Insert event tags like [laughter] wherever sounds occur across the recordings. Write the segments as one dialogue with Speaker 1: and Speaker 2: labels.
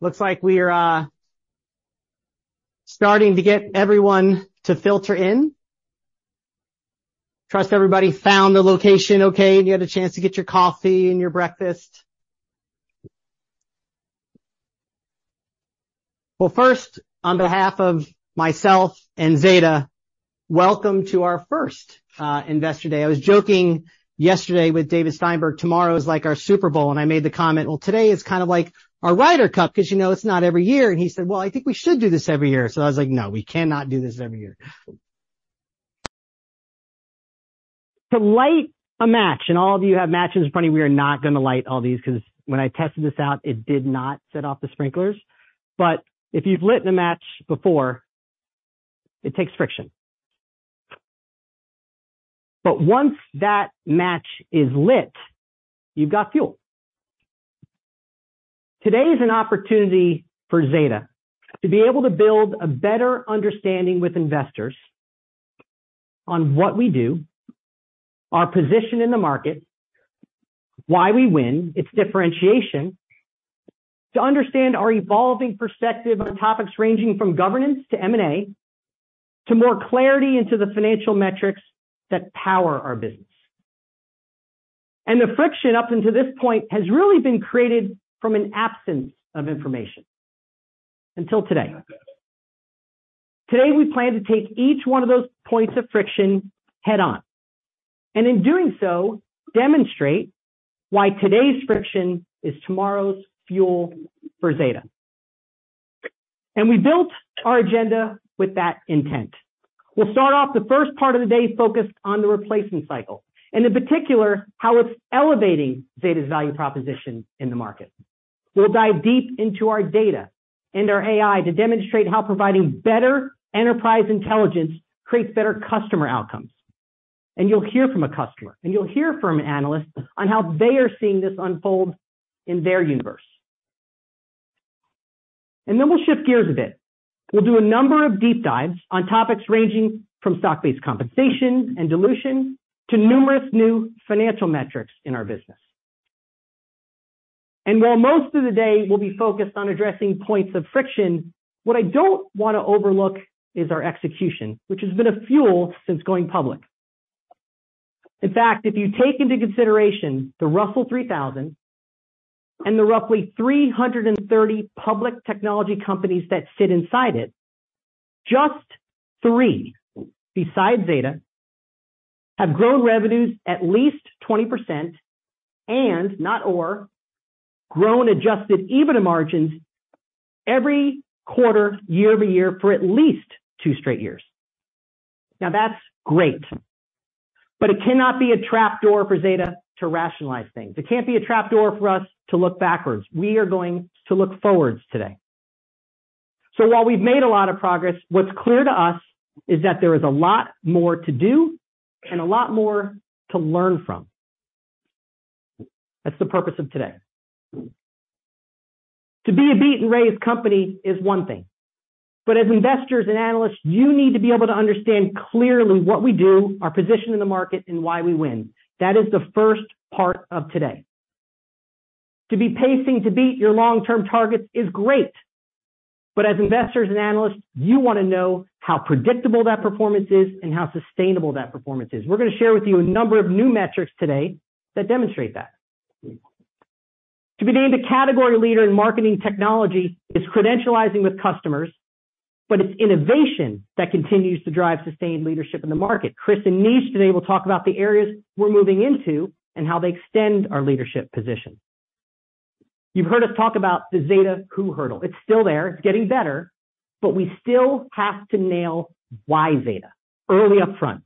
Speaker 1: Looks like we are starting to get everyone to filter in. Trust everybody found the location okay, and you had a chance to get your coffee and your breakfast. Well, first, on behalf of myself and Zeta, welcome to our first investor day. I was joking yesterday with David Steinberg, tomorrow is like our Super Bowl, and I made the comment: "Well, today is kind of like our Ryder Cup, 'cause, you know, it's not every year." And he said, "Well, I think we should do this every year." So I was like, "No, we cannot do this every year." To light a match, and all of you have matches in front of you, we are not gonna light all these, 'cause when I tested this out, it did not set off the sprinklers. But if you've lit a match before, it takes friction. Once that match is lit, you've got fuel. Today is an opportunity for Zeta to be able to build a better understanding with investors on what we do, our position in the market, why we win, its differentiation, to understand our evolving perspective on topics ranging from governance to M&A, to more clarity into the financial metrics that power our business. The friction up until this point has really been created from an absence of information, until today. Today, we plan to take each one of those points of friction head-on, and in doing so, demonstrate why today's friction is tomorrow's fuel for Zeta. We built our agenda with that intent. We'll start off the first part of the day focused on the replacement cycle, and in particular, how it's elevating Zeta's value proposition in the market. We'll dive deep into our data and our AI to demonstrate how providing better enterprise intelligence creates better customer outcomes. You'll hear from a customer, and you'll hear from an analyst on how they are seeing this unfold in their universe. Then we'll shift gears a bit. We'll do a number of deep dives on topics ranging from stock-based compensation and dilution to numerous new financial metrics in our business. While most of the day will be focused on addressing points of friction, what I don't wanna overlook is our execution, which has been a fuel since going public. In fact, if you take into consideration the Russell 3000 and the roughly 330 public technology companies that fit inside it, just three, besides Zeta, have grown revenues at least 20% and, not or, grown adjusted EBITDA margins every quarter, year-over-year, for at least two straight years. Now, that's great, but it cannot be a trapdoor for Zeta to rationalize things. It can't be a trapdoor for us to look backwards. We are going to look forwards today. So while we've made a lot of progress, what's clear to us is that there is a lot more to do and a lot more to learn from. That's the purpose of today. To be a beat and raise company is one thing, but as investors and analysts, you need to be able to understand clearly what we do, our position in the market, and why we win. That is the first part of today. To be pacing to beat your long-term targets is great, but as investors and analysts, you wanna know how predictable that performance is and how sustainable that performance is. We're gonna share with you a number of new metrics today that demonstrate that. To be named a category leader in marketing technology is credentializing with customers, but it's innovation that continues to drive sustained leadership in the market. Chris and Neej today will talk about the areas we're moving into and how they extend our leadership position. You've heard us talk about the Zeta Who hurdle. It's still there, it's getting better, but we still have to nail why Zeta early upfront.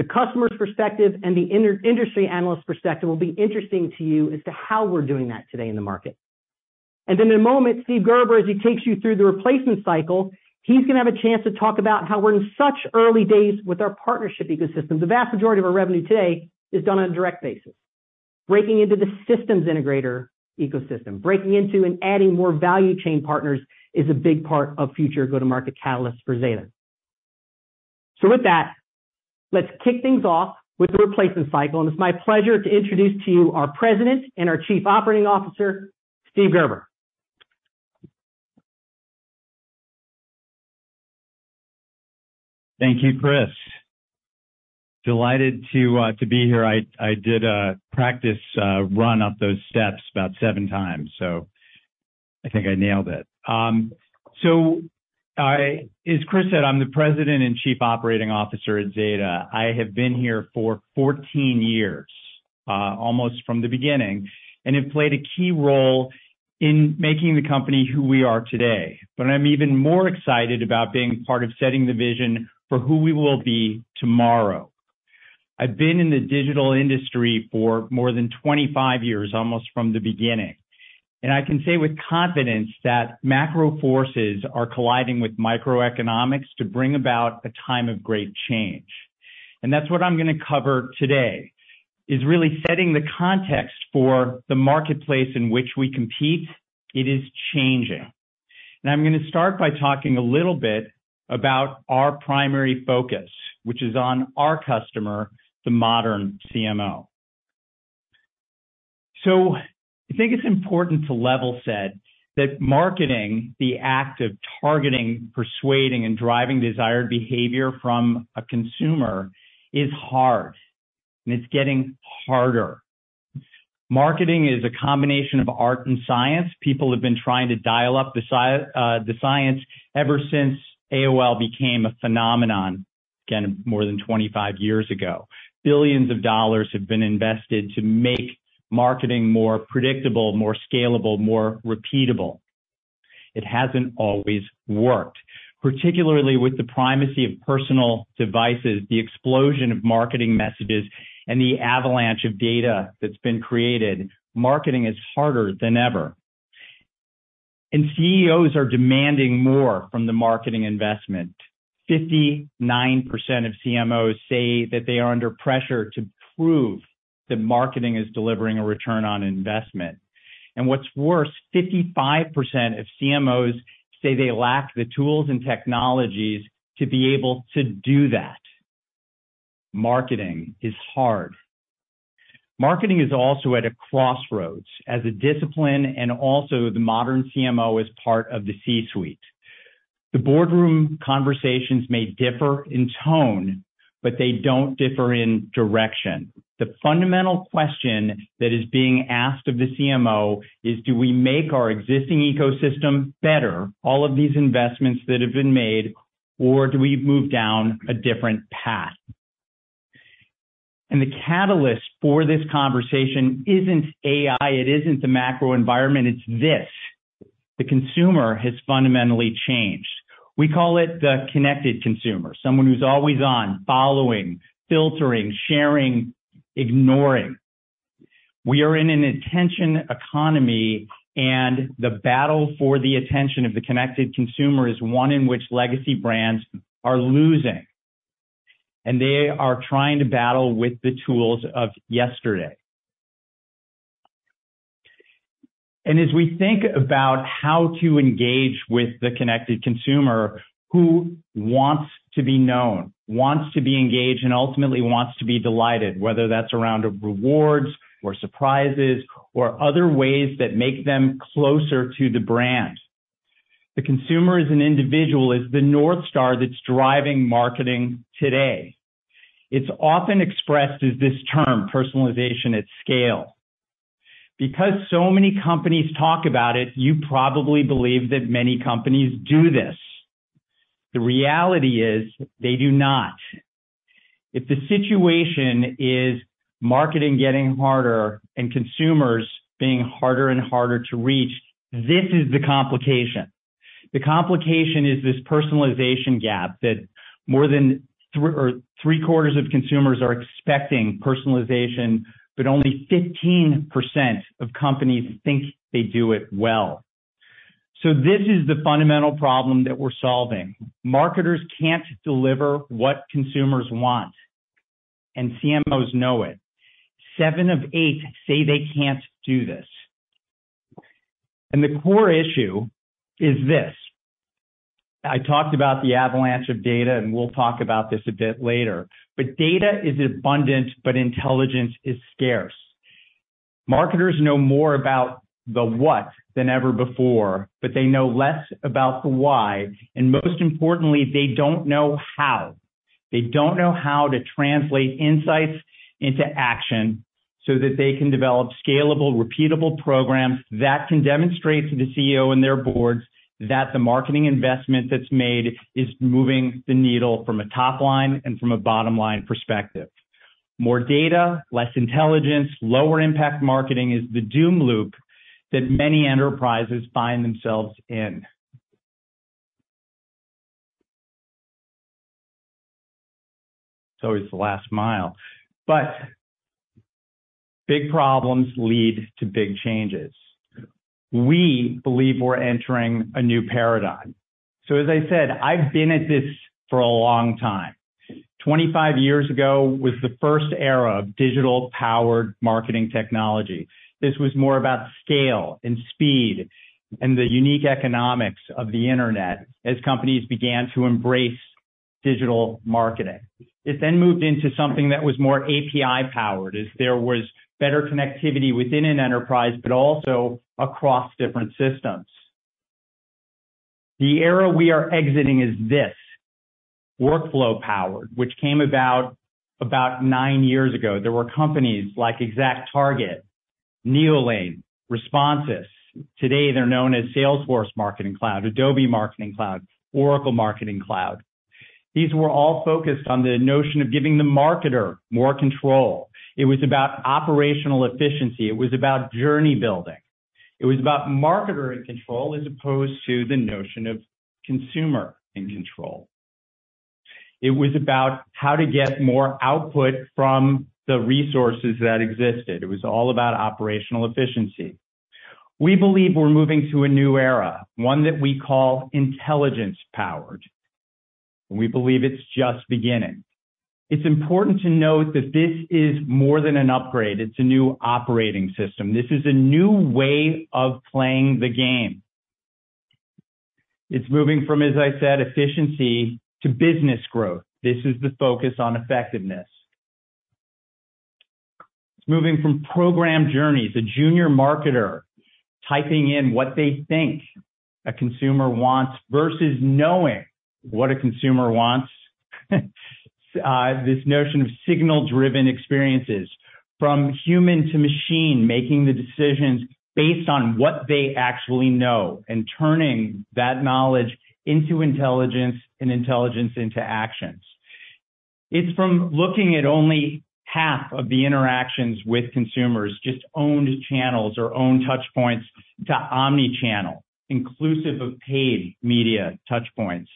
Speaker 1: The customer's perspective and the industry analyst perspective will be interesting to you as to how we're doing that today in the market. And then in a moment, Steve Gerber, as he takes you through the replacement cycle, he's gonna have a chance to talk about how we're in such early days with our partnership ecosystems. The vast majority of our revenue today is done on a direct basis. Breaking into the systems integrator ecosystem, breaking into and adding more value chain partners is a big part of future go-to-market catalyst for Zeta. So with that, let's kick things off with the replacement cycle, and it's my pleasure to introduce to you our President and our Chief Operating Officer, Steve Gerber.
Speaker 2: Thank you, Chris. Delighted to be here. I did a practice run up those steps about 7 times, so I think I nailed it. So I... As Chris said, I'm the President and Chief Operating Officer at Zeta. I have been here for 14 years, almost from the beginning, and have played a key role in making the company who we are today. But I'm even more excited about being part of setting the vision for who we will be tomorrow. I've been in the digital industry for more than 25 years, almost from the beginning, and I can say with confidence that macro forces are colliding with microeconomics to bring about a time of great change. And that's what I'm gonna cover today, is really setting the context for the marketplace in which we compete. It is changing. I'm gonna start by talking a little bit about our primary focus, which is on our customer, the modern CMO. So I think it's important to level set, that marketing, the act of targeting, persuading, and driving desired behavior from a consumer, is hard, and it's getting harder. Marketing is a combination of art and science. People have been trying to dial up the science ever since AOL became a phenomenon, again, more than 25 years ago. Billions of dollars have been invested to make marketing more predictable, more scalable, more repeatable. It hasn't always worked, particularly with the primacy of personal devices, the explosion of marketing messages, and the avalanche of data that's been created. Marketing is harder than ever, and CEOs are demanding more from the marketing investment. 59% of CMOs say that they are under pressure to prove that marketing is delivering a return on investment. What's worse, 55% of CMOs say they lack the tools and technologies to be able to do that. Marketing is hard. Marketing is also at a crossroads as a discipline, and also the modern CMO is part of the C-suite. The boardroom conversations may differ in tone, but they don't differ in direction. The fundamental question that is being asked of the CMO is: Do we make our existing ecosystem better, all of these investments that have been made, or do we move down a different path? The catalyst for this conversation isn't AI, it isn't the macro environment, it's this. The consumer has fundamentally changed. We call it the connected consumer. Someone who's always on, following, filtering, sharing, ignoring. We are in an attention economy, and the battle for the attention of the connected consumer is one in which legacy brands are losing, and they are trying to battle with the tools of yesterday. As we think about how to engage with the connected consumer, who wants to be known, wants to be engaged, and ultimately wants to be delighted, whether that's around rewards or surprises or other ways that make them closer to the brand. The consumer as an individual is the North Star that's driving marketing today. It's often expressed as this term, personalization at scale. Because so many companies talk about it, you probably believe that many companies do this. The reality is they do not. If the situation is marketing getting harder and consumers being harder and harder to reach, this is the complication. The complication is this personalization gap, that more than 3/4 of consumers are expecting personalization, but only 15% of companies think they do it well. This is the fundamental problem that we're solving. Marketers can't deliver what consumers want, and CMOs know it. Seven of eight say they can't do this, and the core issue is this. I talked about the avalanche of data, and we'll talk about this a bit later. But data is abundant, but intelligence is scarce. Marketers know more about the what than ever before, but they know less about the why, and most importantly, they don't know how. They don't know how to translate insights into action so that they can develop scalable, repeatable programs that can demonstrate to the CEO and their boards that the marketing investment that's made is moving the needle from a top-line and from a bottom-line perspective. More data, less intelligence, lower impact marketing is the doom loop that many enterprises find themselves in. It's always the last mile. But big problems lead to big changes. We believe we're entering a new paradigm. So as I said, I've been at this for a long time. 25 years ago was the first era of digital-powered marketing technology. This was more about scale and speed and the unique economics of the internet, as companies began to embrace digital marketing. It then moved into something that was more API-powered, as there was better connectivity within an enterprise, but also across different systems. The era we are exiting is this, workflow-powered, which came about, about nine years ago. There were companies like ExactTarget, Neolane, Responsys. Today they're known as Salesforce Marketing Cloud, Adobe Marketing Cloud, Oracle Marketing Cloud. These were all focused on the notion of giving the marketer more control. It was about operational efficiency. It was about journey building. It was about marketer in control, as opposed to the notion of consumer in control. It was about how to get more output from the resources that existed. It was all about operational efficiency. We believe we're moving to a new era, one that we call intelligence-powered.... We believe it's just beginning. It's important to note that this is more than an upgrade, it's a new operating system. This is a new way of playing the game. It's moving from, as I said, efficiency to business growth. This is the focus on effectiveness. It's moving from program journeys, a junior marketer typing in what they think a consumer wants, versus knowing what a consumer wants. This notion of signal-driven experiences, from human to machine, making the decisions based on what they actually know, and turning that knowledge into intelligence, and intelligence into actions. It's from looking at only half of the interactions with consumers, just owned channels or owned touch points, to omni-channel, inclusive of paid media touch points.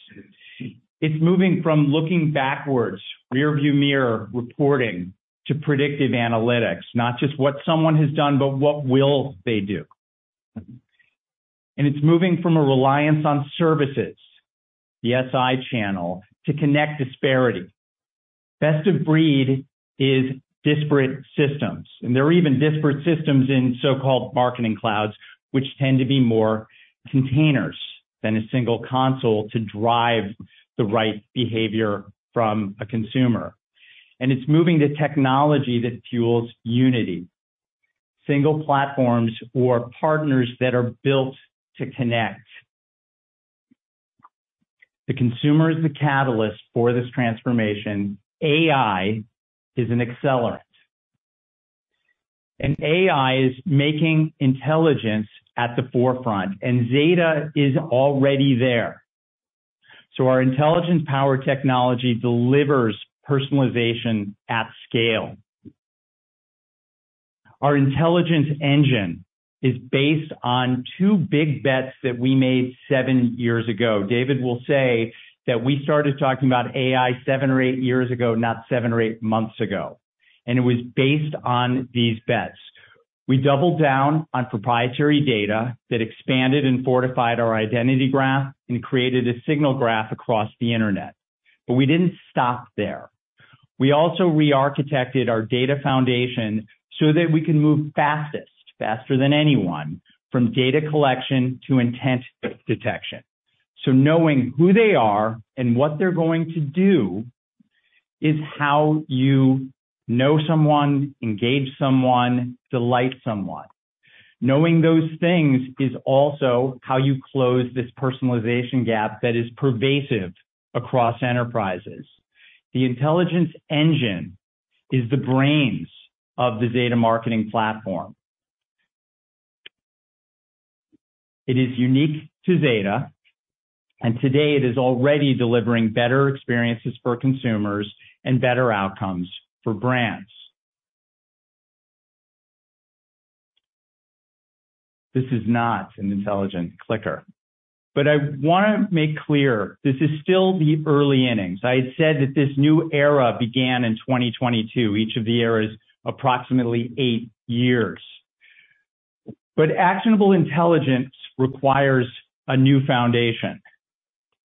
Speaker 2: It's moving from looking backwards, rearview mirror reporting, to predictive analytics, not just what someone has done, but what will they do? It's moving from a reliance on services, the SI channel, to connect disparity. Best of breed is disparate systems, and there are even disparate systems in so-called marketing clouds, which tend to be more containers than a single console to drive the right behavior from a consumer. And it's moving to technology that fuels unity, single platforms or partners that are built to connect. The consumer is the catalyst for this transformation. AI is an accelerant, and AI is making intelligence at the forefront, and Zeta is already there. So our intelligence power technology delivers personalization at scale. Our intelligence engine is based on two big bets that we made seven years ago. David will say that we started talking about AI seven or eight years ago, not seven or eight months ago, and it was based on these bets. We doubled down on proprietary data that expanded and fortified our Identity Graph and created a signal graph across the internet. But we didn't stop there. We also rearchitected our data foundation so that we can move fastest, faster than anyone, from data collection to intent detection. So knowing who they are and what they're going to do, is how you know someone, engage someone, delight someone. Knowing those things is also how you close this personalization gap that is pervasive across enterprises. The intelligence engine is the brains of the Zeta Marketing Platform. It is unique to Zeta, and today it is already delivering better experiences for consumers and better outcomes for brands. This is not an intelligent clicker. But I wanna make clear, this is still the early innings. I had said that this new era began in 2022. Each of the eras, approximately eight years. But actionable intelligence requires a new foundation.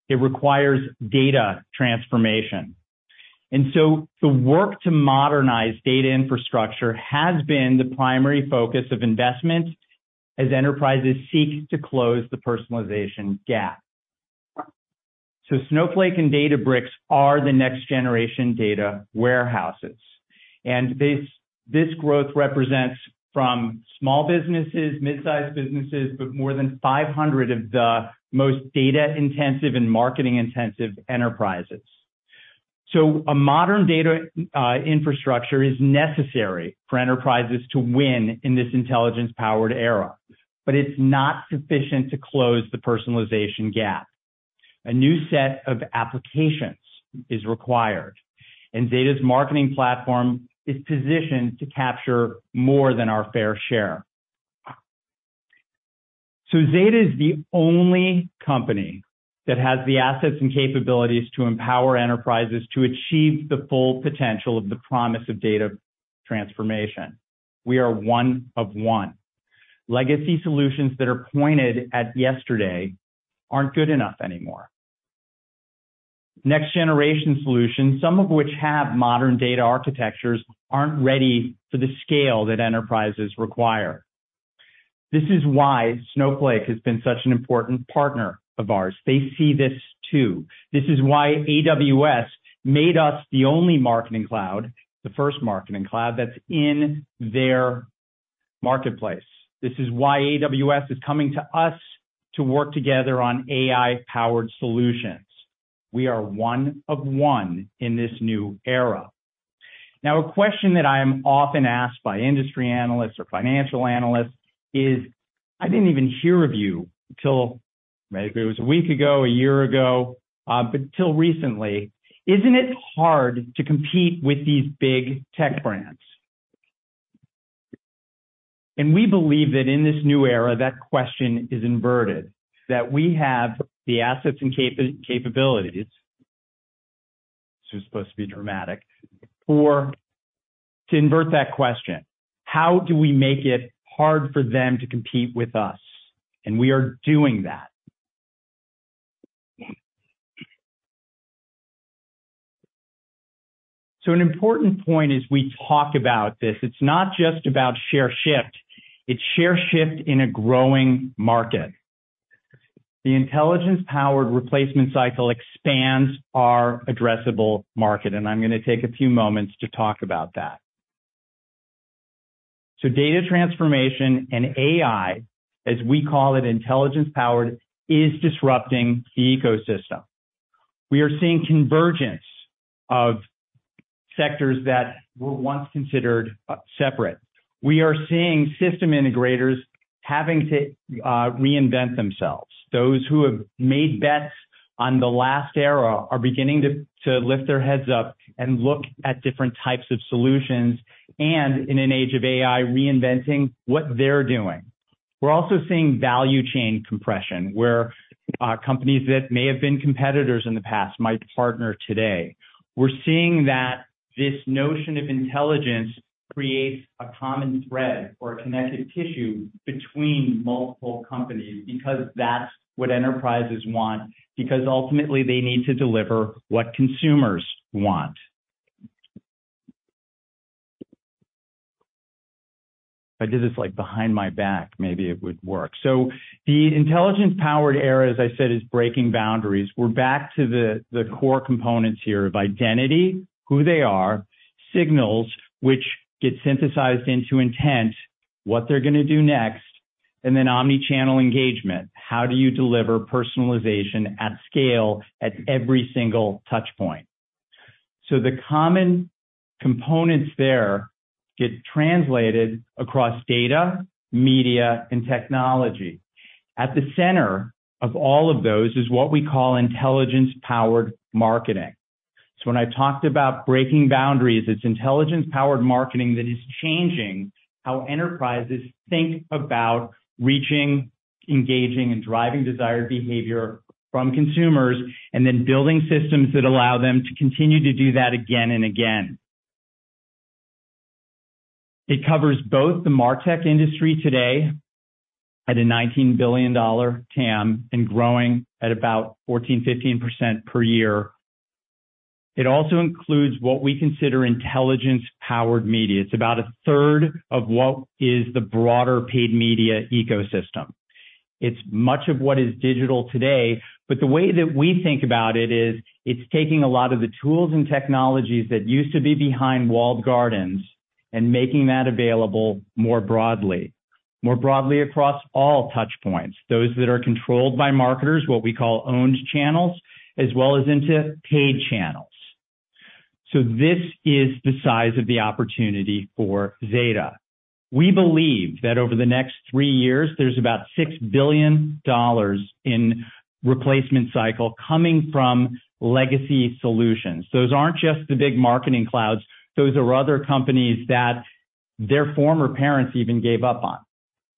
Speaker 2: It requires data transformation, and so the work to modernize data infrastructure has been the primary focus of investment as enterprises seek to close the personalization gap. So Snowflake and Databricks are the next generation data warehouses, and this, this growth represents from small businesses, mid-sized businesses, but more than 500 of the most data-intensive and marketing-intensive enterprises. So a modern data infrastructure is necessary for enterprises to win in this intelligence-powered era, but it's not sufficient to close the personalization gap. A new set of applications is required, and Zeta's marketing platform is positioned to capture more than our fair share. So Zeta is the only company that has the assets and capabilities to empower enterprises to achieve the full potential of the promise of data transformation. We are one of one. Legacy solutions that are pointed at yesterday aren't good enough anymore. Next generation solutions, some of which have modern data architectures, aren't ready for the scale that enterprises require. This is why Snowflake has been such an important partner of ours. They see this too. This is why AWS made us the only marketing cloud, the first marketing cloud, that's in their marketplace. This is why AWS is coming to us to work together on AI-powered solutions. We are one of one in this new era. Now, a question that I am often asked by industry analysts or financial analysts is: I didn't even hear of you until, maybe it was a week ago, a year ago, but till recently, isn't it hard to compete with these big tech brands? And we believe that in this new era, that question is inverted, that we have the assets and capabilities. This was supposed to be dramatic. Or to invert that question, how do we make it hard for them to compete with us? And we are doing that. So an important point as we talk about this, it's not just about share shift, it's share shift in a growing market. The intelligence-powered replacement cycle expands our addressable market, and I'm going to take a few moments to talk about that. So data transformation and AI, as we call it, intelligence-powered, is disrupting the ecosystem. We are seeing convergence of sectors that were once considered separate. We are seeing system integrators having to reinvent themselves. Those who have made bets on the last era are beginning to lift their heads up and look at different types of solutions, and in an age of AI, reinventing what they're doing. We're also seeing value chain compression, where companies that may have been competitors in the past might partner today. We're seeing that this notion of intelligence creates a common thread or a connective tissue between multiple companies, because that's what enterprises want, because ultimately they need to deliver what consumers want. If I did this, like, behind my back, maybe it would work. So the intelligence-powered era, as I said, is breaking boundaries. We're back to the core components here of identity, who they are. Signals, which get synthesized into intent, what they're going to do next. And then omni-channel engagement, how do you deliver personalization at scale at every single touch point? So the common components there get translated across data, media, and technology. At the center of all of those is what we call intelligence-powered marketing. So when I talked about breaking boundaries, it's intelligence-powered marketing that is changing how enterprises think about reaching, engaging, and driving desired behavior from consumers, and then building systems that allow them to continue to do that again and again. It covers both the MarTech industry today, at a $19 billion TAM and growing at about 14%-15% per year. It also includes what we consider intelligence-powered media. It's about a third of what is the broader paid media ecosystem. It's much of what is digital today, but the way that we think about it is, it's taking a lot of the tools and technologies that used to be behind walled gardens and making that available more broadly, more broadly across all touch points, those that are controlled by marketers, what we call owned channels, as well as into paid channels. So this is the size of the opportunity for Zeta. We believe that over the next three years, there's about $6 billion in replacement cycle coming from legacy solutions. Those aren't just the big marketing clouds, those are other companies that their former parents even gave up on.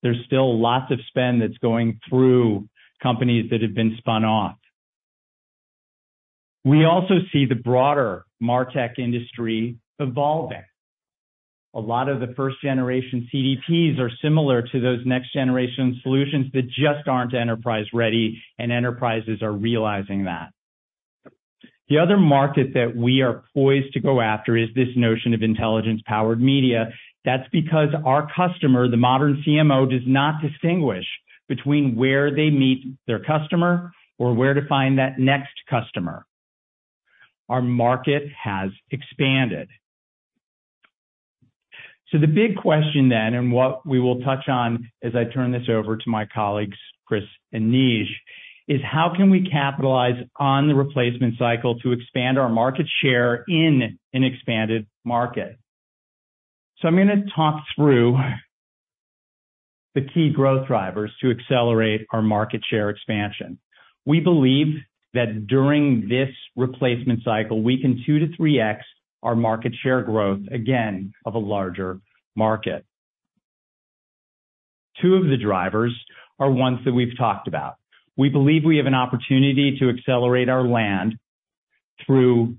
Speaker 2: There's still lots of spend that's going through companies that have been spun off. We also see the broader MarTech industry evolving. A lot of the first generation CDPs are similar to those next generation solutions that just aren't enterprise ready, and enterprises are realizing that. The other market that we are poised to go after is this notion of intelligence-powered media. That's because our customer, the modern CMO, does not distinguish between where they meet their customer or where to find that next customer. Our market has expanded. So the big question then, and what we will touch on as I turn this over to my colleagues, Chris and Nij, is how can we capitalize on the replacement cycle to expand our market share in an expanded market? So I'm going to talk through the key growth drivers to accelerate our market share expansion. We believe that during this replacement cycle, we can 2x-3x our market share growth, again, of a larger market. Two of the drivers are ones that we've talked about. We believe we have an opportunity to accelerate our land through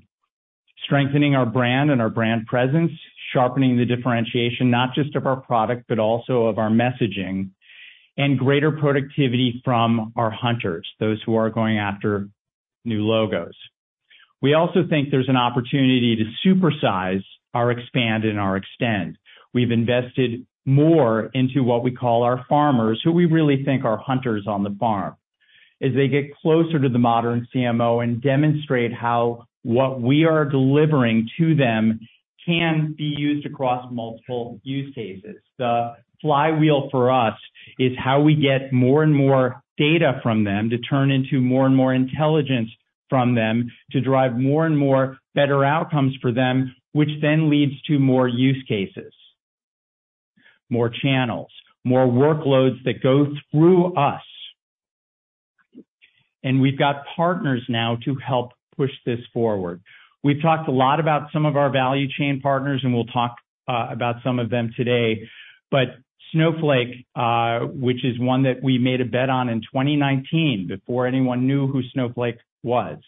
Speaker 2: strengthening our brand and our brand presence, sharpening the differentiation, not just of our product, but also of our messaging, and greater productivity from our hunters, those who are going after new logos. We also think there's an opportunity to supersize our expand and our extend. We've invested more into what we call our farmers, who we really think are hunters on the farm, as they get closer to the modern CMO and demonstrate how what we are delivering to them can be used across multiple use cases. The flywheel for us is how we get more and more data from them, to turn into more and more intelligence from them, to drive more and more better outcomes for them, which then leads to more use cases, more channels, more workloads that go through us. And we've got partners now to help push this forward. We've talked a lot about some of our value chain partners, and we'll talk about some of them today. But Snowflake, which is one that we made a bet on in 2019 before anyone knew who Snowflake was.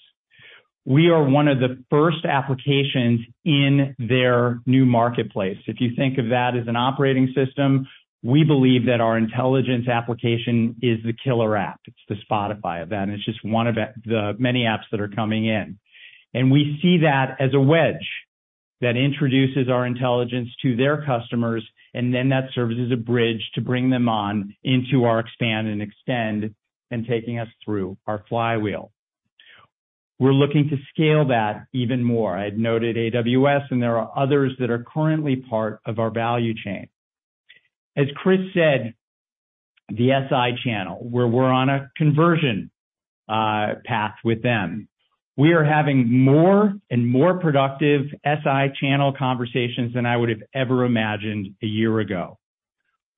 Speaker 2: We are one of the first applications in their new marketplace. If you think of that as an operating system, we believe that our intelligence application is the killer app. It's the Spotify of that, and it's just one of the, the many apps that are coming in. And we see that as a wedge that introduces our intelligence to their customers, and then that serves as a bridge to bring them on into our expand and extend, and taking us through our flywheel. We're looking to scale that even more. I had noted AWS, and there are others that are currently part of our value chain. As Chris said, the SI channel, where we're on a conversion path with them, we are having more and more productive SI channel conversations than I would have ever imagined a year ago.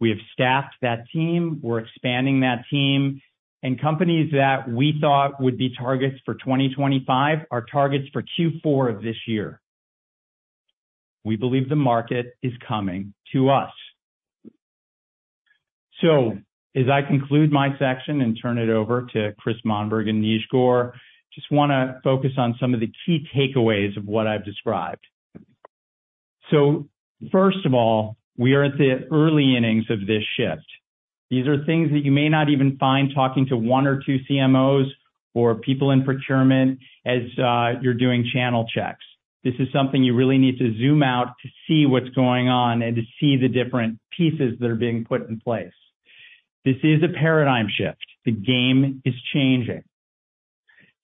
Speaker 2: We have staffed that team, we're expanding that team, and companies that we thought would be targets for 2025 are targets for Q4 of this year. We believe the market is coming to us. So as I conclude my section and turn it over to Christian Monberg and Neej Gore, just wanna focus on some of the key takeaways of what I've described. So first of all, we are at the early innings of this shift. These are things that you may not even find talking to one or two CMOs or people in procurement as you're doing channel checks. This is something you really need to zoom out to see what's going on and to see the different pieces that are being put in place. This is a paradigm shift. The game is changing.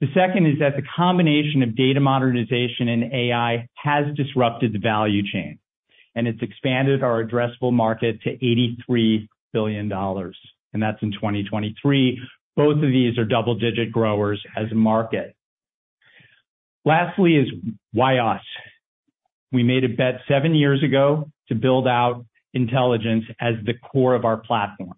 Speaker 2: The second is that the combination of data modernization and AI has disrupted the value chain, and it's expanded our addressable market to $83 billion, and that's in 2023. Both of these are double-digit growers as a market. Lastly is, why us? We made a bet seven years ago to build out intelligence as the core of our platform,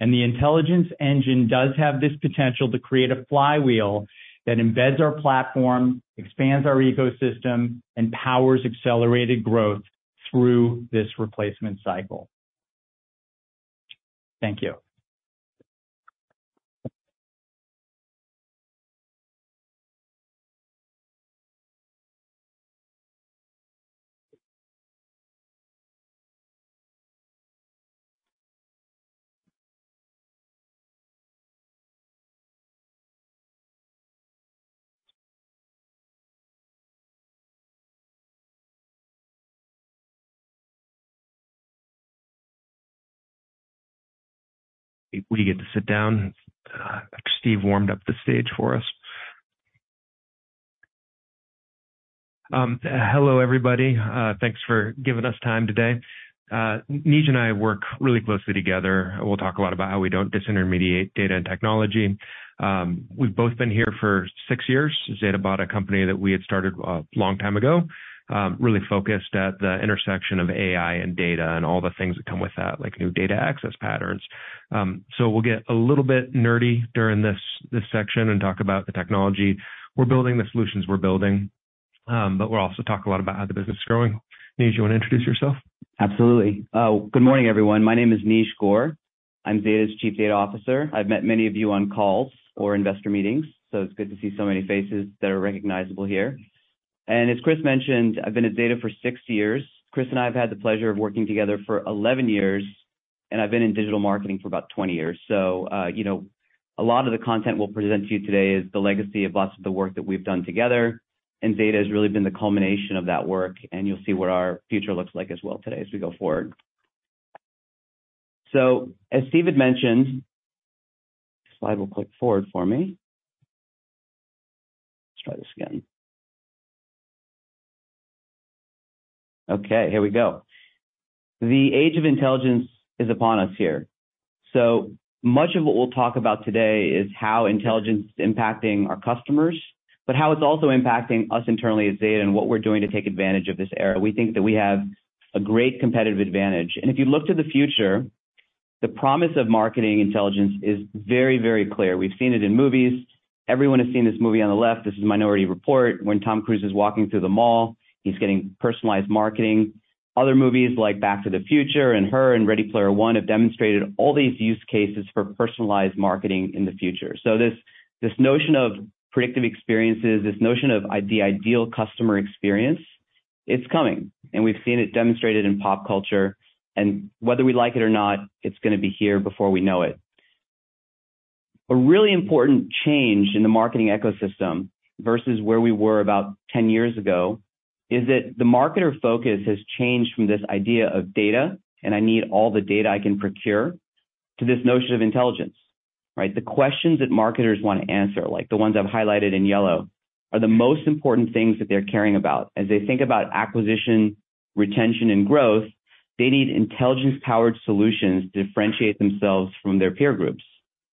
Speaker 2: and the intelligence engine does have this potential to create a flywheel that embeds our platform, expands our ecosystem, and powers accelerated growth through this replacement cycle. Thank you.
Speaker 3: We get to sit down. Steve warmed up the stage for us. Hello, everybody. Thanks for giving us time today. Neej and I work really closely together. We'll talk a lot about how we don't disintermediate data and technology. We've both been here for six years. Zeta bought a company that we had started a long time ago, really focused at the intersection of AI and data, and all the things that come with that, like new data access patterns. So we'll get a little bit nerdy during this, this section and talk about the technology we're building, the solutions we're building, but we'll also talk a lot about how the business is growing. Neej, you want to introduce yourself?
Speaker 4: Absolutely. Good morning, everyone. My name is Neej Gore. I'm Zeta's Chief Data Officer. I've met many of you on calls or investor meetings, so it's good to see so many faces that are recognizable here. And as Chris mentioned, I've been at Zeta for six years. Chris and I have had the pleasure of working together for 11 years, and I've been in digital marketing for about 20 years. So, you know, a lot of the content we'll present to you today is the legacy of lots of the work that we've done together, and Zeta has really been the culmination of that work, and you'll see what our future looks like as well today as we go forward. So, as Steve had mentioned... If the slide will click forward for me. Let's try this again. Okay, here we go. The age of intelligence is upon us here. So much of what we'll talk about today is how intelligence is impacting our customers, but how it's also impacting us internally at Zeta and what we're doing to take advantage of this era. We think that we have a great competitive advantage. If you look to the future, the promise of marketing intelligence is very, very clear. We've seen it in movies. Everyone has seen this movie on the left. This is Minority Report. When Tom Cruise is walking through the mall, he's getting personalized marketing. Other movies, like Back to the Future and Her, and Ready Player One, have demonstrated all these use cases for personalized marketing in the future. So this, this notion of predictive experiences, this notion of the ideal customer experience, it's coming, and we've seen it demonstrated in pop culture, and whether we like it or not, it's gonna be here before we know it. A really important change in the marketing ecosystem versus where we were about ten years ago, is that the marketer focus has changed from this idea of data, and I need all the data I can procure, to this notion of intelligence, right? The questions that marketers want to answer, like the ones I've highlighted in yellow, are the most important things that they're caring about. As they think about acquisition, retention, and growth, they need intelligence-powered solutions to differentiate themselves from their peer groups.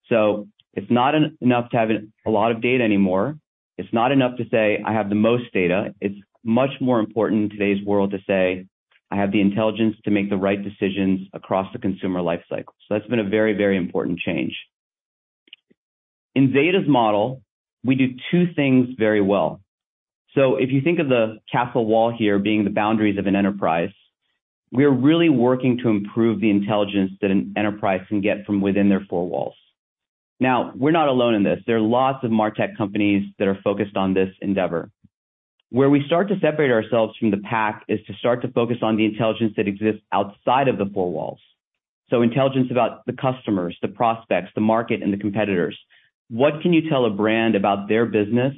Speaker 4: So it's not enough to have a lot of data anymore. It's not enough to say, "I have the most data." It's much more important in today's world to say, "I have the intelligence to make the right decisions across the consumer lifecycle." So that's been a very, very important change. In Zeta's model, we do two things very well. So if you think of the castle wall here being the boundaries of an enterprise. We are really working to improve the intelligence that an enterprise can get from within their four walls. Now, we're not alone in this. There are lots of MarTech companies that are focused on this endeavor. Where we start to separate ourselves from the pack is to start to focus on the intelligence that exists outside of the four walls. So intelligence about the customers, the prospects, the market, and the competitors. What can you tell a brand about their business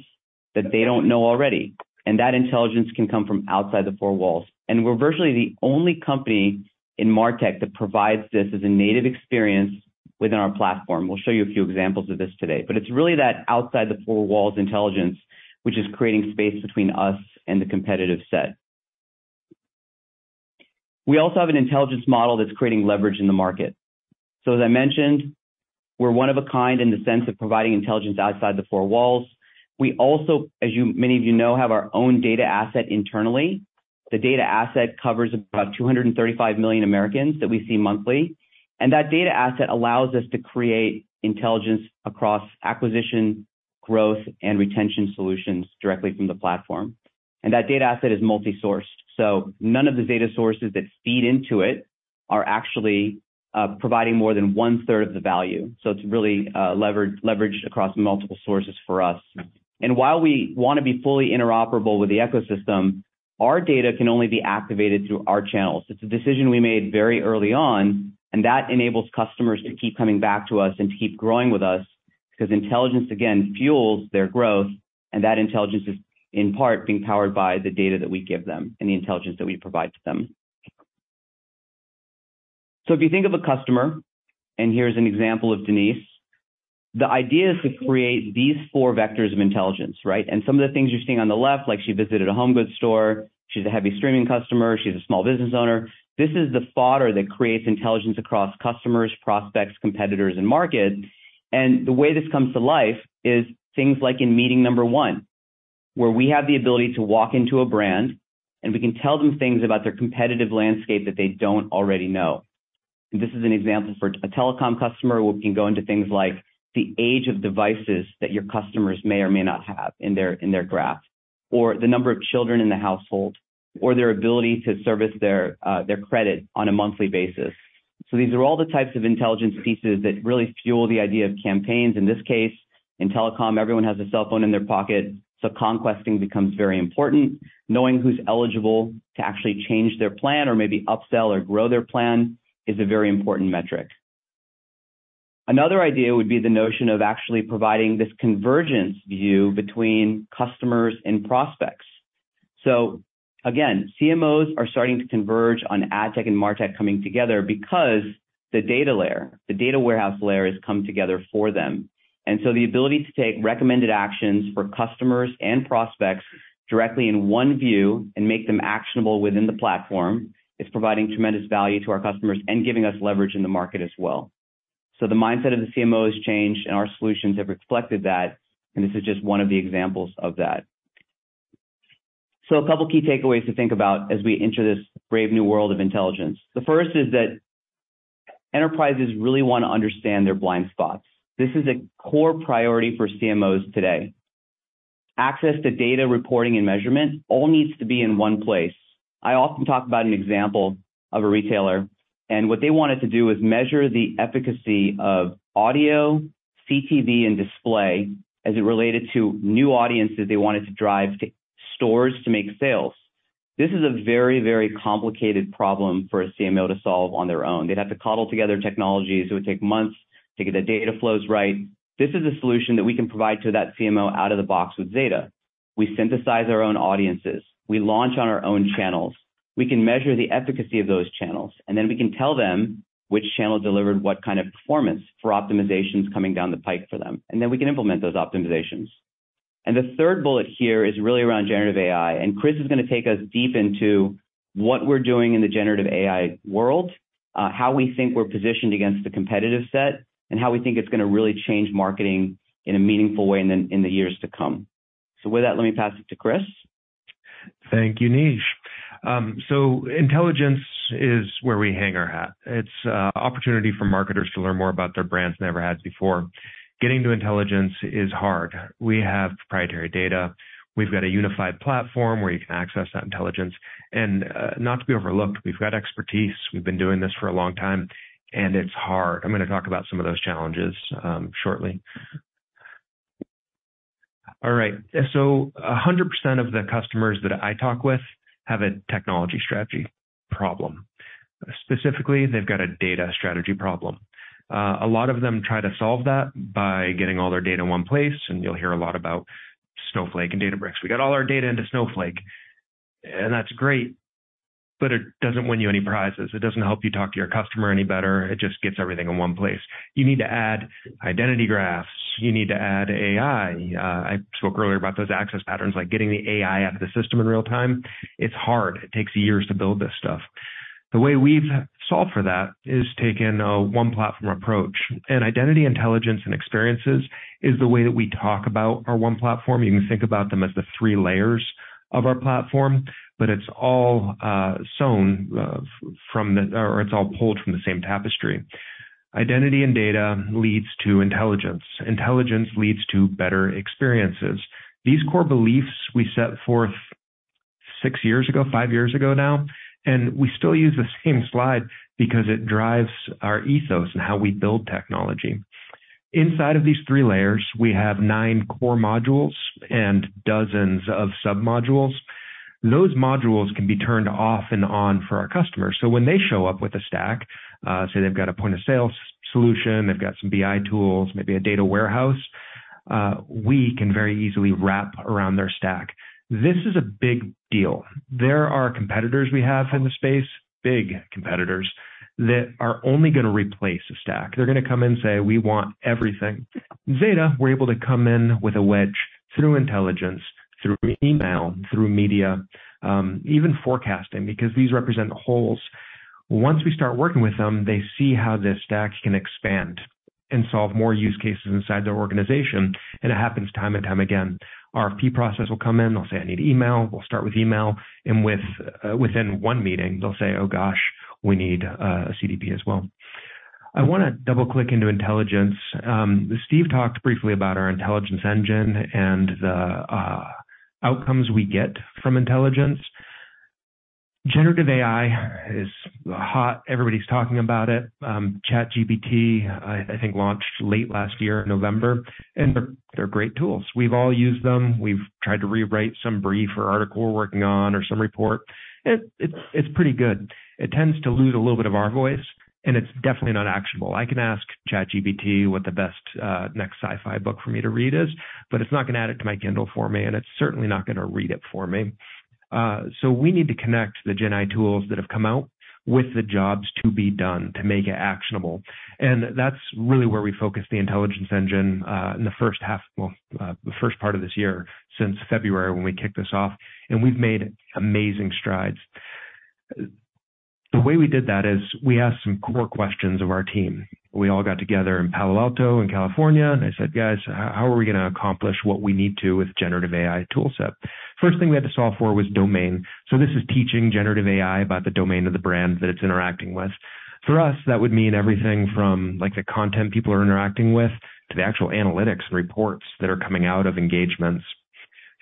Speaker 4: that they don't know already? That intelligence can come from outside the four walls, and we're virtually the only company in MarTech that provides this as a native experience within our platform. We'll show you a few examples of this today, but it's really that outside the four walls intelligence, which is creating space between us and the competitive set. We also have an intelligence model that's creating leverage in the market. So as I mentioned, we're one of a kind in the sense of providing intelligence outside the four walls. We also, as you, many of you know, have our own data asset internally. The data asset covers about 235 million Americans that we see monthly, and that data asset allows us to create intelligence across acquisition, growth, and retention solutions directly from the platform. And that data asset is multi-sourced, so none of the data sources that feed into it are actually providing more than one-third of the value. So it's really leverage, leveraged across multiple sources for us. And while we want to be fully interoperable with the ecosystem, our data can only be activated through our channels. It's a decision we made very early on, and that enables customers to keep coming back to us and to keep growing with us, because intelligence, again, fuels their growth, and that intelligence is, in part, being powered by the data that we give them and the intelligence that we provide to them. So if you think of a customer, and here's an example of Denise, the idea is to create these four vectors of intelligence, right? Some of the things you're seeing on the left, like she visited a home goods store, she's a heavy streaming customer, she's a small business owner. This is the fodder that creates intelligence across customers, prospects, competitors, and market. The way this comes to life is things like in meeting number one, where we have the ability to walk into a brand, and we can tell them things about their competitive landscape that they don't already know. This is an example for a telecom customer. We can go into things like the age of devices that your customers may or may not have in their graph, or the number of children in the household, or their ability to service their credit on a monthly basis. So these are all the types of intelligence pieces that really fuel the idea of campaigns. In this case, in telecom, everyone has a cell phone in their pocket, so conquesting becomes very important. Knowing who's eligible to actually change their plan or maybe upsell or grow their plan is a very important metric. Another idea would be the notion of actually providing this convergence view between customers and prospects. So again, CMOs are starting to converge on AdTech and MarTech coming together because the data layer, the data warehouse layer, has come together for them. And so the ability to take recommended actions for customers and prospects directly in one view and make them actionable within the platform, is providing tremendous value to our customers and giving us leverage in the market as well. So the mindset of the CMO has changed, and our solutions have reflected that, and this is just one of the examples of that. So a couple of key takeaways to think about as we enter this brave new world of intelligence. The first is that enterprises really want to understand their blind spots. This is a core priority for CMOs today. Access to data reporting and measurement all needs to be in one place. I often talk about an example of a retailer, and what they wanted to do was measure the efficacy of audio, CTV, and display as it related to new audiences they wanted to drive to stores to make sales. This is a very, very complicated problem for a CMO to solve on their own. They'd have to cobble together technologies. It would take months to get the data flows right. This is a solution that we can provide to that CMO out of the box with data. We synthesize our own audiences. We launch on our own channels. We can measure the efficacy of those channels, and then we can tell them which channel delivered what kind of performance for optimizations coming down the pike for them, and then we can implement those optimizations. The third bullet here is really around generative AI, and Chris is going to take us deep into what we're doing in the generative AI world, how we think we're positioned against the competitive set, and how we think it's going to really change marketing in a meaningful way in the, in the years to come. With that, let me pass it to Chris.
Speaker 3: Thank you, Neej. So intelligence is where we hang our hat. It's opportunity for marketers to learn more about their brands than they ever had before. Getting to intelligence is hard. We have proprietary data. We've got a unified platform where you can access that intelligence. And not to be overlooked, we've got expertise. We've been doing this for a long time, and it's hard. I'm going to talk about some of those challenges shortly. All right, so 100% of the customers that I talk with have a technology strategy problem. Specifically, they've got a data strategy problem. A lot of them try to solve that by getting all their data in one place, and you'll hear a lot about Snowflake and Databricks. "We got all our data into Snowflake," and that's great, but it doesn't win you any prizes. It doesn't help you talk to your customer any better. It just gets everything in one place. You need to add Identity Graph. You need to add AI. I spoke earlier about those access patterns, like getting the AI out of the system in real time. It's hard. It takes years to build this stuff. The way we've solved for that is taking a one-platform approach, and identity, intelligence, and experiences is the way that we talk about our one platform. You can think about them as the three layers of our platform, but it's all sewn from the... or it's all pulled from the same tapestry.... Identity and data leads to intelligence. Intelligence leads to better experiences. These core beliefs we set forth six years ago, five years ago now, and we still use the same slide because it drives our ethos and how we build technology. Inside of these three layers, we have nine core modules and dozens of submodules. Those modules can be turned off and on for our customers. So when they show up with a stack, say they've got a point-of-sale solution, they've got some BI tools, maybe a data warehouse, we can very easily wrap around their stack. This is a big deal. There are competitors we have in the space, big competitors, that are only gonna replace a stack. They're gonna come in and say, "We want everything." Zeta, we're able to come in with a wedge through intelligence, through email, through media, even forecasting, because these represent holes. Once we start working with them, they see how their stacks can expand and solve more use cases inside their organization, and it happens time and time again. RFP process will come in. They'll say, "I need email." We'll start with email, and within one meeting, they'll say, "Oh, gosh, we need a CDP as well." I wanna double-click into intelligence. Steve talked briefly about our intelligence engine and the outcomes we get from intelligence. Generative AI is hot. Everybody's talking about it. ChatGPT, I think, launched late last year in November, and they're great tools. We've all used them. We've tried to rewrite some brief or article we're working on or some report. It's pretty good. It tends to lose a little bit of our voice, and it's definitely not actionable. I can ask ChatGPT what the best next sci-fi book for me to read is, but it's not gonna add it to my Kindle for me, and it's certainly not gonna read it for me. So we need to connect the GenAI tools that have come out with the jobs to be done to make it actionable, and that's really where we focus the intelligence engine in the first half, well, the first part of this year since February, when we kicked this off, and we've made amazing strides. The way we did that is we asked some core questions of our team. We all got together in Palo Alto in California, and I said, "Guys, how are we gonna accomplish what we need to with generative AI toolset?" First thing we had to solve for was domain. So this is teaching generative AI about the domain of the brand that it's interacting with. For us, that would mean everything from, like, the content people are interacting with to the actual analytics and reports that are coming out of engagements.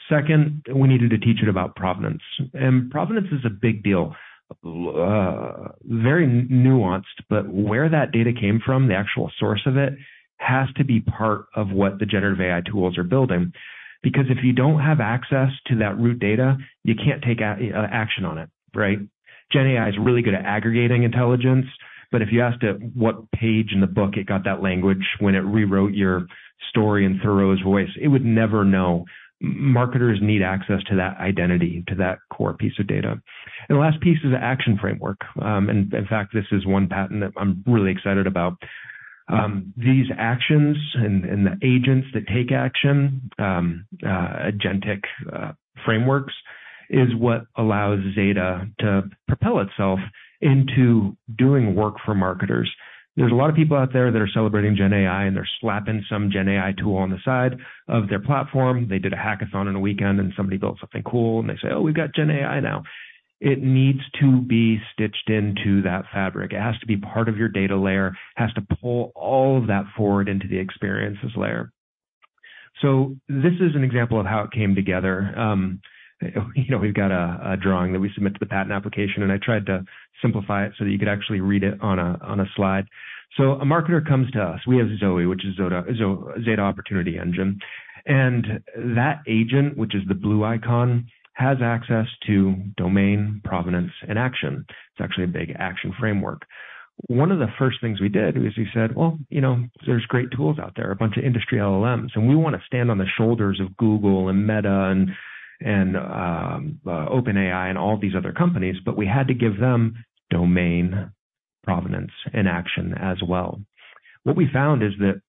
Speaker 3: Second, we needed to teach it about provenance, and provenance is a big deal. Very nuanced, but where that data came from, the actual source of it, has to be part of what the generative AI tools are building. Because if you don't have access to that root data, you can't take a action on it, right? GenAI is really good at aggregating intelligence, but if you asked it what page in the book it got that language when it rewrote your story in Thoreau's voice, it would never know. Marketers need access to that identity, to that core piece of data. And the last piece is the action framework. In fact, this is one patent that I'm really excited about. These actions and the agents that take action, agentic frameworks, is what allows Zeta to propel itself into doing work for marketers. There's a lot of people out there that are celebrating GenAI, and they're slapping some GenAI tool on the side of their platform. They did a hackathon on a weekend, and somebody built something cool, and they say, "Oh, we've got GenAI now." It needs to be stitched into that fabric. It has to be part of your data layer. It has to pull all of that forward into the experiences layer. So this is an example of how it came together. You know, we've got a drawing that we submit to the patent application, and I tried to simplify it so that you could actually read it on a slide. So a marketer comes to us. We have ZOE, which is Zeta Opportunity Engine, and that agent, which is the blue icon, has access to domain, provenance, and action. It's actually a big action framework. One of the first things we did was we said, "Well, you know, there's great tools out there, a bunch of industry LLMs," and we want to stand on the shoulders of Google and Meta and OpenAI and all these other companies, but we had to give them domain, provenance, and action as well. What we found is that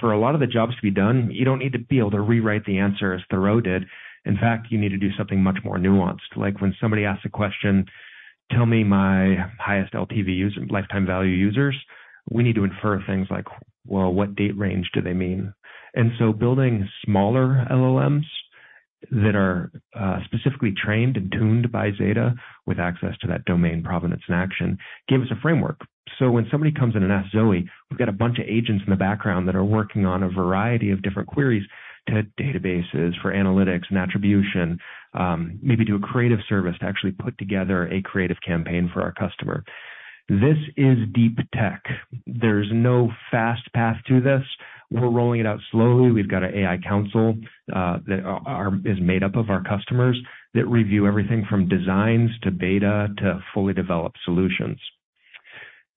Speaker 3: for a lot of the jobs to be done, you don't need to be able to rewrite the answer as Thoreau did. In fact, you need to do something much more nuanced. Like when somebody asks a question, "Tell me my highest LTV user, lifetime value users," we need to infer things like, well, what date range do they mean? And so building smaller LLMs that are specifically trained and tuned by Zeta with access to that domain, provenance, and action, gave us a framework. So when somebody comes in and asks ZOE, we've got a bunch of agents in the background that are working on a variety of different queries to databases for analytics and attribution, maybe do a creative service to actually put together a creative campaign for our customer. This is deep tech. There's no fast path to this. We're rolling it out slowly. We've got an AI council that is made up of our customers that review everything from designs to beta to fully developed solutions.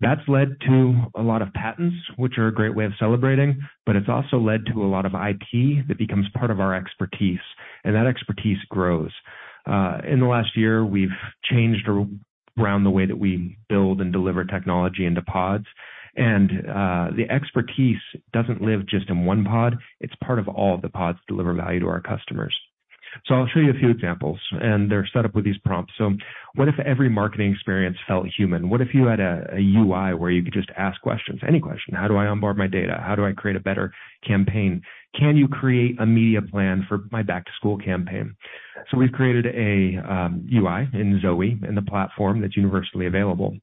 Speaker 3: That's led to a lot of patents, which are a great way of celebrating, but it's also led to a lot of IP that becomes part of our expertise, and that expertise grows. In the last year, we've changed around the way that we build and deliver technology into pods, and the expertise doesn't live just in one pod. It's part of all the pods that deliver value to our customers. So I'll show you a few examples, and they're set up with these prompts. So what if every marketing experience felt human? What if you had a UI where you could just ask questions, any question? How do I onboard my data? How do I create a better campaign? Can you create a media plan for my back-to-school campaign? So we've created a UI in ZOE, in the platform that's universally available.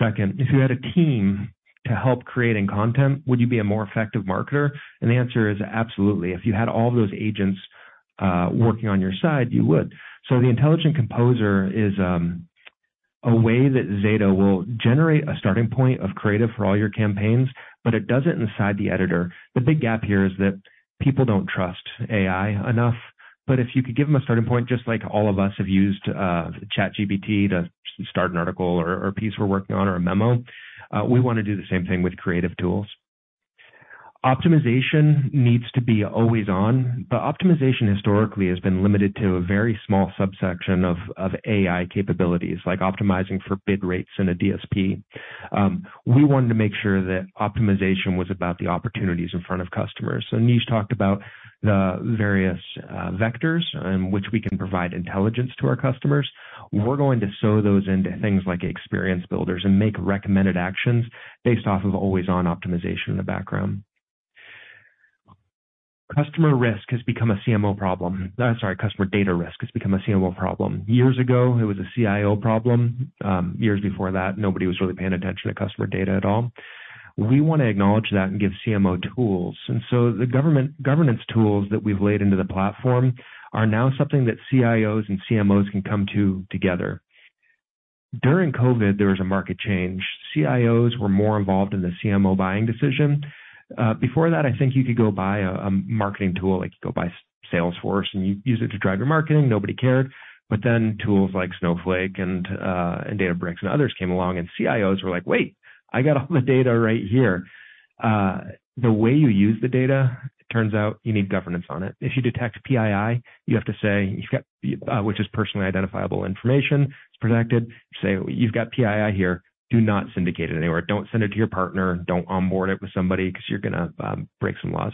Speaker 3: Second, if you had a team to help creating content, would you be a more effective marketer? And the answer is absolutely. If you had all those agents working on your side, you would. So the Intelligent Composer is a way that Zeta will generate a starting point of creative for all your campaigns, but it does it inside the editor. The big gap here is that people don't trust AI enough, but if you could give them a starting point, just like all of us have used ChatGPT to start an article or a piece we're working on or a memo, we wanna do the same thing with creative tools. Optimization needs to be always on, but optimization historically has been limited to a very small subsection of AI capabilities, like optimizing for bid rates in a DSP. We wanted to make sure that optimization was about the opportunities in front of customers. So Neej talked about the various vectors in which we can provide intelligence to our customers. We're going to sew those into things like experience builders and make recommended actions based off of always-on optimization in the background. Customer risk has become a CMO problem. Sorry, customer data risk has become a CMO problem. Years ago, it was a CIO problem. Years before that, nobody was really paying attention to customer data at all. We want to acknowledge that and give CMO tools, and so the governance tools that we've laid into the platform are now something that CIOs and CMOs can come to together. During COVID, there was a market change. CIOs were more involved in the CMO buying decision. Before that, I think you could go buy a marketing tool, like you go buy Salesforce, and you use it to drive your marketing. Nobody cared. But then tools like Snowflake and Databricks and others came along, and CIOs were like, "Wait, I got all the data right here." The way you use the data, it turns out you need governance on it. If you detect PII, you have to say, you've got, which is personally identifiable information, it's protected. Say, "You've got PII here. Do not syndicate it anywhere. Don't send it to your partner, don't onboard it with somebody because you're gonna break some laws."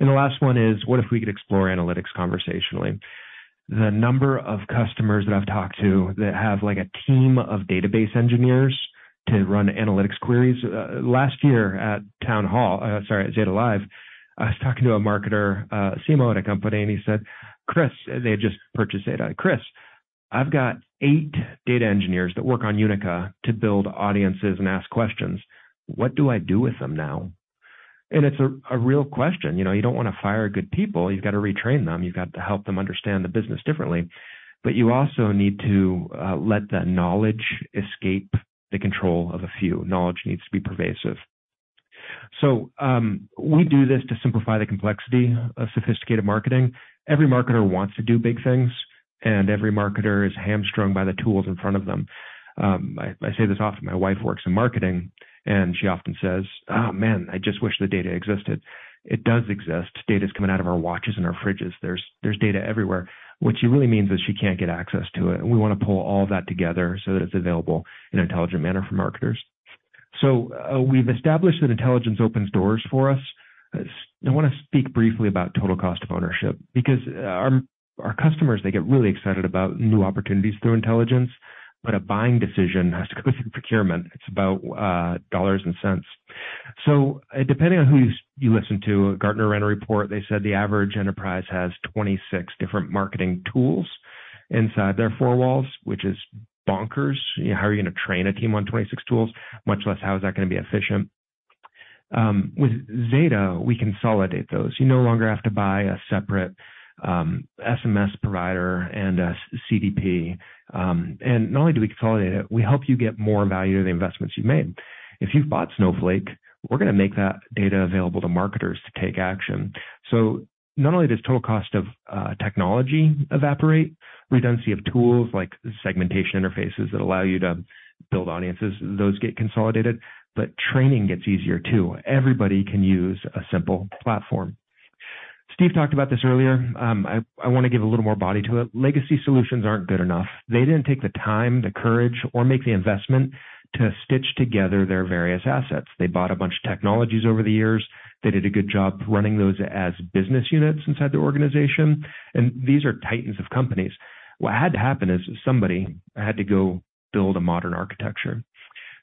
Speaker 3: And the last one is, what if we could explore analytics conversationally? The number of customers that I've talked to that have, like, a team of database engineers to run analytics queries. Last year at Town Hall, sorry, at Zeta Live, I was talking to a marketer, CMO at a company, and he said, "Chris," they had just purchased Zeta. "Chris, I've got eight data engineers that work on Unica to build audiences and ask questions. What do I do with them now?" And it's a real question. You know, you don't wanna fire good people. You've got to retrain them. You've got to help them understand the business differently. But you also need to let that knowledge escape the control of a few. Knowledge needs to be pervasive. So, we do this to simplify the complexity of sophisticated marketing. Every marketer wants to do big things, and every marketer is hamstrung by the tools in front of them. I say this often, my wife works in marketing, and she often says, "Oh, man, I just wish the data existed." It does exist. Data's coming out of our watches and our fridges. There's data everywhere. What she really means is she can't get access to it, and we wanna pull all that together so that it's available in an intelligent manner for marketers. So, we've established that intelligence opens doors for us. I wanna speak briefly about total cost of ownership, because our customers, they get really excited about new opportunities through intelligence, but a buying decision has to go through procurement. It's about dollars and cents. So depending on who you listen to, Gartner ran a report, they said the average enterprise has 26 different marketing tools inside their four walls, which is bonkers. How are you gonna train a team on 26 tools? Much less, how is that gonna be efficient? With Zeta, we consolidate those. You no longer have to buy a separate SMS provider and a CDP. And not only do we consolidate it, we help you get more value to the investments you've made. If you've bought Snowflake, we're gonna make that data available to marketers to take action. So not only does total cost of technology evaporate, redundancy of tools like segmentation interfaces that allow you to build audiences, those get consolidated, but training gets easier too. Everybody can use a simple platform. Steve talked about this earlier. I wanna give a little more body to it. Legacy solutions aren't good enough. They didn't take the time, the courage, or make the investment to stitch together their various assets. They bought a bunch of technologies over the years. They did a good job running those as business units inside the organization, and these are titans of companies. What had to happen is somebody had to go build a modern architecture.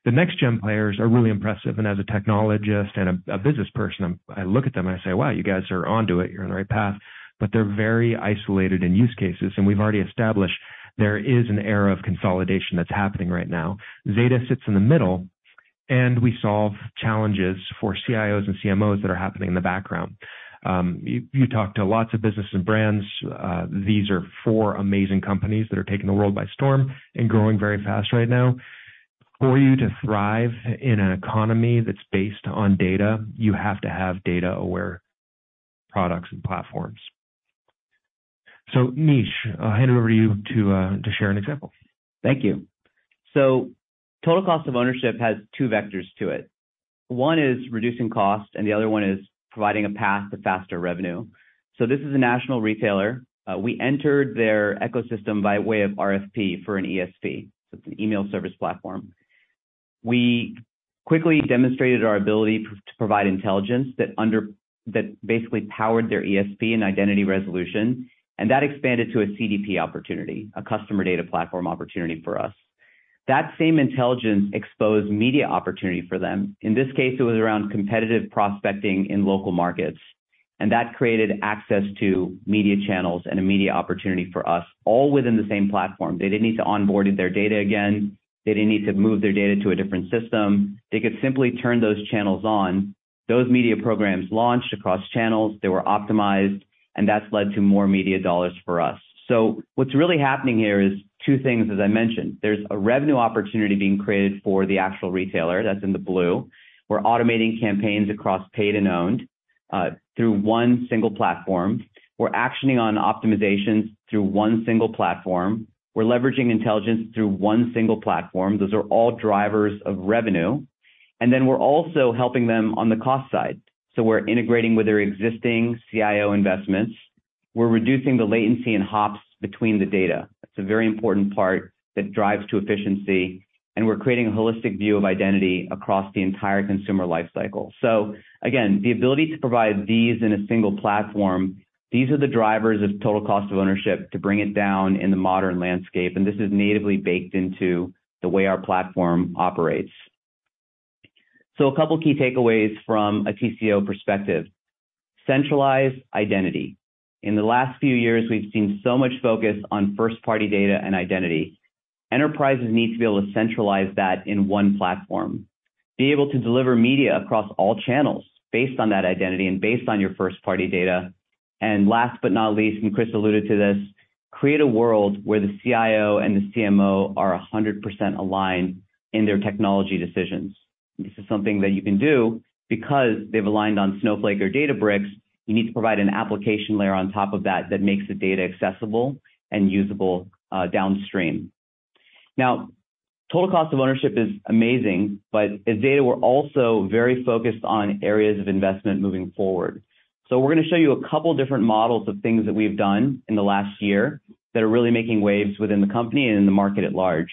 Speaker 3: The next gen players are really impressive, and as a technologist and a business person, I look at them and I say, "Wow, you guys are onto it. You're on the right path." But they're very isolated in use cases, and we've already established there is an era of consolidation that's happening right now. Zeta sits in the middle, and we solve challenges for CIOs and CMOs that are happening in the background. You talk to lots of businesses and brands. These are four amazing companies that are taking the world by storm and growing very fast right now. For you to thrive in an economy that's based on data, you have to have data-aware products and platforms. So, Neej, I hand over to you to share an example.
Speaker 4: Thank you. So total cost of ownership has two vectors to it. One is reducing cost, and the other one is providing a path to faster revenue. So this is a national retailer. We entered their ecosystem by way of RFP for an ESP. So it's an email service platform. We quickly demonstrated our ability to provide intelligence that basically powered their ESP and identity resolution, and that expanded to a CDP opportunity, a customer data platform opportunity for us. That same intelligence exposed media opportunity for them. In this case, it was around competitive prospecting in local markets, and that created access to media channels and a media opportunity for us, all within the same platform. They didn't need to onboard their data again. They didn't need to move their data to a different system. They could simply turn those channels on. Those media programs launched across channels, they were optimized, and that's led to more media dollars for us. So what's really happening here is two things, as I mentioned. There's a revenue opportunity being created for the actual retailer. That's in the blue. We're automating campaigns across paid and owned through one single platform. We're actioning on optimizations through one single platform. We're leveraging intelligence through one single platform. Those are all drivers of revenue, and then we're also helping them on the cost side. So we're integrating with their existing CIO investments. We're reducing the latency and hops between the data. It's a very important part that drives to efficiency, and we're creating a holistic view of identity across the entire consumer life cycle. So again, the ability to provide these in a single platform, these are the drivers of total cost of ownership to bring it down in the modern landscape, and this is natively baked into the way our platform operates. So a couple key takeaways from a TCO perspective. Centralized identity. In the last few years, we've seen so much focus on first-party data and identity. Enterprises need to be able to centralize that in one platform, be able to deliver media across all channels based on that identity and based on your first-party data. And last but not least, and Chris alluded to this, create a world where the CIO and the CMO are 100% aligned in their technology decisions. This is something that you can do because they've aligned on Snowflake or Databricks. You need to provide an application layer on top of that, that makes the data accessible and usable, downstream. Now, total cost of ownership is amazing, but at Zeta, we're also very focused on areas of investment moving forward. So we're gonna show you a couple different models of things that we've done in the last year that are really making waves within the company and in the market at large.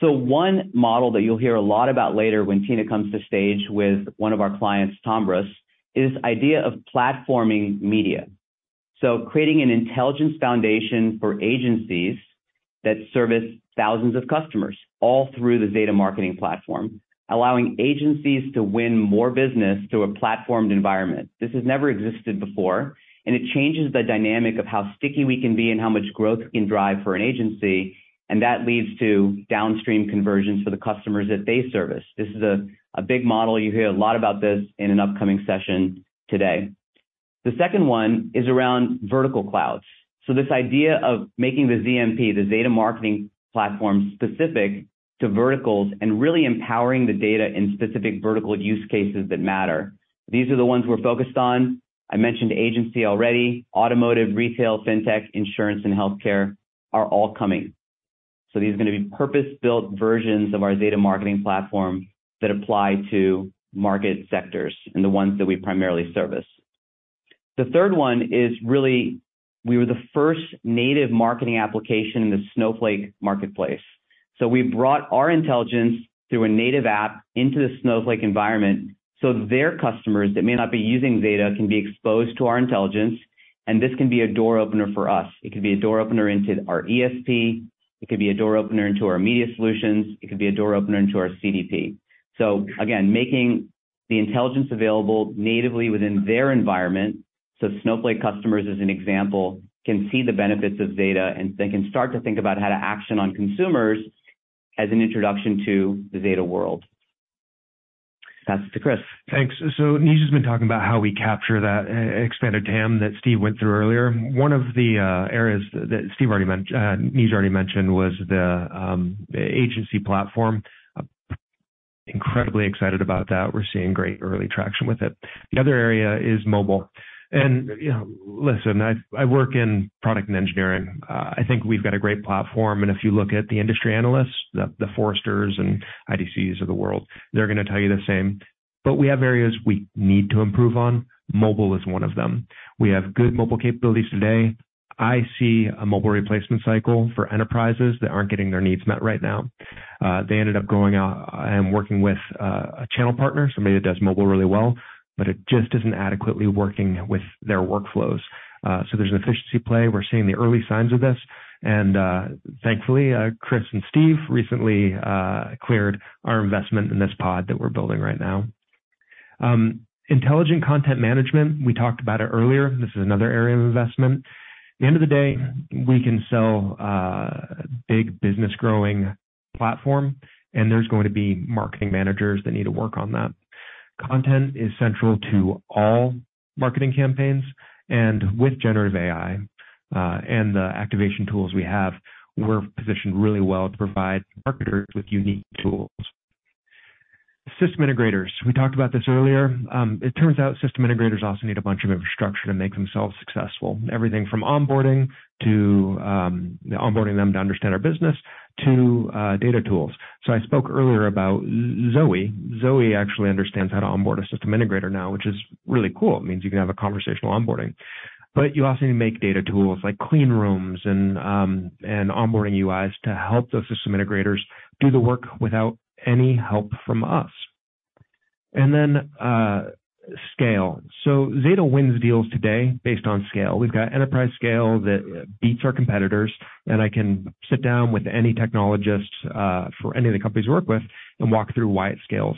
Speaker 4: So one model that you'll hear a lot about later when Tina comes to stage with one of our clients, Tombras, is this idea of platforming media. So creating an intelligence foundation for agencies that service thousands of customers, all through the Zeta Marketing Platform, allowing agencies to win more business through a platformed environment. This has never existed before, and it changes the dynamic of how sticky we can be and how much growth we can drive for an agency, and that leads to downstream conversions for the customers that they service. This is a big model. You'll hear a lot about this in an upcoming session today. The second one is around vertical clouds. So this idea of making the ZMP, the Zeta Marketing Platform, specific to verticals and really empowering the data in specific vertical use cases that matter. These are the ones we're focused on. I mentioned agency already. Automotive, retail, fintech, insurance, and healthcare are all coming. So these are gonna be purpose-built versions of our Zeta Marketing Platform that apply to market sectors, and the ones that we primarily service. The third one is really, we were the first native marketing application in the Snowflake marketplace. So we brought our intelligence through a native app into the Snowflake environment, so their customers that may not be using Zeta can be exposed to our intelligence, and this can be a door opener for us. It could be a door opener into our ESP, it could be a door opener into our media solutions, it could be a door opener into our CDP. So again, making the intelligence available natively within their environment, so Snowflake customers, as an example, can see the benefits of Zeta, and they can start to think about how to action on consumers as an introduction to the Zeta world. Pass it to Chris.
Speaker 3: Thanks. So Neej has been talking about how we capture that expanded TAM that Steve went through earlier. One of the areas that Steve already mentioned, Neej already mentioned, was the agency platform. Incredibly excited about that. We're seeing great early traction with it. The other area is mobile. And, you know, listen, I work in product and engineering. I think we've got a great platform, and if you look at the industry analysts, the Forrester and IDCs of the world, they're gonna tell you the same. But we have areas we need to improve on. Mobile is one of them. We have good mobile capabilities today. I see a mobile replacement cycle for enterprises that aren't getting their needs met right now. They ended up going out and working with a channel partner, somebody that does mobile really well, but it just isn't adequately working with their workflows. So there's an efficiency play. We're seeing the early signs of this, and thankfully, Chris and Steve recently cleared our investment in this pod that we're building right now. Intelligent content management, we talked about it earlier. This is another area of investment. At the end of the day, we can sell a big business growing platform, and there's going to be marketing managers that need to work on that. Content is central to all marketing campaigns, and with generative AI and the activation tools we have, we're positioned really well to provide marketers with unique tools. System integrators, we talked about this earlier. It turns out system integrators also need a bunch of infrastructure to make themselves successful. Everything from onboarding to onboarding them to understand our business, to data tools. So I spoke earlier about ZOE. ZOE actually understands how to onboard a system integrator now, which is really cool. It means you can have a conversational onboarding, but you also need to make data tools like clean rooms and onboarding UIs to help those system integrators do the work without any help from us. Then, scale. So Zeta wins deals today based on scale. We've got enterprise scale that beats our competitors, and I can sit down with any technologist for any of the companies we work with and walk through why it scales.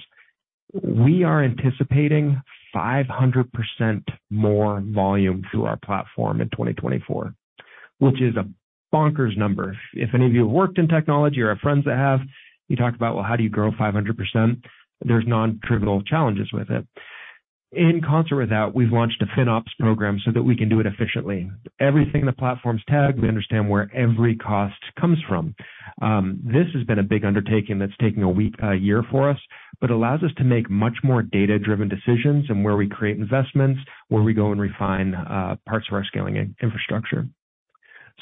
Speaker 3: We are anticipating 500% more volume through our platform in 2024, which is a bonkers number. If any of you have worked in technology or have friends that have, you talk about, well, how do you grow 500%? There's non-trivial challenges with it. In concert with that, we've launched a FinOps program so that we can do it efficiently. Everything in the platform is tagged. We understand where every cost comes from. This has been a big undertaking that's taking a week, a year for us, but allows us to make much more data-driven decisions and where we create investments, where we go and refine parts of our scaling infrastructure.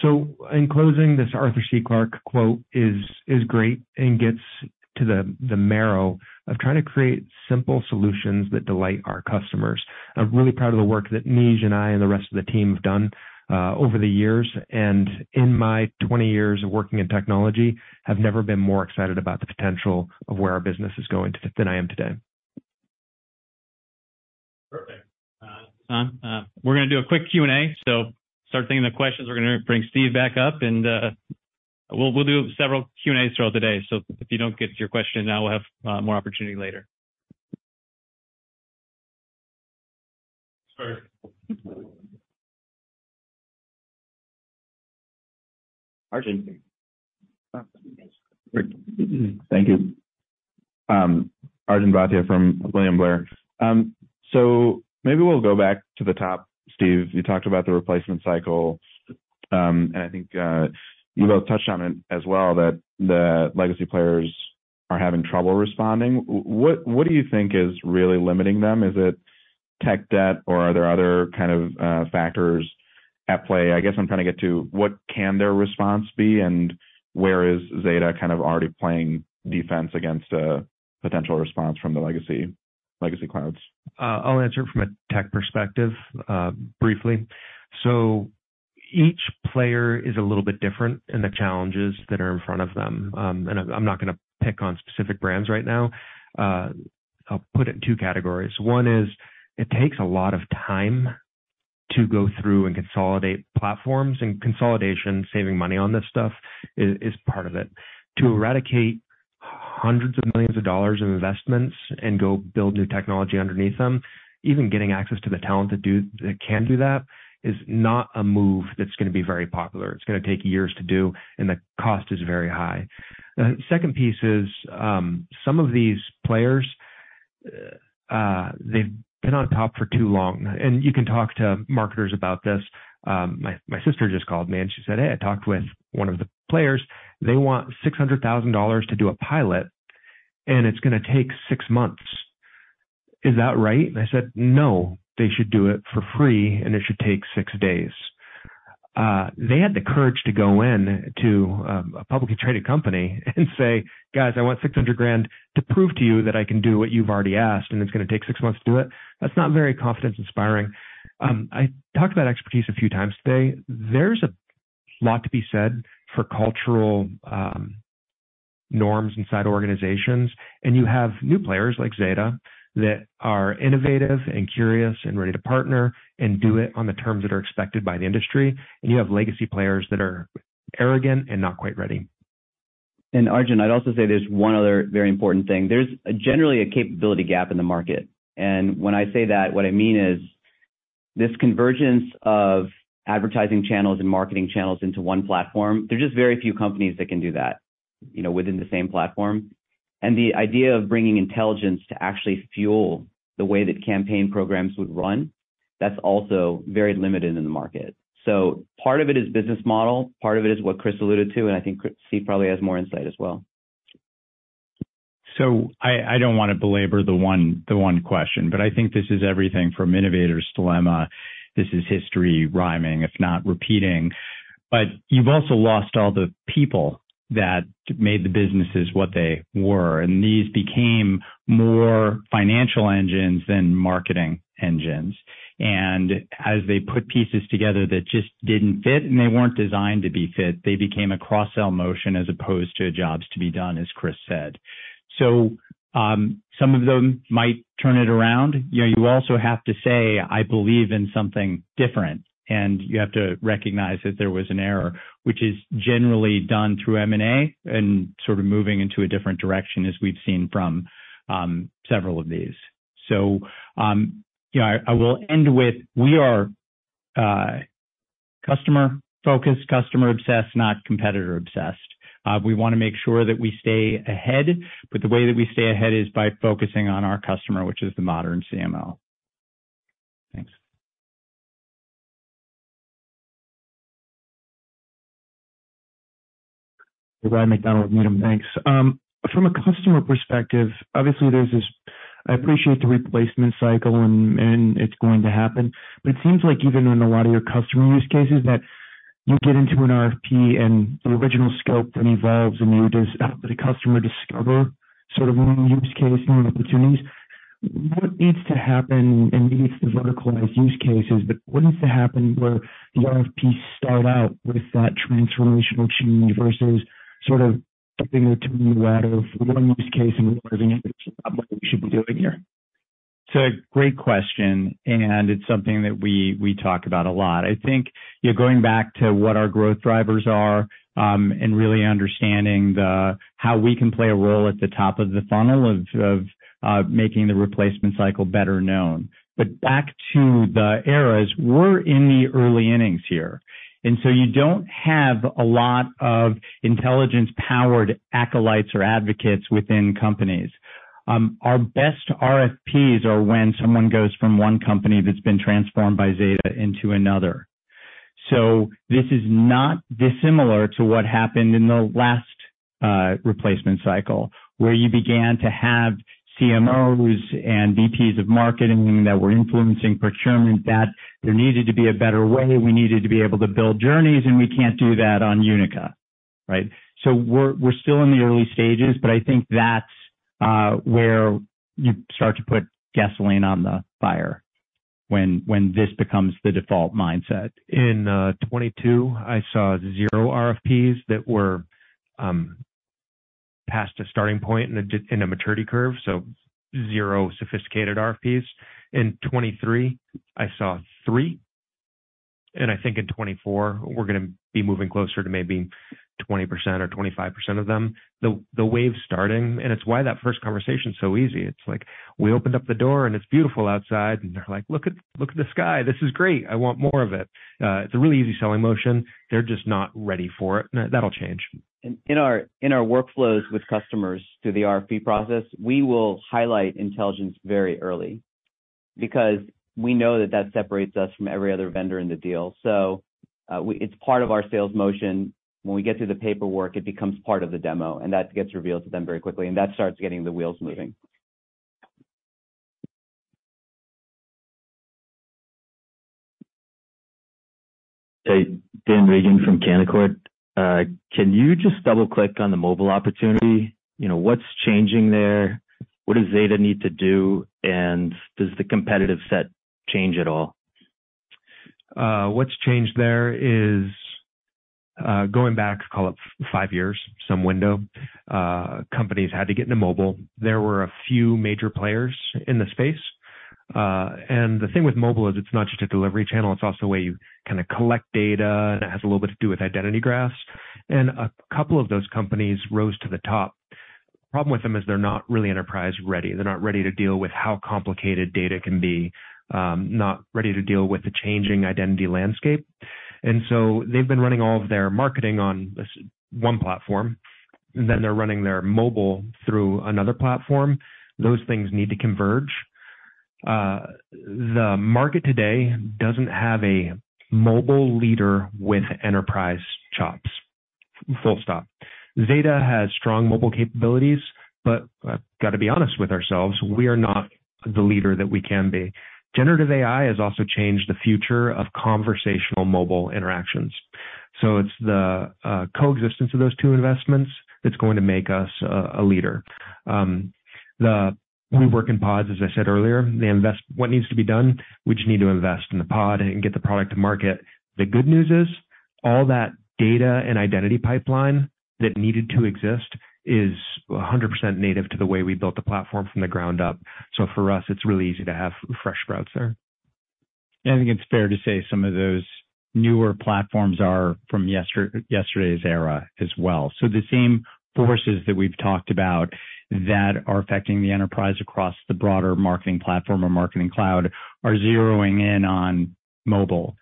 Speaker 3: So in closing, this Arthur C. Clarke quote is great and gets to the marrow of trying to create simple solutions that delight our customers. I'm really proud of the work that Neej and I and the rest of the team have done over the years, and in my 20 years of working in technology, have never been more excited about the potential of where our business is going than I am today.
Speaker 5: Perfect. We're gonna do a quick Q&A, so start thinking of the questions. We're gonna bring Steve back up, and we'll do several Q&A throughout the day. So if you don't get to your question now, we'll have more opportunity later. Sorry. Arjun?
Speaker 6: Thank you. Arjun Bhatia from William Blair. So maybe we'll go back to the top, Steve. You talked about the replacement cycle, and I think, you both touched on it as well, that the legacy players are having trouble responding. What, what do you think is really limiting them? Is it tech debt, or are there other kind of, factors at play? I guess I'm trying to get to, what can their response be, and where is Zeta kind of already playing defense against a potential response from the legacy, legacy clouds?
Speaker 3: I'll answer from a tech perspective, briefly. So each player is a little bit different in the challenges that are in front of them. And I'm not gonna pick on specific brands right now. I'll put it in two categories. One is it takes a lot of time to go through and consolidate platforms, and consolidation, saving money on this stuff is part of it. To eradicate hundreds of millions dollars in investments and go build new technology underneath them, even getting access to the talent that can do that, is not a move that's gonna be very popular. It's gonna take years to do, and the cost is very high. The second piece is, some of these players, they've been on top for too long, and you can talk to marketers about this. My sister just called me, and she said, "Hey, I talked with one of the players. They want $600,000 to do a pilot, and it's gonna take six months. Is that right?" And I said, "No, they should do it for free, and it should take six days." They had the courage to go in to a publicly traded company and say, "Guys, I want $600,000 to prove to you that I can do what you've already asked, and it's gonna take 6 months to do it." That's not very confidence-inspiring. I talked about expertise a few times today. There's a lot to be said for cultural norms inside organizations, and you have new players like Zeta that are innovative and curious and ready to partner and do it on the terms that are expected by the industry, and you have legacy players that are arrogant and not quite ready.
Speaker 4: Arjun, I'd also say there's one other very important thing. There's generally a capability gap in the market, and when I say that, what I mean is, this convergence of advertising channels and marketing channels into one platform, there are just very few companies that can do that, you know, within the same platform. And the idea of bringing intelligence to actually fuel the way that campaign programs would run, that's also very limited in the market. So part of it is business model, part of it is what Chris alluded to, and I think Steve probably has more insight as well.
Speaker 2: So I don't want to belabor the one question, but I think this is everything from innovator's dilemma. This is history rhyming, if not repeating. But you've also lost all the people that made the businesses what they were, and these became more financial engines than marketing engines. And as they put pieces together that just didn't fit and they weren't designed to be fit, they became a cross-sell motion as opposed to jobs to be done, as Chris said. So some of them might turn it around. You know, you also have to say, "I believe in something different," and you have to recognize that there was an error, which is generally done through M&A and sort of moving into a different direction, as we've seen from several of these. I will end with: we are customer-focused, customer-obsessed, not competitor-obsessed. We wanna make sure that we stay ahead, but the way that we stay ahead is by focusing on our customer, which is the modern CMO. Thanks.
Speaker 7: Ryan MacDonald, Needham. From a customer perspective, obviously, there's this... I appreciate the replacement cycle and it's going to happen, but it seems like even in a lot of your customer use cases, that you get into an RFP and the original scope, it evolves, and you just, the customer discover sort of new use cases, new opportunities. What needs to happen, and maybe it's the vertical use cases, but what needs to happen where the RFPs start out with that transformational change versus sort of getting it to you out of one use case and learning what you should be doing here? ...
Speaker 2: So great question, and it's something that we talk about a lot. I think, you know, going back to what our growth drivers are, and really understanding how we can play a role at the top of the funnel of making the replacement cycle better known. But back to the areas, we're in the early innings here, and so you don't have a lot of intelligence-powered acolytes or advocates within companies. Our best RFPs are when someone goes from one company that's been transformed by Zeta into another. So this is not dissimilar to what happened in the last replacement cycle, where you began to have CMOs and VPs of marketing that were influencing procurement, that there needed to be a better way. We needed to be able to build journeys, and we can't do that on Unica, right? So we're still in the early stages, but I think that's where you start to put gasoline on the fire when this becomes the default mindset.
Speaker 3: In 2022, I saw zero RFPs that were past a starting point in a maturity curve, so zero sophisticated RFPs. In 2023, I saw three, and I think in 2024, we're gonna be moving closer to maybe 20% or 25% of them. The wave's starting, and it's why that first conversation is so easy. It's like, we opened up the door, and it's beautiful outside, and they're like, "Look at the sky. This is great. I want more of it." It's a really easy selling motion. They're just not ready for it. That'll change.
Speaker 4: In our workflows with customers through the RFP process, we will highlight intelligence very early because we know that that separates us from every other vendor in the deal. So, it's part of our sales motion. When we get through the paperwork, it becomes part of the demo, and that gets revealed to them very quickly, and that starts getting the wheels moving.
Speaker 8: Hey, Dan Reagan from Canaccord. Can you just double-click on the mobile opportunity? You know, what's changing there? What does Zeta need to do, and does the competitive set change at all?
Speaker 3: What's changed there is, going back, call it five years, some window, companies had to get into mobile. There were a few major players in the space. And the thing with mobile is it's not just a delivery channel, it's also a way you kind of collect data, and it has a little bit to do with identity graphs. And a couple of those companies rose to the top. Problem with them is they're not really enterprise ready. They're not ready to deal with how complicated data can be, not ready to deal with the changing identity landscape. And so they've been running all of their marketing on this one platform, and then they're running their mobile through another platform. Those things need to converge. The market today doesn't have a mobile leader with enterprise chops, full stop. Zeta has strong mobile capabilities, but got to be honest with ourselves, we are not the leader that we can be. Generative AI has also changed the future of conversational mobile interactions. So it's the coexistence of those two investments that's going to make us a leader. We work in pods, as I said earlier. They invest what needs to be done, we just need to invest in the pod and get the product to market. The good news is, all that data and identity pipeline that needed to exist is 100% native to the way we built the platform from the ground up. So for us, it's really easy to have fresh sprouts there.
Speaker 2: I think it's fair to say some of those newer platforms are from yesterday's era as well. So the same forces that we've talked about that are affecting the enterprise across the broader marketing platform or marketing cloud are zeroing in on mobile.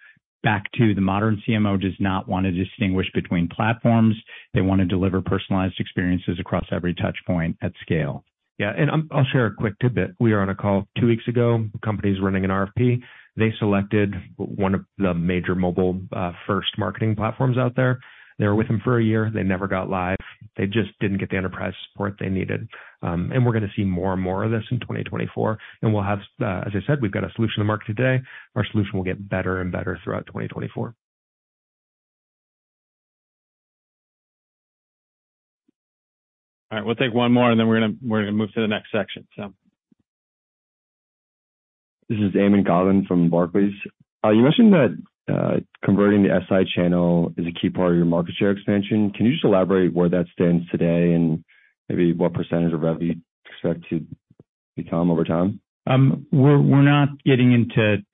Speaker 2: Back to the modern CMO does not want to distinguish between platforms. They want to deliver personalized experiences across every touch point at scale.
Speaker 3: Yeah, and I'll share a quick tidbit. We were on a call two weeks ago, companies running an RFP. They selected one of the major mobile-first marketing platforms out there. They were with them for a year. They never got live. They just didn't get the enterprise support they needed. And we're gonna see more and more of this in 2024, and we'll have, as I said, we've got a solution to market today. Our solution will get better and better throughout 2024.
Speaker 5: All right, we'll take one more, and then we're gonna, we're gonna move to the next section, so.
Speaker 9: This is [Eman Ghovanloo] from Barclays. You mentioned that converting the SI channel is a key part of your market share expansion. Can you just elaborate where that stands today and maybe what percentage of revenue you expect to become over time?
Speaker 2: We're not getting into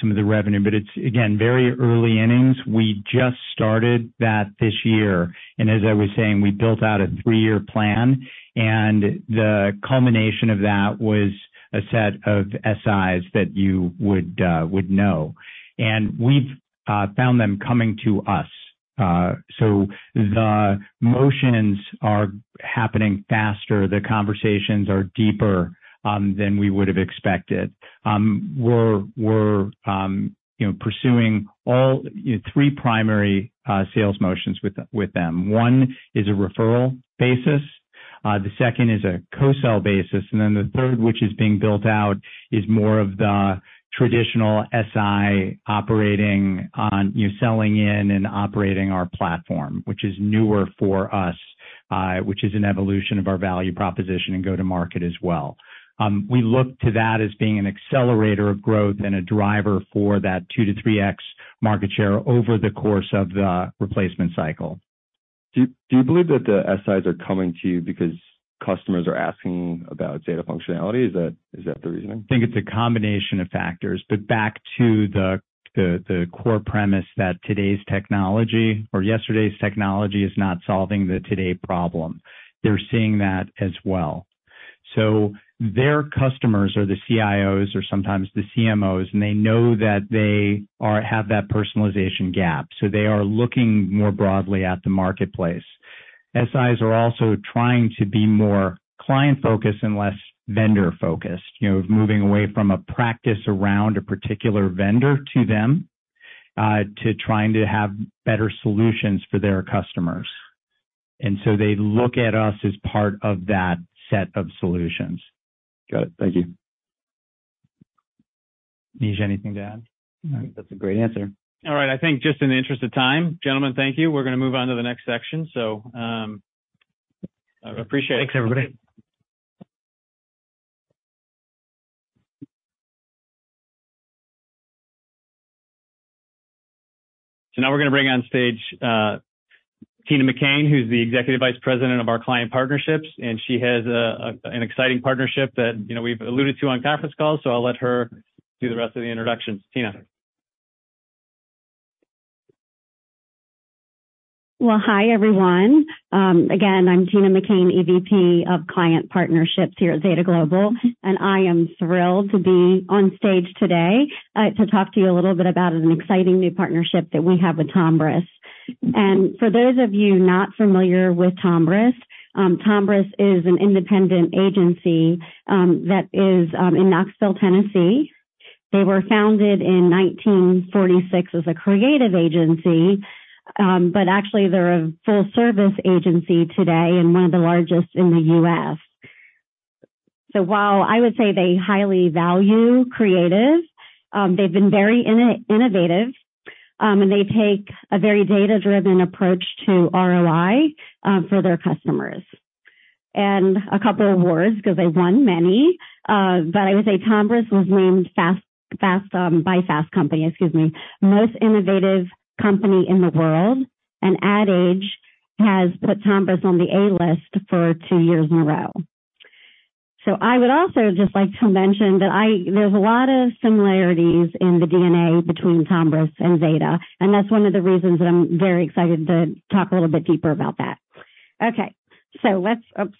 Speaker 2: some of the revenue, but it's again very early innings. We just started that this year, and as I was saying, we built out a three-year plan, and the culmination of that was a set of SIs that you would know. And we've found them coming to us. So the motions are happening faster, the conversations are deeper than we would have expected. We're you know pursuing all you know three primary sales motions with them. One is a referral basis, the second is a co-sell basis, and then the third, which is being built out, is more of the traditional SI operating on you know selling in and operating our platform, which is newer for us, which is an evolution of our value proposition and go-to-market as well. We look to that as being an accelerator of growth and a driver for that 2x-3x market share over the course of the replacement cycle.
Speaker 9: Do you believe that the SIs are coming to you because customers are asking about data functionality? Is that the reasoning?
Speaker 2: I think it's a combination of factors. But back to the core premise that today's technology or yesterday's technology is not solving the today problem. They're seeing that as well. So their customers are the CIOs or sometimes the CMOs, and they know that they have that personalization gap, so they are looking more broadly at the marketplace. SIs are also trying to be more client-focused and less vendor-focused. You know, moving away from a practice around a particular vendor to trying to have better solutions for their customers. And so they look at us as part of that set of solutions.
Speaker 9: Got it. Thank you.
Speaker 2: Neej, anything to add?
Speaker 4: I think that's a great answer.
Speaker 5: All right. I think just in the interest of time, gentlemen, thank you. We're going to move on to the next section, so, I appreciate it.
Speaker 2: Thanks, everybody.
Speaker 5: So now we're going to bring on stage Tina McCain, who's the Executive Vice President of Client Partnerships, and she has an exciting partnership that, you know, we've alluded to on conference calls, so I'll let her do the rest of the introductions. Tina?
Speaker 10: Well, hi, everyone. Again, I'm Tina McCain, EVP of Client Partnerships here at Zeta Global, and I am thrilled to be on stage today to talk to you a little bit about an exciting new partnership that we have with Tombras. For those of you not familiar with Tombras, Tombras is an independent agency that is in Knoxville, Tennessee. They were founded in 1946 as a creative agency, but actually, they're a full-service agency today and one of the largest in the U.S. So while I would say they highly value creative, they've been very innovative, and they take a very data-driven approach to ROI for their customers. And a couple awards, because they won many, but I would say Tombras was named by Fast Company, excuse me, most innovative company in the world, and Ad Age has put Tombras on the A-List for two years in a row. So I would also just like to mention that there's a lot of similarities in the DNA between Tombras and Zeta, and that's one of the reasons that I'm very excited to talk a little bit deeper about that. Okay, so let's... Oops,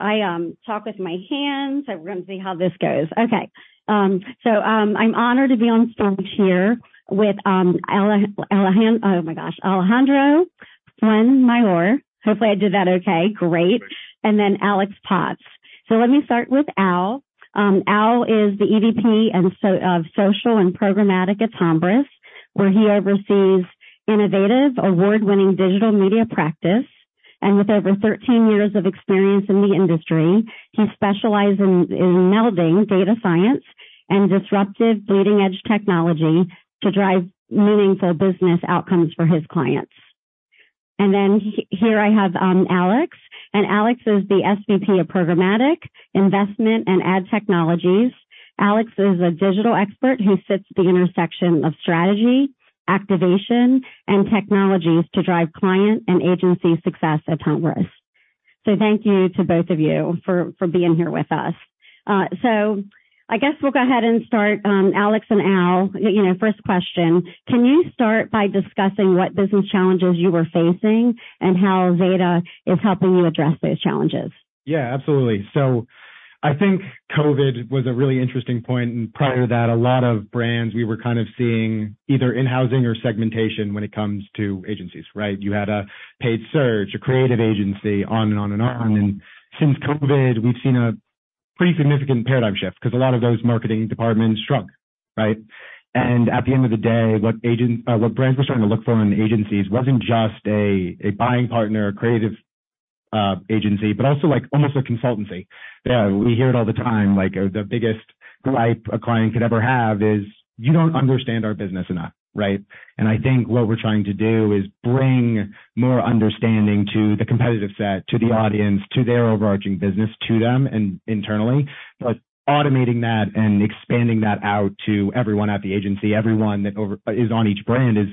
Speaker 10: I talk with my hands, so we're going to see how this goes. Okay, so, I'm honored to be on stage here with Alejandro Fuenmayor. Hopefully, I did that okay. Great. And then Alex Potts. So let me start with Al. Al is the EVP and so, of Social and Programmatic at Tombras, where he oversees innovative, award-winning digital media practice. With over 13 years of experience in the industry, he specializes in, in melding data science and disruptive, bleeding-edge technology to drive meaningful business outcomes for his clients. And then here I have, Alex, and Alex is the SVP of Programmatic Investment and Ad Technologies. Alex is a digital expert who sits at the intersection of strategy, activation, and technologies to drive client and agency success at Tombras. Thank you to both of you for, for being here with us. I guess we'll go ahead and start. Alex and Al, you know, first question, can you start by discussing what business challenges you were facing and how Zeta is helping you address those challenges?
Speaker 11: Yeah, absolutely. So I think COVID was a really interesting point, and prior to that, a lot of brands, we were kind of seeing either in-housing or segmentation when it comes to agencies, right? You had a paid search, a creative agency, on and on and on. And since COVID, we've seen a pretty significant paradigm shift, because a lot of those marketing departments shrunk, right? And at the end of the day, what agents, what brands were starting to look for in agencies wasn't just a buying partner, a creative agency, but also, like, almost a consultancy. Yeah, we hear it all the time, like, the biggest gripe a client could ever have is: You don't understand our business enough, right? I think what we're trying to do is bring more understanding to the competitive set, to the audience, to their overarching business, to them and internally. But automating that and expanding that out to everyone at the agency, everyone that is on each brand, is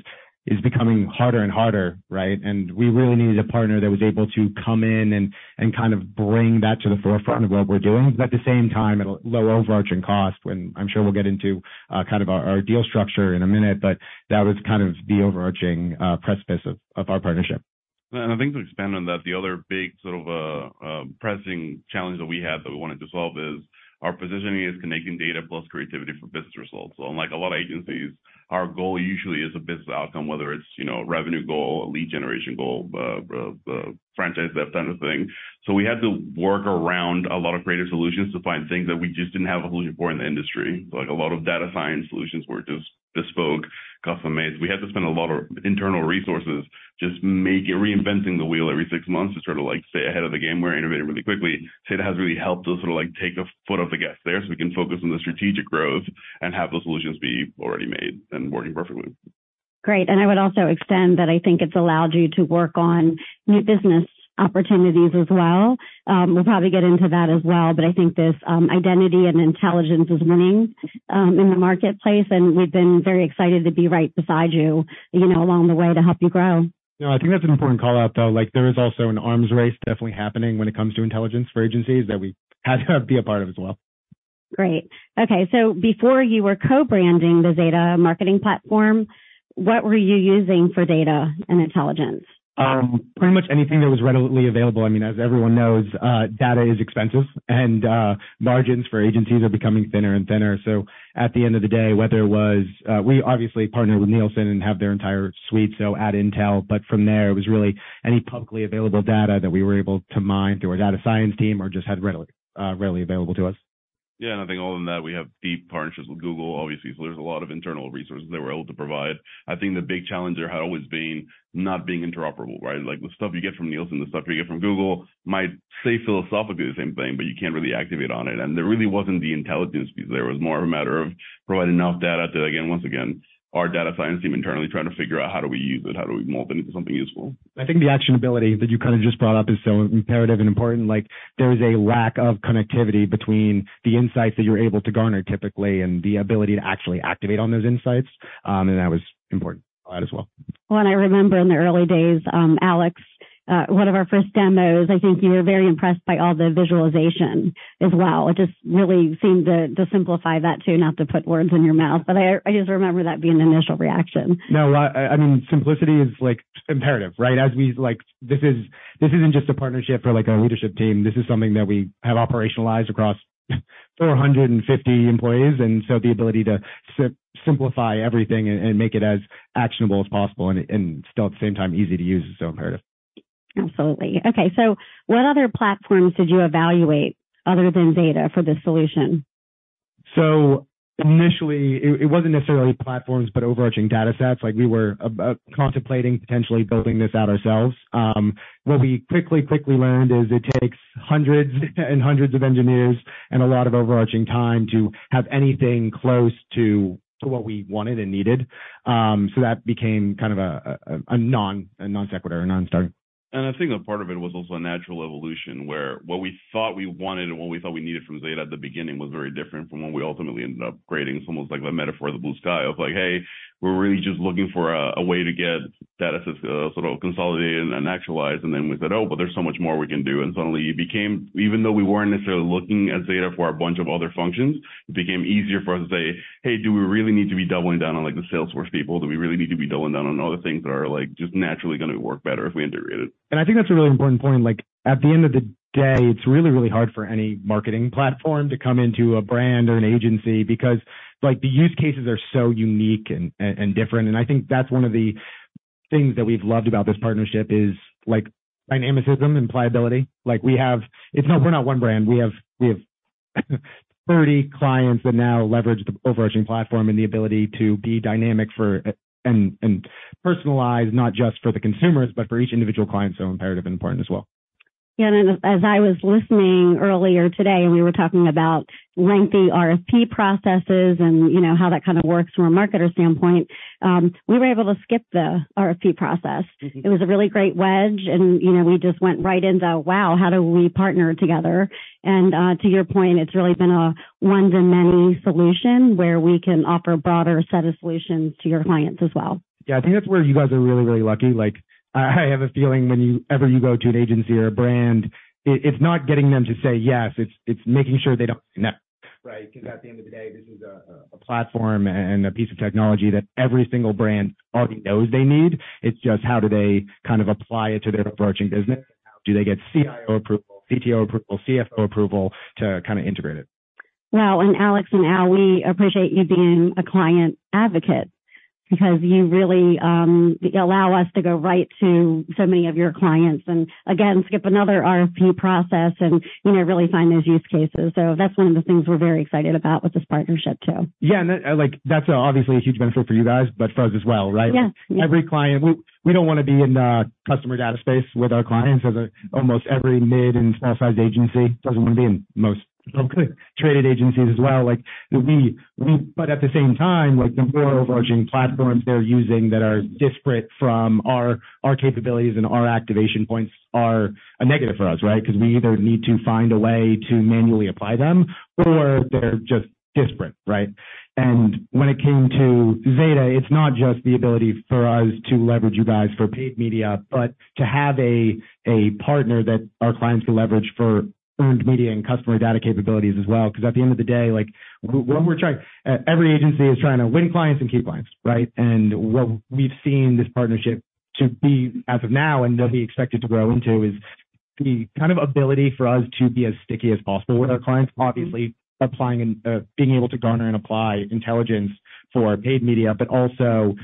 Speaker 11: becoming harder and harder, right? And we really needed a partner that was able to come in and kind of bring that to the forefront of what we're doing, but at the same time, at a lower overarching cost. And I'm sure we'll get into kind of our deal structure in a minute, but that was kind of the overarching precipice of our partnership.
Speaker 12: And I think to expand on that, the other big sort of pressing challenge that we had that we wanted to solve is our positioning is connecting data plus creativity for business results. So unlike a lot of agencies, our goal usually is a business outcome, whether it's, you know, a revenue goal, a lead generation goal, franchise depth kind of thing. So we had to work around a lot of creative solutions to find things that we just didn't have a solution for in the industry. Like a lot of data science solutions were just bespoke, custom-made. We had to spend a lot of internal resources just make it, reinventing the wheel every six months to sort of, like, stay ahead of the game. We're innovating really quickly. Zeta has really helped us sort of, like, take our foot off the gas there, so we can focus on the strategic growth and have those solutions be already made and working perfectly.
Speaker 10: Great, and I would also extend that I think it's allowed you to work on new business opportunities as well. We'll probably get into that as well, but I think this, identity and intelligence is winning, in the marketplace, and we've been very excited to be right beside you, you know, along the way to help you grow.
Speaker 11: No, I think that's an important call-out, though. Like, there is also an arms race definitely happening when it comes to intelligence for agencies that we had to be a part of as well.
Speaker 10: Great. Okay, so before you were co-branding the Zeta Marketing Platform, what were you using for data and intelligence?
Speaker 11: Pretty much anything that was readily available. I mean, as everyone knows, data is expensive, and margins for agencies are becoming thinner and thinner. So at the end of the day, whether it was, we obviously partner with Nielsen and have their entire suite, so ad intel. But from there, it was really any publicly available data that we were able to mine through our data science team or just had readily, readily available to us.
Speaker 12: Yeah, and I think other than that, we have deep partnerships with Google, obviously. So there's a lot of internal resources that we're able to provide. I think the big challenge there had always been not being interoperable, right? Like, the stuff you get from Nielsen, the stuff you get from Google might say philosophically the same thing, but you can't really activate on it. And there really wasn't the intelligence piece there. It was more of a matter of providing enough data to, again, once again, our data science team internally trying to figure out how do we use it, how do we mold it into something useful.
Speaker 11: I think the actionability that you kind of just brought up is so imperative and important. Like, there's a lack of connectivity between the insights that you're able to garner typically, and the ability to actually activate on those insights. And that was important to add as well.
Speaker 10: Well, and I remember in the early days, Alex, one of our first demos, I think you were very impressed by all the visualization as well. It just really seemed to, to simplify that, too, not to put words in your mouth, but I, I just remember that being the initial reaction.
Speaker 11: No, I mean, simplicity is, like, imperative, right? This isn't just a partnership for, like, our leadership team. This is something that we have operationalized across 450 employees, and so the ability to simplify everything and make it as actionable as possible and still at the same time, easy to use, is so imperative.
Speaker 10: Absolutely. Okay, so what other platforms did you evaluate other than Zeta for this solution?
Speaker 11: So initially, it wasn't necessarily platforms, but overarching datasets. Like, we were contemplating potentially building this out ourselves. What we quickly learned is it takes hundreds and hundreds of engineers and a lot of overarching time to have anything close to what we wanted and needed. So that became kind of a non sequitur, a non-starter.
Speaker 12: And I think a part of it was also a natural evolution, where what we thought we wanted and what we thought we needed from Zeta at the beginning was very different from what we ultimately ended up creating. It's almost like the metaphor of the blue sky. It was like: Hey, we're really just looking for a way to get data sort of consolidated and actualized. And then we said, "Oh, but there's so much more we can do." And suddenly it became... Even though we weren't necessarily looking at Zeta for a bunch of other functions, it became easier for us to say, "Hey, do we really need to be doubling down on, like, the Salesforce people? Do we really need to be doubling down on other things that are, like, just naturally gonna work better if we integrate it?
Speaker 11: I think that's a really important point. Like, at the end of the day, it's really, really hard for any marketing platform to come into a brand or an agency because, like, the use cases are so unique and different. I think that's one of the things that we've loved about this partnership is, like, dynamicism and pliability. Like, we have. It's not. We're not one brand. We have 30 clients that now leverage the overarching platform and the ability to be dynamic for and personalized, not just for the consumers, but for each individual client, so imperative and important as well.
Speaker 10: Yeah, and as I was listening earlier today, and we were talking about lengthy RFP processes and, you know, how that kind of works from a marketer standpoint, we were able to skip the RFP process. It was a really great wedge, and, you know, we just went right into, "Wow, how do we partner together?" And, to your point, it's really been a one-to-many solution, where we can offer a broader set of solutions to your clients as well.
Speaker 11: Yeah, I think that's where you guys are really, really lucky. Like, I, I have a feeling whenever you go to an agency or a brand, it, it's not getting them to say, "Yes," it's, it's making sure they don't say, "No," right? Because at the end of the day, this is a, a platform and a piece of technology that every single brand already knows they need. It's just how do they kind of apply it to their overarching business? Do they get CIO approval, CTO approval, CFO approval to kind of integrate it?
Speaker 10: Well, and Alex and Al, we appreciate you being a client advocate because you really, you allow us to go right to so many of your clients and again, skip another RFP process and, you know, really find those use cases. So that's one of the things we're very excited about with this partnership, too.
Speaker 11: Yeah, and, like, that's obviously a huge benefit for you guys, but for us as well, right?
Speaker 10: Yeah.
Speaker 11: Every client. We don't want to be in the customer data space with our clients, as almost every mid- and small-sized agency doesn't want to be in, most traded agencies as well. Like, but at the same time, like, the more overarching platforms they're using that are disparate from our capabilities and our activation points are a negative for us, right? Because we either need to find a way to manually apply them or they're just disparate, right? And when it came to Zeta, it's not just the ability for us to leverage you guys for paid media, but to have a partner that our clients can leverage for earned media and customer data capabilities as well. Because at the end of the day, like, when we're trying, every agency is trying to win clients and keep clients, right? What we've seen this partnership to be as of now, and that we expect it to grow into, is the kind of ability for us to be as sticky as possible with our clients. Obviously, applying and being able to garner and apply intelligence for our paid media, but also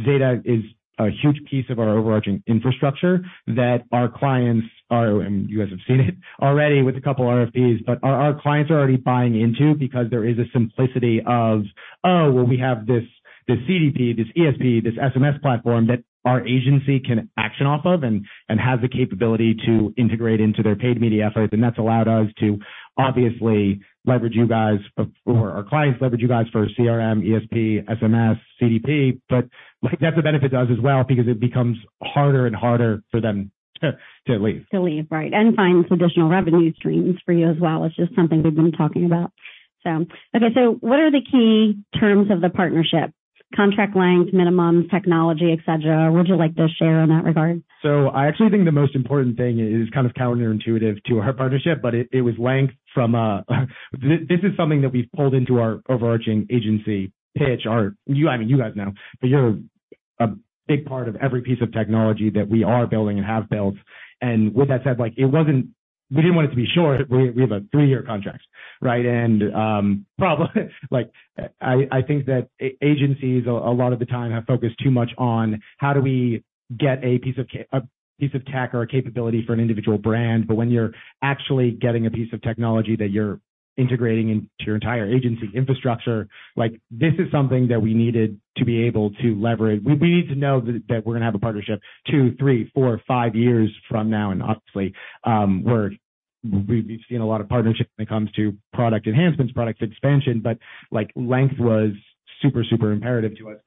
Speaker 11: Zeta is a huge piece of our overarching infrastructure that our clients are, and you guys have seen it already with a couple of RFPs, but our clients are already buying into because there is a simplicity of, oh, well, we have this, this CDP, this ESP, this SMS platform that our agency can action off of and have the capability to integrate into their paid media efforts. And that's allowed us to obviously leverage you guys, or our clients leverage you guys for CRM, ESP, SMS, CDP, but, like, that's a benefit to us as well because it becomes harder and harder for them to leave.
Speaker 10: To leave, right, and find some additional revenue streams for you as well. It's just something we've been talking about.... So, okay, so what are the key terms of the partnership? Contract length, minimums, technology, et cetera. What would you like to share in that regard?
Speaker 11: So I actually think the most important thing is kind of counterintuitive to our partnership, but it was length from this. This is something that we've pulled into our overarching agency pitch. You, I mean, you guys know, but you're a big part of every piece of technology that we are building and have built. And with that said, like, it wasn't. We didn't want it to be short. We have a three-year contract, right? Probably, like, I think that agencies a lot of the time have focused too much on: How do we get a piece of a piece of tech or a capability for an individual brand? But when you're actually getting a piece of technology that you're integrating into your entire agency infrastructure, like, this is something that we needed to be able to leverage. We need to know that we're going to have a partnership two, three, four, five years from now. And obviously, we've seen a lot of partnerships when it comes to product enhancements, product expansion, but, like, length was super, super imperative to us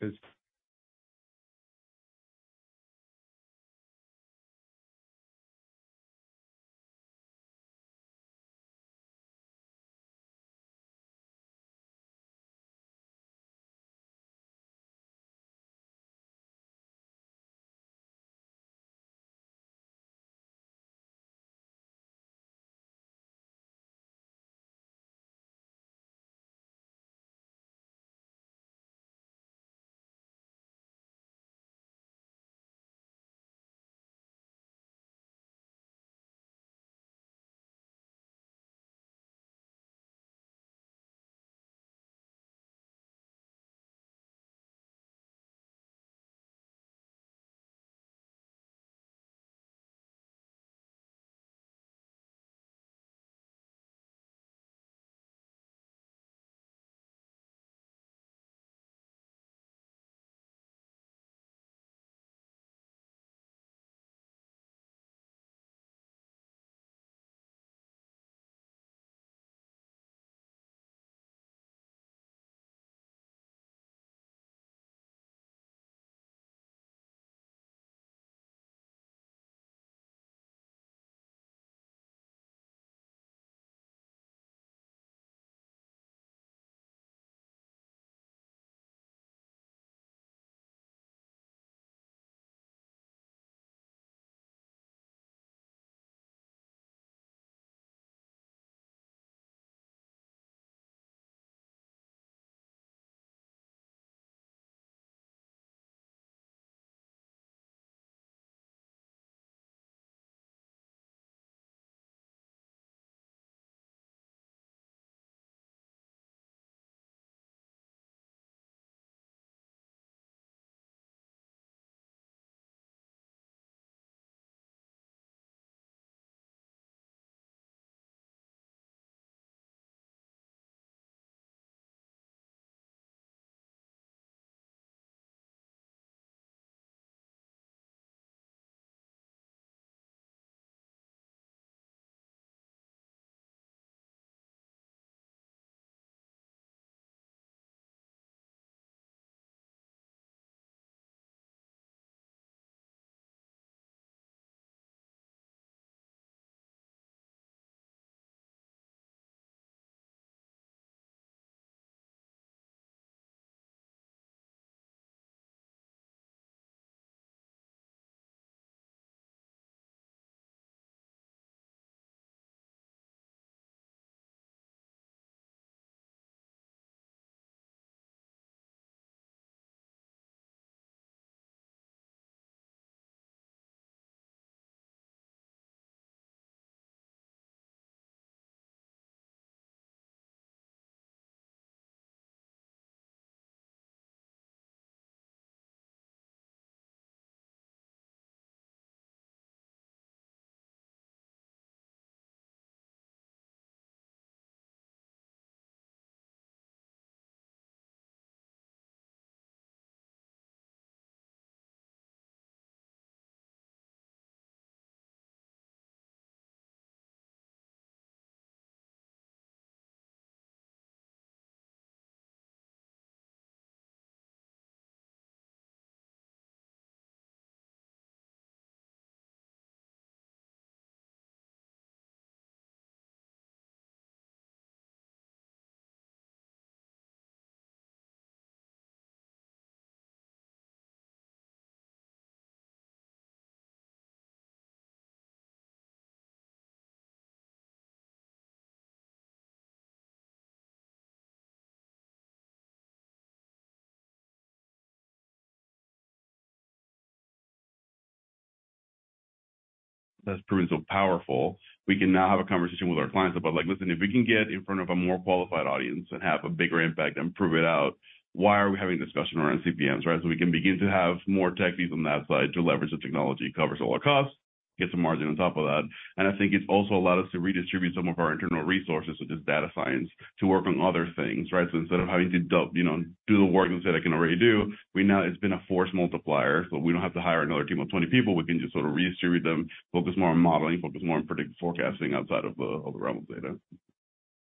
Speaker 11: because-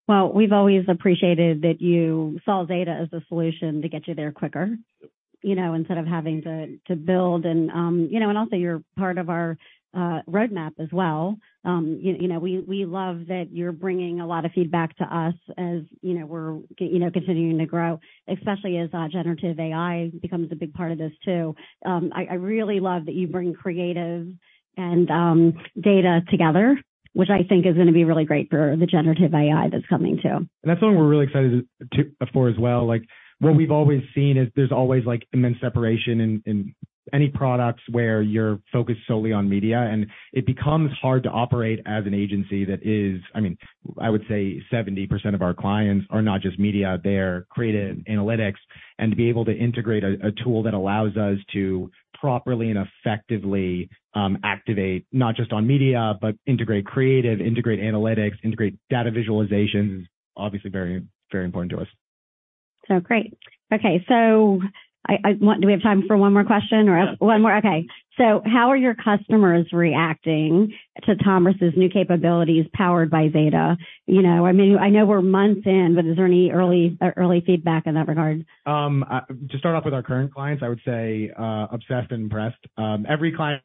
Speaker 10: Well, we've always appreciated that you saw Zeta as the solution to get you there quicker. You know, instead of having to build and, you know, and also you're part of our roadmap as well. You know, we love that you're bringing a lot of feedback to us as, you know, we're continuing to grow, especially as generative AI becomes a big part of this, too. I really love that you bring creative and data together, which I think is going to be really great for the generative AI that's coming, too.
Speaker 11: And that's one we're really excited to for as well. Like, what we've always seen is there's always, like, immense separation in, in any products where you're focused solely on media, and it becomes hard to operate as an agency that is... I mean, I would say 70% of our clients are not just media, they're creative analytics. And to be able to integrate a tool that allows us to properly and effectively activate, not just on media, but integrate creative, integrate analytics, integrate data visualization, is obviously very, very important to us.
Speaker 10: So great. Okay, so do we have time for one more question or?
Speaker 11: Yeah.
Speaker 10: One more? Okay. So how are your customers reacting to Tombras' new capabilities powered by Zeta? You know, I mean, I know we're months in, but is there any early, early feedback in that regard?
Speaker 11: To start off with our current clients, I would say, obsessed and impressed. Every client-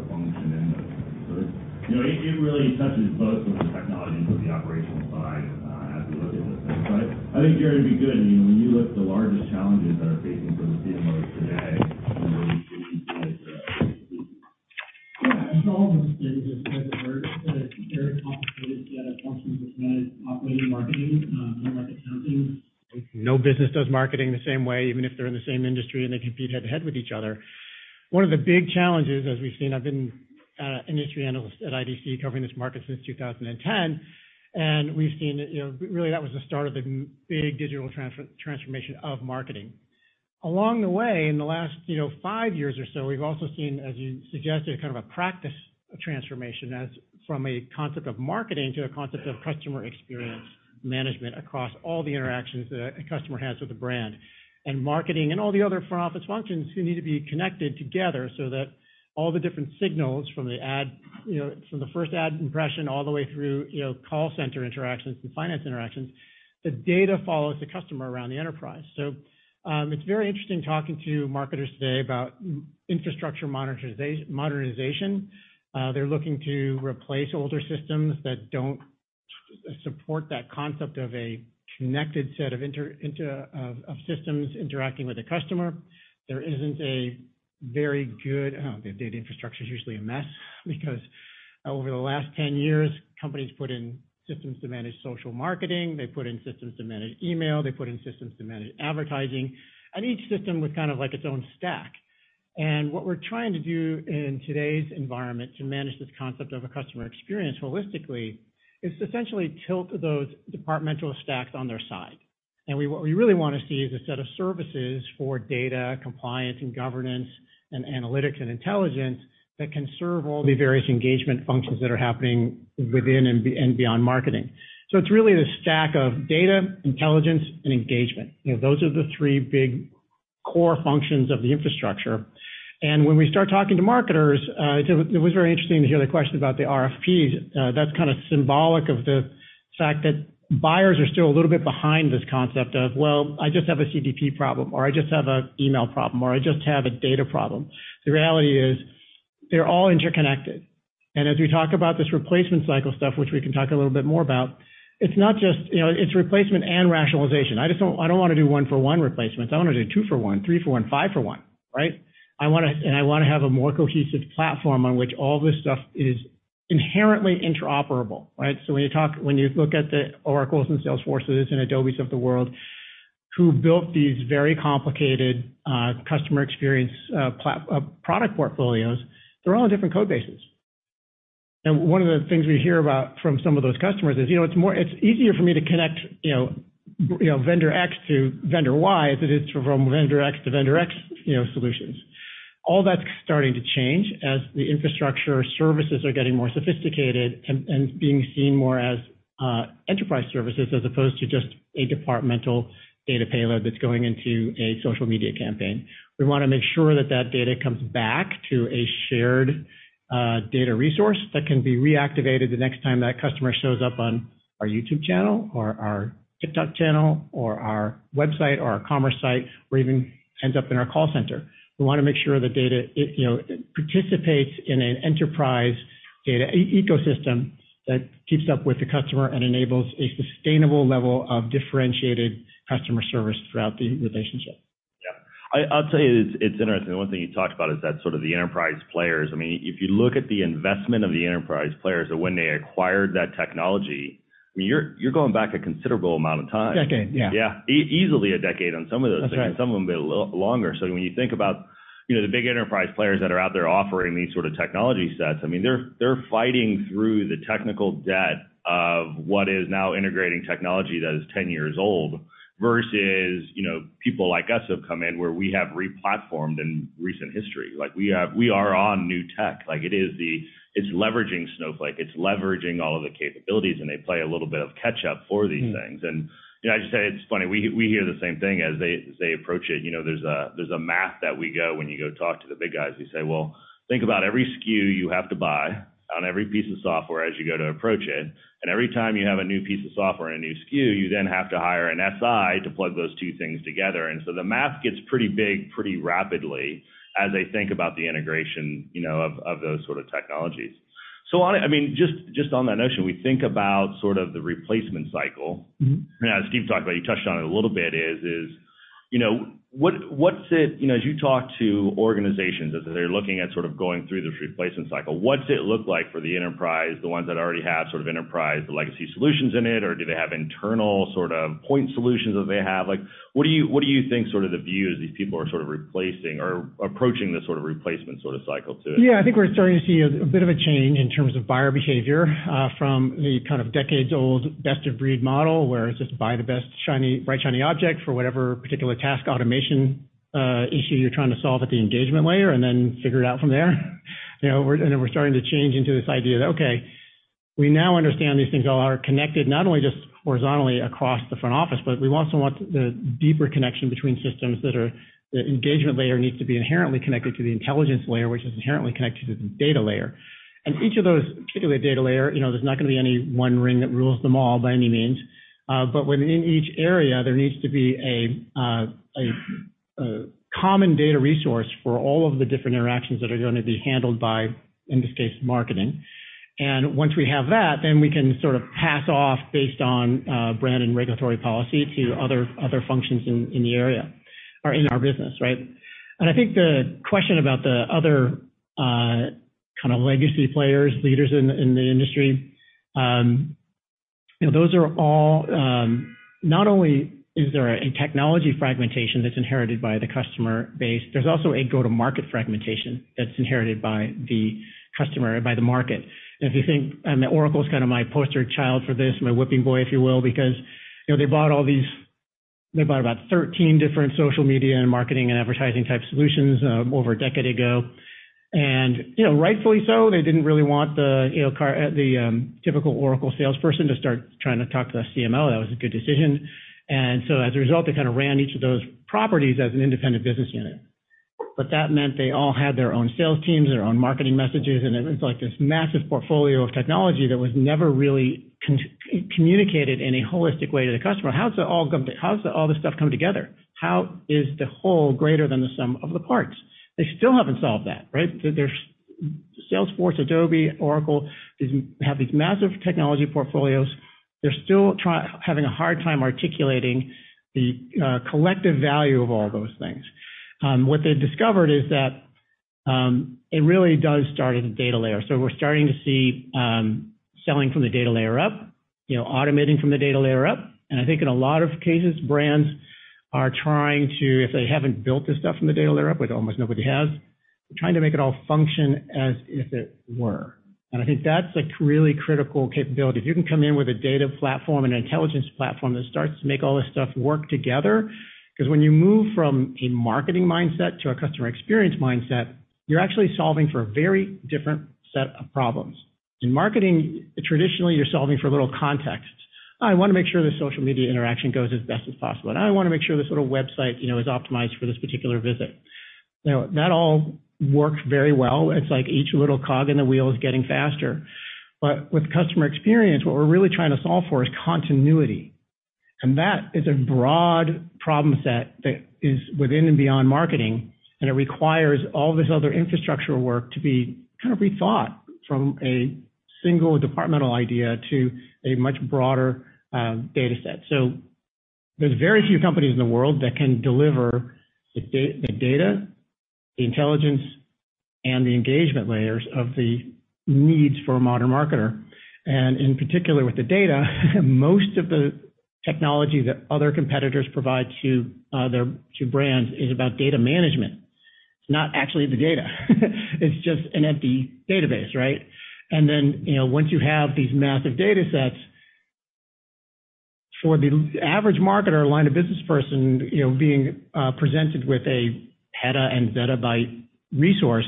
Speaker 13: ...for the function in the sense that, you know, it really touches both on the technology and to the operational side, as we look at this thing. But I think, Gerry, it'd be good. I mean, when you look at the largest challenges that are facing for the CMOs today, where would you see it?
Speaker 14: Yeah, so as just said the word, that it's very complicated to get a function that manages operating marketing, unlike accounting. No business does marketing the same way, even if they're in the same industry and they compete head-to-head with each other. One of the big challenges, as we've seen, I've been an industry analyst at IDC, covering this market since 2010, and we've seen, you know, really, that was the start of the big digital transformation of marketing. Along the way, in the last, you know, 5 years or so, we've also seen, as you suggested, kind of a practice transformation as from a concept of marketing to a concept of customer experience management across all the interactions that a customer has with a brand. Marketing and all the other front-office functions need to be connected together so that all the different signals from the ad, you know, from the first ad impression all the way through, you know, call center interactions and finance interactions, the data follows the customer around the enterprise. It's very interesting talking to marketers today about infrastructure modernization. They're looking to replace older systems that don't support that concept of a connected set of interconnected systems interacting with the customer. There isn't a very good... The data infrastructure is usually a mess because over the last 10 years, companies put in systems to manage social marketing, they put in systems to manage email, they put in systems to manage advertising, and each system was kind of like its own stack. What we're trying to do in today's environment to manage this concept of a customer experience holistically, is to essentially tilt those departmental stacks on their side. What we really want to see is a set of services for data compliance and governance, and analytics and intelligence, that can serve all the various engagement functions that are happening within and beyond marketing. It's really the stack of data, intelligence, and engagement. You know, those are the three big core functions of the infrastructure. When we start talking to marketers, it was very interesting to hear the question about the RFPs. That's kind of symbolic of the fact that buyers are still a little bit behind this concept of, "Well, I just have a CDP problem, or I just have an email problem, or I just have a data problem." The reality is, they're all interconnected. As we talk about this replacement cycle stuff, which we can talk a little bit more about, it's not just, you know, it's replacement and rationalization. I just don't want to do 1-for-1 replacements. I want to do 2-for-1, 3-for-1, 5-for-1, right? I wanna, and I wanna have a more cohesive platform on which all this stuff is inherently interoperable, right? So when you talk, when you look at the Oracles and Salesforces and Adobes of the world, who built these very complicated, customer experience platform product portfolios, they're all on different code bases. And one of the things we hear about from some of those customers is, "You know, it's more. It's easier for me to connect, you know, you know, vendor X to vendor Y than it is from vendor X to vendor X, you know, solutions." All that's starting to change as the infrastructure services are getting more sophisticated and being seen more as enterprise services, as opposed to just a departmental data payload that's going into a social media campaign. We want to make sure that data comes back to a shared, data resource that can be reactivated the next time that customer shows up on our YouTube channel or our TikTok channel, or our website, or our commerce site, or even ends up in our call center. We want to make sure the data, it, you know, participates in an enterprise data ecosystem that keeps up with the customer and enables a sustainable level of differentiated customer service throughout the relationship.
Speaker 13: Yeah. I, I'll tell you, it's, it's interesting. One thing you talked about is that sort of the enterprise players. I mean, if you look at the investment of the enterprise players and when they acquired that technology, I mean, you're, you're going back a considerable amount of time.
Speaker 14: Decade, yeah.
Speaker 13: Yeah. Easily a decade on some of those things-
Speaker 14: That's right.
Speaker 13: Some of them a little longer. So when you think about, you know, the big enterprise players that are out there offering these sort of technology sets, I mean, they're fighting through the technical debt of what is now integrating technology that is 10 years old, versus, you know, people like us who have come in, where we have replatformed in recent history. Like, we have we are on new tech. Like, it is the... It's leveraging Snowflake, it's leveraging all of the capabilities, and they play a little bit of catch-up for these things. You know, I just say it's funny, we, we hear the same thing as they, as they approach it. You know, there's a, there's a math that we go when you go talk to the big guys. You say, "Well, think about every SKU you have to buy on every piece of software as you go to approach it, and every time you have a new piece of software and a new SKU, you then have to hire an SI to plug those two things together." And so the math gets pretty big, pretty rapidly, as they think about the integration, you know, of, of those sort of technologies. So on a... I mean, just, just on that notion, we think about sort of the replacement cycle. As Steve talked about, you touched on it a little bit, you know, what's it... You know, as you talk to organizations, as they're looking at sort of going through this replacement cycle, what's it look like for the enterprise, the ones that already have sort of enterprise, the legacy solutions in it, or do they have internal sort of point solutions that they have? Like, what do you think sort of the view as these people are sort of replacing or approaching this sort of replacement sort of cycle to?
Speaker 14: Yeah, I think we're starting to see a bit of a change in terms of buyer behavior from the kind of decades-old best-of-breed model, where it's just buy the best shiny-bright shiny object for whatever particular task automation issue you're trying to solve at the engagement layer, and then figure it out from there. You know, and then we're starting to change into this idea that, okay, we now understand these things all are connected, not only just horizontally across the front office, but we also want the deeper connection between systems that are the engagement layer needs to be inherently connected to the intelligence layer, which is inherently connected to the data layer. And each of those, particularly the data layer, you know, there's not going to be any one ring that rules them all by any means. but within each area, there needs to be a common data resource for all of the different interactions that are going to be handled by, in this case, marketing. And once we have that, then we can sort of pass off based on brand and regulatory policy to other functions in the area or in our business, right? And I think the question about the other kind of legacy players, leaders in the industry, those are all not only is there a technology fragmentation that's inherited by the customer base, there's also a go-to-market fragmentation that's inherited by the customer, by the market. If you think, Oracle is kind of my poster child for this, my whipping boy, if you will, because, you know, they bought about 13 different social media and marketing, and advertising type solutions over a decade ago. You know, rightfully so, they didn't really want the, you know, typical Oracle salesperson to start trying to talk to the CMO. That was a good decision. So as a result, they kind of ran each of those properties as an independent business unit. But that meant they all had their own sales teams, their own marketing messages, and it was like this massive portfolio of technology that was never really communicated in a holistic way to the customer. How does it all come together? How does all this stuff come together? How is the whole greater than the sum of the parts? They still haven't solved that, right? There's Salesforce, Adobe, Oracle, have these massive technology portfolios. They're still having a hard time articulating the collective value of all those things. What they've discovered is that it really does start at the data layer. So we're starting to see selling from the data layer up, you know, automating from the data layer up. And I think in a lot of cases, brands are trying to, if they haven't built this stuff from the data layer up, which almost nobody has, trying to make it all function as if it were. And I think that's a really critical capability. If you can come in with a data platform and intelligence platform, that starts to make all this stuff work together. Because when you move from a marketing mindset to a customer experience mindset, you're actually solving for a very different set of problems. In marketing, traditionally, you're solving for a little context. I want to make sure the social media interaction goes as best as possible, and I want to make sure this little website, you know, is optimized for this particular visit. You know, that all works very well. It's like each little cog in the wheel is getting faster. But with customer experience, what we're really trying to solve for is continuity, and that is a broad problem set that is within and beyond marketing, and it requires all this other infrastructural work to be kind of rethought from a single departmental idea to a much broader data set. So there's very few companies in the world that can deliver the the data, the intelligence, and the engagement layers of the needs for a modern marketer. And in particular, with the data, most of the technology that other competitors provide to their to brands is about data management. It's not actually the data, it's just an empty database, right? And then, you know, once you have these massive data sets, for the average marketer or line of business person, you know, being presented with a petabyte and zettabyte resource,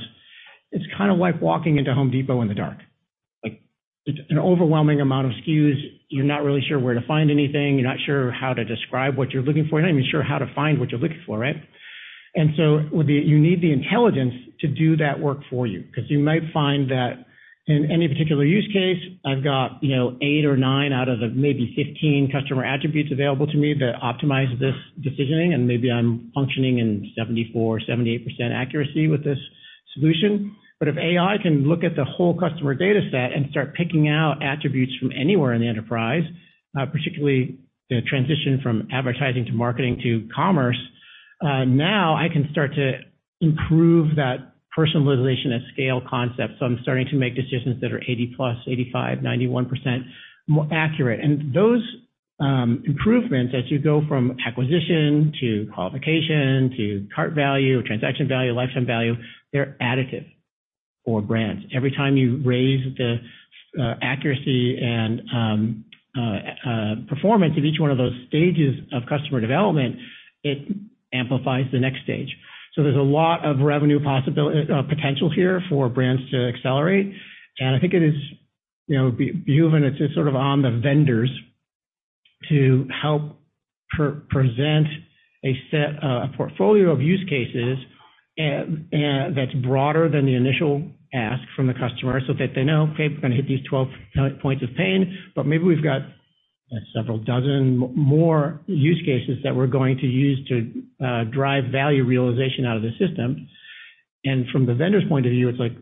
Speaker 14: it's kind of like walking into Home Depot in the dark. Like, it's an overwhelming amount of SKUs. You're not really sure where to find anything. You're not sure how to describe what you're looking for. You're not even sure how to find what you're looking for, right? You need the intelligence to do that work for you, because you might find that in any particular use case, I've got, you know, eight or nine out of maybe 15 customer attributes available to me that optimize this decisioning, and maybe I'm functioning in 74%-78% accuracy with this solution. But if AI can look at the whole customer data set and start picking out attributes from anywhere in the enterprise, particularly the transition from advertising, to marketing, to commerce, now I can start to improve that personalization at scale concept. So I'm starting to make decisions that are 80+%, 85%, 91% more accurate. And those improvements as you go from acquisition to qualification, to cart value, or transaction value, lifetime value, they're additive for brands. Every time you raise the accuracy and performance of each one of those stages of customer development, it amplifies the next stage. So there's a lot of revenue possibility, potential here for brands to accelerate. And I think it is, you know, behooves, it's just sort of on the vendors to help pre-present a set, a portfolio of use cases, and that's broader than the initial ask from the customer, so that they know, okay, we're going to hit these 12 points of pain, but maybe we've got several dozen more use cases that we're going to use to drive value realization out of the system. From the vendor's point of view, it's like,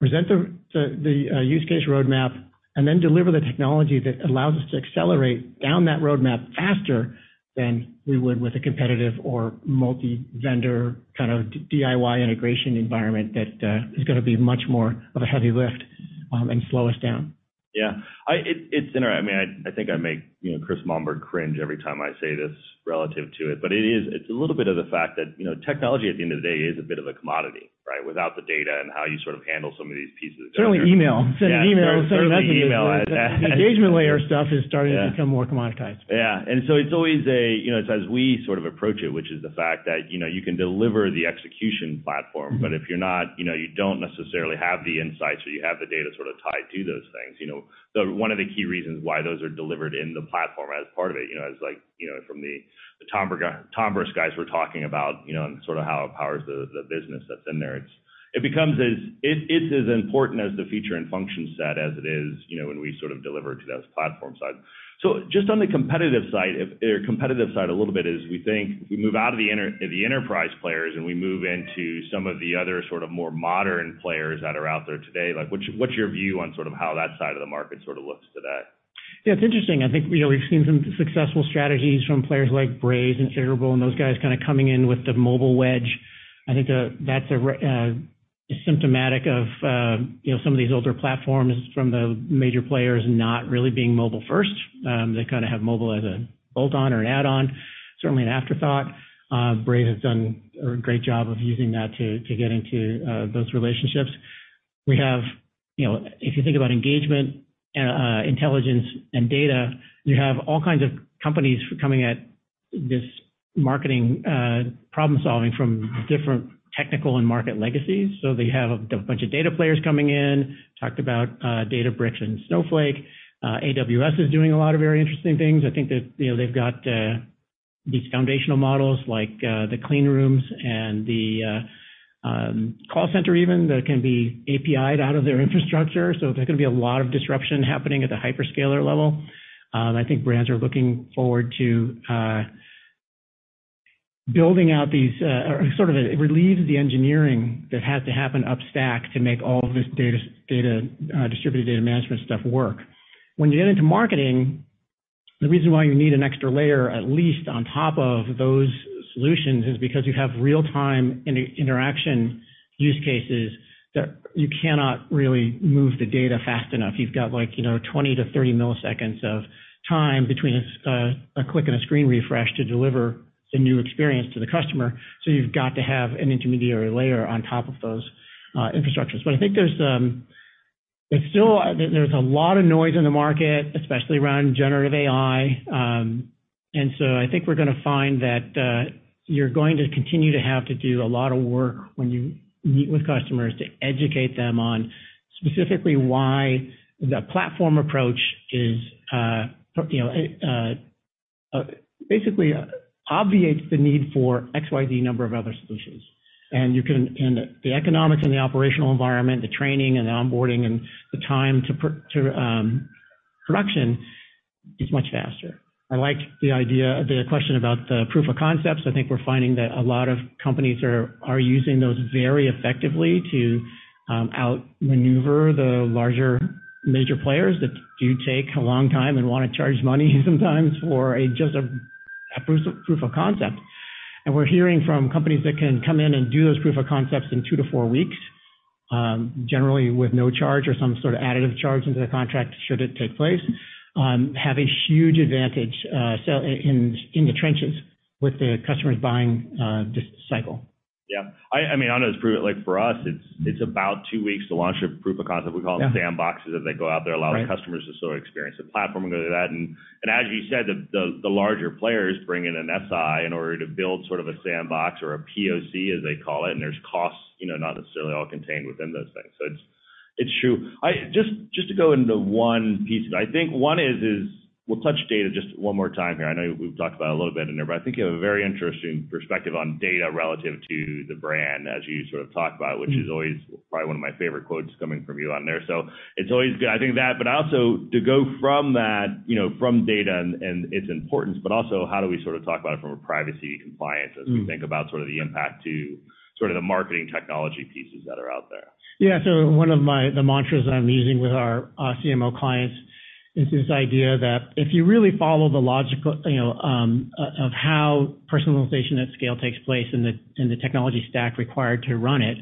Speaker 14: present the use case roadmap and then deliver the technology that allows us to accelerate down that roadmap faster than we would with a competitive or multi-vendor kind of DIY integration environment. That is going to be much more of a heavy lift and slow us down.
Speaker 13: Yeah, I, it, it's interesting. I mean, I think I make, you know, Christian Monberg cringe every time I say this relative to it, but it is, it's a little bit of the fact that, you know, technology, at the end of the day, is a bit of a commodity, right? Without the data and how you sort of handle some of these pieces.
Speaker 14: Certainly email. Sending email-
Speaker 13: Yeah, certainly email.
Speaker 14: The engagement layer stuff is starting to become more commoditized.
Speaker 13: Yeah. And so it's always a, you know, as we sort of approach it, which is the fact that, you know, you can deliver the execution platform, but if you're not, you know, you don't necessarily have the insights or you have the data sort of tied to those things. You know, one of the key reasons why those are delivered in the platform as part of it, you know, as like, you know, from the, the Tombras guys were talking about, you know, and sort of how it powers the, the business that's in there. It's, it becomes it, it's as important as the feature and function set as it is, you know, when we sort of deliver to that platform side. So just on the competitive side, or competitive side a little bit, is we think we move out of the enterprise players, and we move into some of the other sort of more modern players that are out there today. Like, what's your view on sort of how that side of the market sort of looks today?
Speaker 14: Yeah, it's interesting. I think, you know, we've seen some successful strategies from players like Braze and Iterable, and those guys kind of coming in with the mobile wedge. I think, that's a, symptomatic of, you know, some of these older platforms from the major players not really being mobile first. They kind of have mobile as a bolt-on or an add-on, certainly an afterthought. Braze has done a great job of using that to, to get into, those relationships. We have, you know, if you think about engagement, intelligence, and data, you have all kinds of companies coming at this marketing, problem-solving from different technical and market legacies. So they have a bunch of data players coming in, talked about, Databricks and Snowflake. AWS is doing a lot of very interesting things. I think that, you know, they've got these foundational models like the clean rooms and the call center even, that can be API'd out of their infrastructure. So there's gonna be a lot of disruption happening at the hyperscaler level. I think brands are looking forward to building out these. Sort of it relieves the engineering that has to happen up stack to make all this data, data, distributed data management stuff work. When you get into marketing, the reason why you need an extra layer, at least on top of those solutions, is because you have real-time interaction use cases that you cannot really move the data fast enough. You've got, like, you know, 20-30 milliseconds of time between a click and a screen refresh to deliver the new experience to the customer. So you've got to have an intermediary layer on top of those infrastructures. But I think there's still a lot of noise in the market, especially around generative AI. And so I think we're gonna find that you're going to continue to have to do a lot of work when you meet with customers to educate them on specifically why the platform approach is, you know, basically obviates the need for XYZ number of other solutions. And the economics and the operational environment, the training and the onboarding, and the time to production is much faster. I like the idea, the question about the proof of concepts. I think we're finding that a lot of companies are using those very effectively to outmaneuver the larger major players that do take a long time and wanna charge money sometimes for just a proof of concept. And we're hearing from companies that can come in and do those proof of concepts in 2-4 weeks, generally with no charge or some sort of additive charge into the contract, should it take place, have a huge advantage, so in the trenches with the customers buying this cycle.
Speaker 13: Yeah, I mean, I know it's true, like, for us, it's about two weeks to launch a proof of concept.
Speaker 14: Yeah.
Speaker 13: We call them sandboxes, as they go out there-
Speaker 14: Right.
Speaker 13: Allow customers to sort of experience the platform and go through that. And as you said, the larger players bring in an SI in order to build sort of a sandbox or a POC, as they call it, and there's costs, you know, not necessarily all contained within those things. So it's true. Just to go into one piece. I think one is we'll touch data just one more time here. I know we've talked about it a little bit in there, but I think you have a very interesting perspective on data relative to the brand as you sort of talk about which is always probably one of my favorite quotes coming from you on there. So it's always good. I think that, but also to go from that, you know, from data and its importance, but also how do we sort of talk about it from a privacy compliance- As we think about sort of the impact to sort of the marketing technology pieces that are out there?
Speaker 14: Yeah. So one of my mantras that I'm using with our CMO clients is this idea that if you really follow the logical, you know, of how personalization at scale takes place and the technology stack required to run it,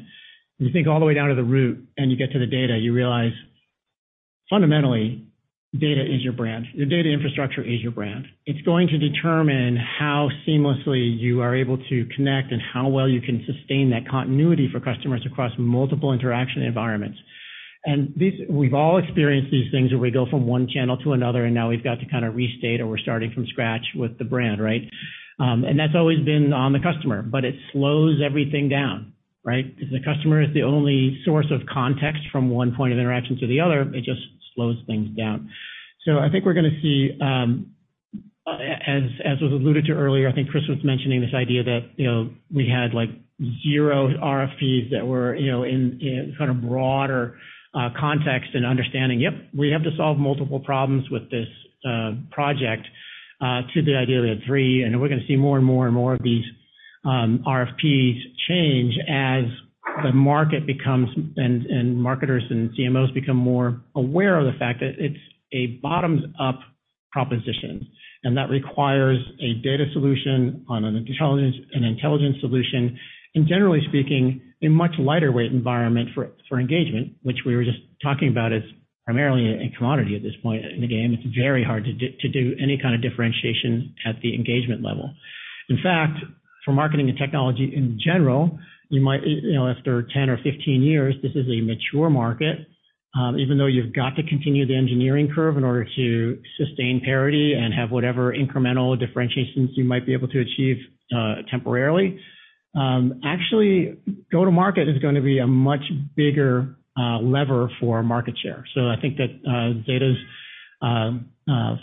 Speaker 14: you think all the way down to the root, and you get to the data, you realize, fundamentally, data is your brand. Your data infrastructure is your brand. It's going to determine how seamlessly you are able to connect and how well you can sustain that continuity for customers across multiple interaction environments. And this, we've all experienced these things, where we go from one channel to another, and now we've got to kind of restate or we're starting from scratch with the brand, right? And that's always been on the customer, but it slows everything down, right? Because the customer is the only source of context from one point of interaction to the other, it just slows things down. So I think we're gonna see, as was alluded to earlier, I think Chris was mentioning this idea that, you know, we had, like, zero RFPs that were, you know, in kind of broader context and understanding, "Yep, we have to solve multiple problems with this project," to the ideal of three, and we're gonna see more and more and more of these RFPs change as the market becomes, and marketers and CMOs become more aware of the fact that it's a bottoms-up-... propositions, and that requires a data solution on an intelligence, an intelligence solution, and generally speaking, a much lighter weight environment for engagement, which we were just talking about, is primarily a commodity at this point in the game. It's very hard to do any kind of differentiation at the engagement level. In fact, for marketing and technology in general, you might, you know, after 10 or 15 years, this is a mature market. Even though you've got to continue the engineering curve in order to sustain parity and have whatever incremental differentiations you might be able to achieve, temporarily. Actually, go-to-market is going to be a much bigger lever for market share. So I think that Zeta's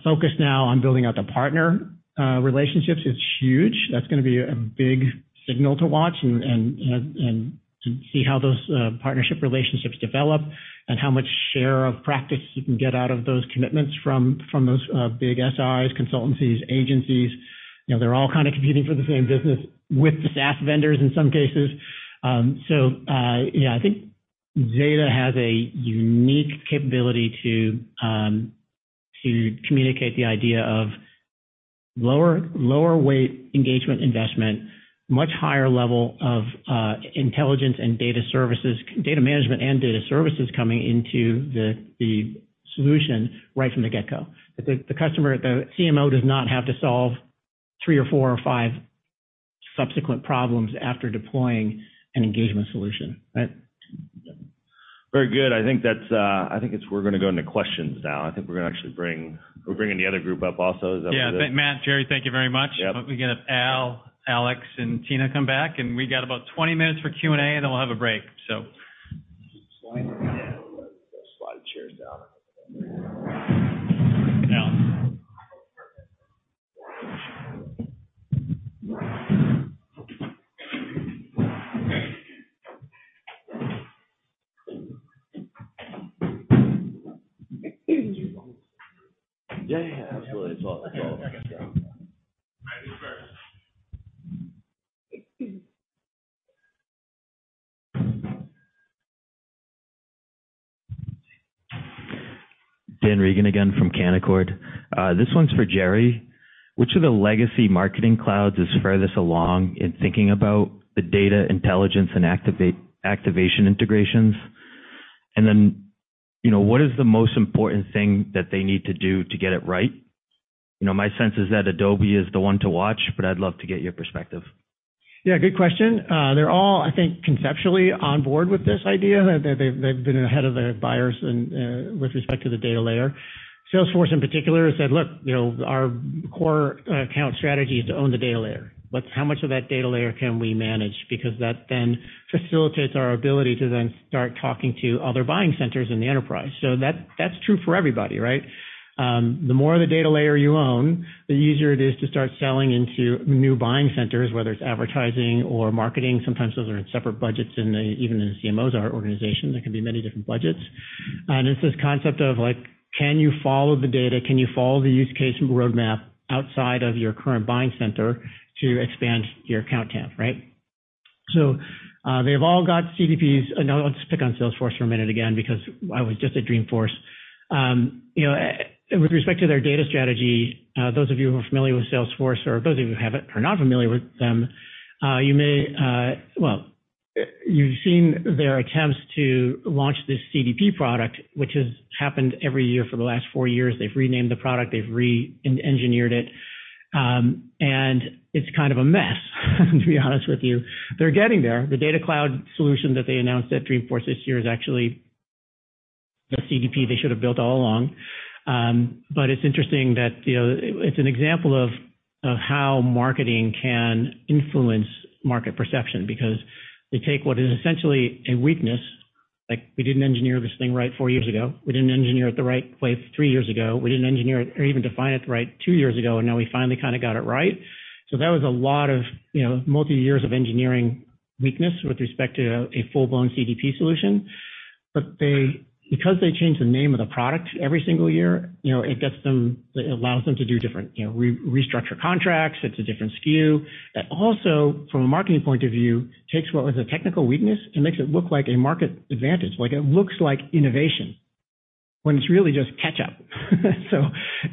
Speaker 14: focus now on building out the partner relationships is huge. That's going to be a big signal to watch and to see how those partnership relationships develop and how much share of practice you can get out of those commitments from those big SIs, consultancies, agencies. You know, they're all kind of competing for the same business with the SaaS vendors in some cases. So, yeah, I think Zeta has a unique capability to communicate the idea of lower weight engagement investment, much higher level of intelligence and data services, data management, and data services coming into the solution right from the get-go. That the customer, the CMO, does not have to solve three or four or five subsequent problems after deploying an engagement solution, right?
Speaker 13: Very good. I think that's, I think it's we're going to go into questions now. I think we're gonna actually bring-- we're bringing the other group up also. Is that what it is?
Speaker 5: Yeah. Matt, Gerry, thank you very much.
Speaker 13: Yep.
Speaker 5: Why don't we get Al, Alex, and Tina come back, and we got about 20 minutes for Q&A, and then we'll have a break, so.
Speaker 13: Slide the chairs down.
Speaker 8: Dan Reagan again from Canaccord. This one's for Gerry. Which of the legacy marketing clouds is furthest along in thinking about the data intelligence and activate, activation integrations? And then, you know, what is the most important thing that they need to do to get it right? You know, my sense is that Adobe is the one to watch, but I'd love to get your perspective.
Speaker 14: Yeah, good question. They're all, I think, conceptually on board with this idea, that they've, they've been ahead of their buyers in with respect to the data layer. Salesforce, in particular, has said, "Look, you know, our core account strategy is to own the data layer. But how much of that data layer can we manage? Because that then facilitates our ability to then start talking to other buying centers in the enterprise." So that, that's true for everybody, right? The more the data layer you own, the easier it is to start selling into new buying centers, whether it's advertising or marketing. Sometimes those are in separate budgets, and even the CMOs are organizations, there can be many different budgets. And it's this concept of, like, can you follow the data? Can you follow the use case roadmap outside of your current buying center to expand your account count, right? So, they've all got CDPs. Now, let's pick on Salesforce for a minute again, because I was just at Dreamforce. You know, with respect to their data strategy, those of you who are familiar with Salesforce or those of you who haven't, are not familiar with them, you may... Well, you've seen their attempts to launch this CDP product, which has happened every year for the last four years. They've renamed the product, they've re-engineered it, and it's kind of a mess, to be honest with you. They're getting there. The data cloud solution that they announced at Dreamforce this year is actually the CDP they should have built all along. But it's interesting that, you know, it's an example of how marketing can influence market perception, because they take what is essentially a weakness, like, we didn't engineer this thing right four years ago, we didn't engineer it the right way three years ago, we didn't engineer it or even define it right two years ago, and now we finally kind of got it right. So that was a lot of, you know, multi-years of engineering weakness with respect to a full-blown CDP solution. But they, because they change the name of the product every single year, you know, it gets them, it allows them to do different, you know, restructure contracts. It's a different SKU. That also, from a marketing point of view, takes what was a technical weakness and makes it look like a market advantage, like it looks like innovation, when it's really just catch up. So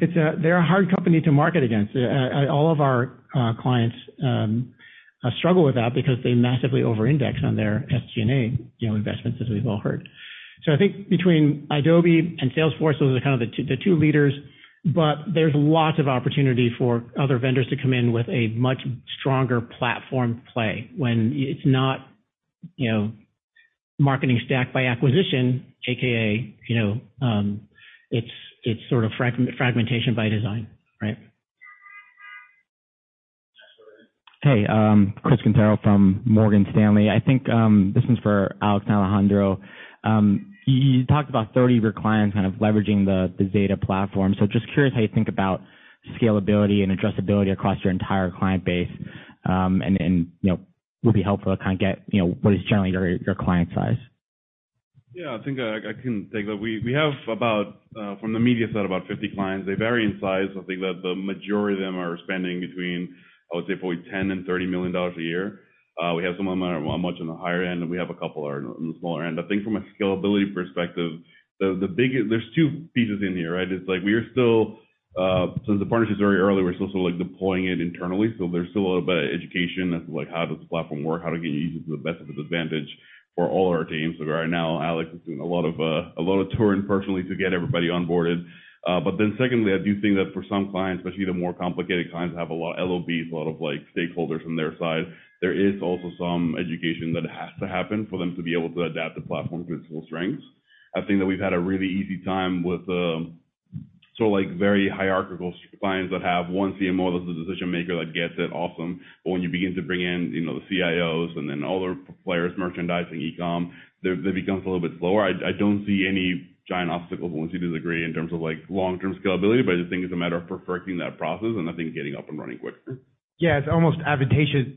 Speaker 14: it's a—they're a hard company to market against. All of our clients struggle with that because they massively over-index on their SG&A, you know, investments, as we've all heard. So I think between Adobe and Salesforce, those are kind of the two leaders, but there's lots of opportunity for other vendors to come in with a much stronger platform play when it's not, you know, marketing stack by acquisition, aka, you know, it's sort of fragmentation by design, right?
Speaker 15: Hey, Chris Quintero from Morgan Stanley. I think this one's for Alex, Alejandro. You talked about 30 of your clients kind of leveraging the, the Zeta platform. So just curious how you think about scalability and addressability across your entire client base, and, and, you know, would be helpful to kind of get, you know, what is generally your, your client size?...
Speaker 12: Yeah, I think I can take that. We have about, from the media side, about 50 clients. They vary in size. I think that the majority of them are spending between, I would say, probably $10 million-$30 million a year. We have some of them are much on the higher end, and we have a couple are on the smaller end. I think from a scalability perspective, the biggest-- there's two pieces in here, right? It's like we are still, since the partnership is very early, we're still sort of like deploying it internally, so there's still a little bit of education as to like, how does the platform work, how to get you to the best of its advantage for all our teams. So right now, Alex is doing a lot of, a lot of touring personally to get everybody onboarded. But then secondly, I do think that for some clients, especially the more complicated clients, have a lot of LOBs, a lot of like stakeholders on their side, there is also some education that has to happen for them to be able to adapt the platform to its full strengths. I think that we've had a really easy time with the, sort of like very hierarchical clients that have one CMO, that's the decision maker, that gets it, awesome. But when you begin to bring in, you know, the CIOs and then all the players, merchandising, e-com, they're, that becomes a little bit slower. I don't see any giant obstacles once you disagree in terms of like long-term scalability, but I just think it's a matter of perfecting that process and I think getting up and running quicker.
Speaker 11: Yeah, it's almost advantageous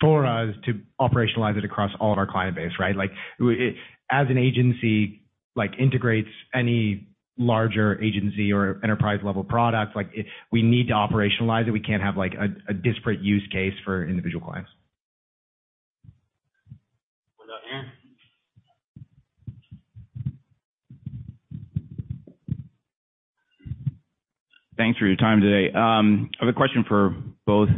Speaker 11: for us to operationalize it across all of our client base, right? Like, it, as an agency, like, integrates any larger agency or enterprise-level product, like, it, we need to operationalize it. We can't have, like, a disparate use case for individual clients.
Speaker 8: What about Aaron?
Speaker 16: Thanks for your time today. I have a question for both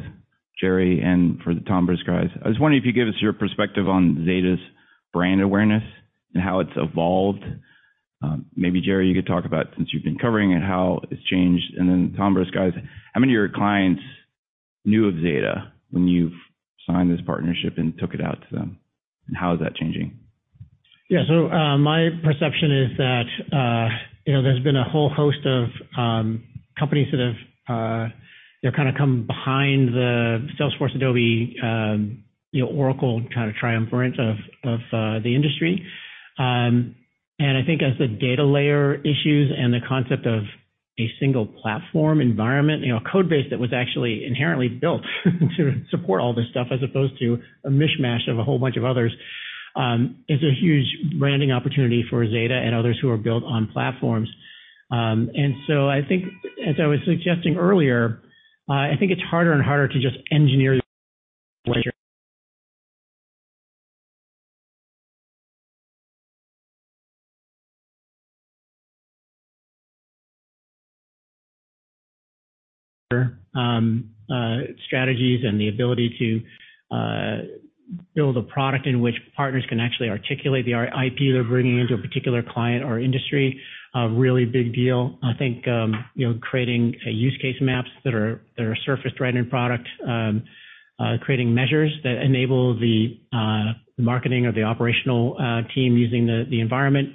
Speaker 16: Gerry and for the Tombras guys. I was wondering if you could give us your perspective on Zeta's brand awareness and how it's evolved. Maybe, Gerry, you could talk about, since you've been covering it, how it's changed. And then Tombras guys, how many of your clients knew of Zeta when you've signed this partnership and took it out to them, and how is that changing?
Speaker 14: Yeah. So, my perception is that, you know, there's been a whole host of companies that have, they've kind of come behind the Salesforce, Adobe, you know, Oracle, kind of triumvirate of the industry. And I think as the data layer issues and the concept of a single platform environment, you know, a code base that was actually inherently built to support all this stuff, as opposed to a mishmash of a whole bunch of others, is a huge branding opportunity for Zeta and others who are built on platforms. And so I think, as I was suggesting earlier, I think it's harder and harder to just engineer strategies and the ability to build a product in which partners can actually articulate the IP they're bringing into a particular client or industry, a really big deal. I think, you know, creating a use case maps that are surfaced right in product, creating measures that enable the marketing or the operational team using the environment,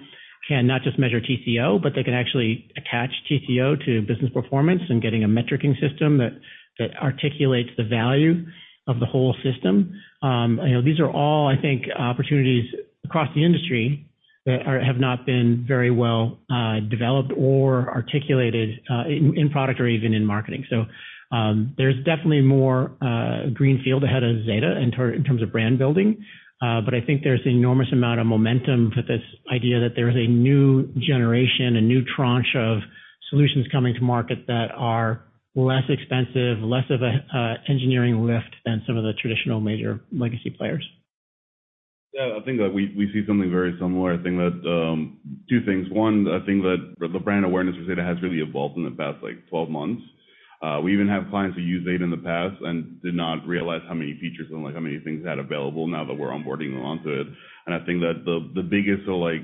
Speaker 14: can not just measure TCO, but they can actually attach TCO to business performance and getting a metricing system that articulates the value of the whole system. You know, these are all, I think, opportunities across the industry that have not been very well developed or articulated in product or even in marketing. So, there's definitely more greenfield ahead of Zeta in terms of brand building. I think there's an enormous amount of momentum for this idea that there is a new generation, a new tranche of solutions coming to market that are less expensive, less of a engineering lift than some of the traditional major legacy players.
Speaker 12: Yeah, I think that we see something very similar. I think that two things: One, I think that the brand awareness of Zeta has really evolved in the past, like, 12 months. We even have clients who used Zeta in the past and did not realize how many features and, like, how many things they had available now that we're onboarding them onto it. And I think that the biggest, so like,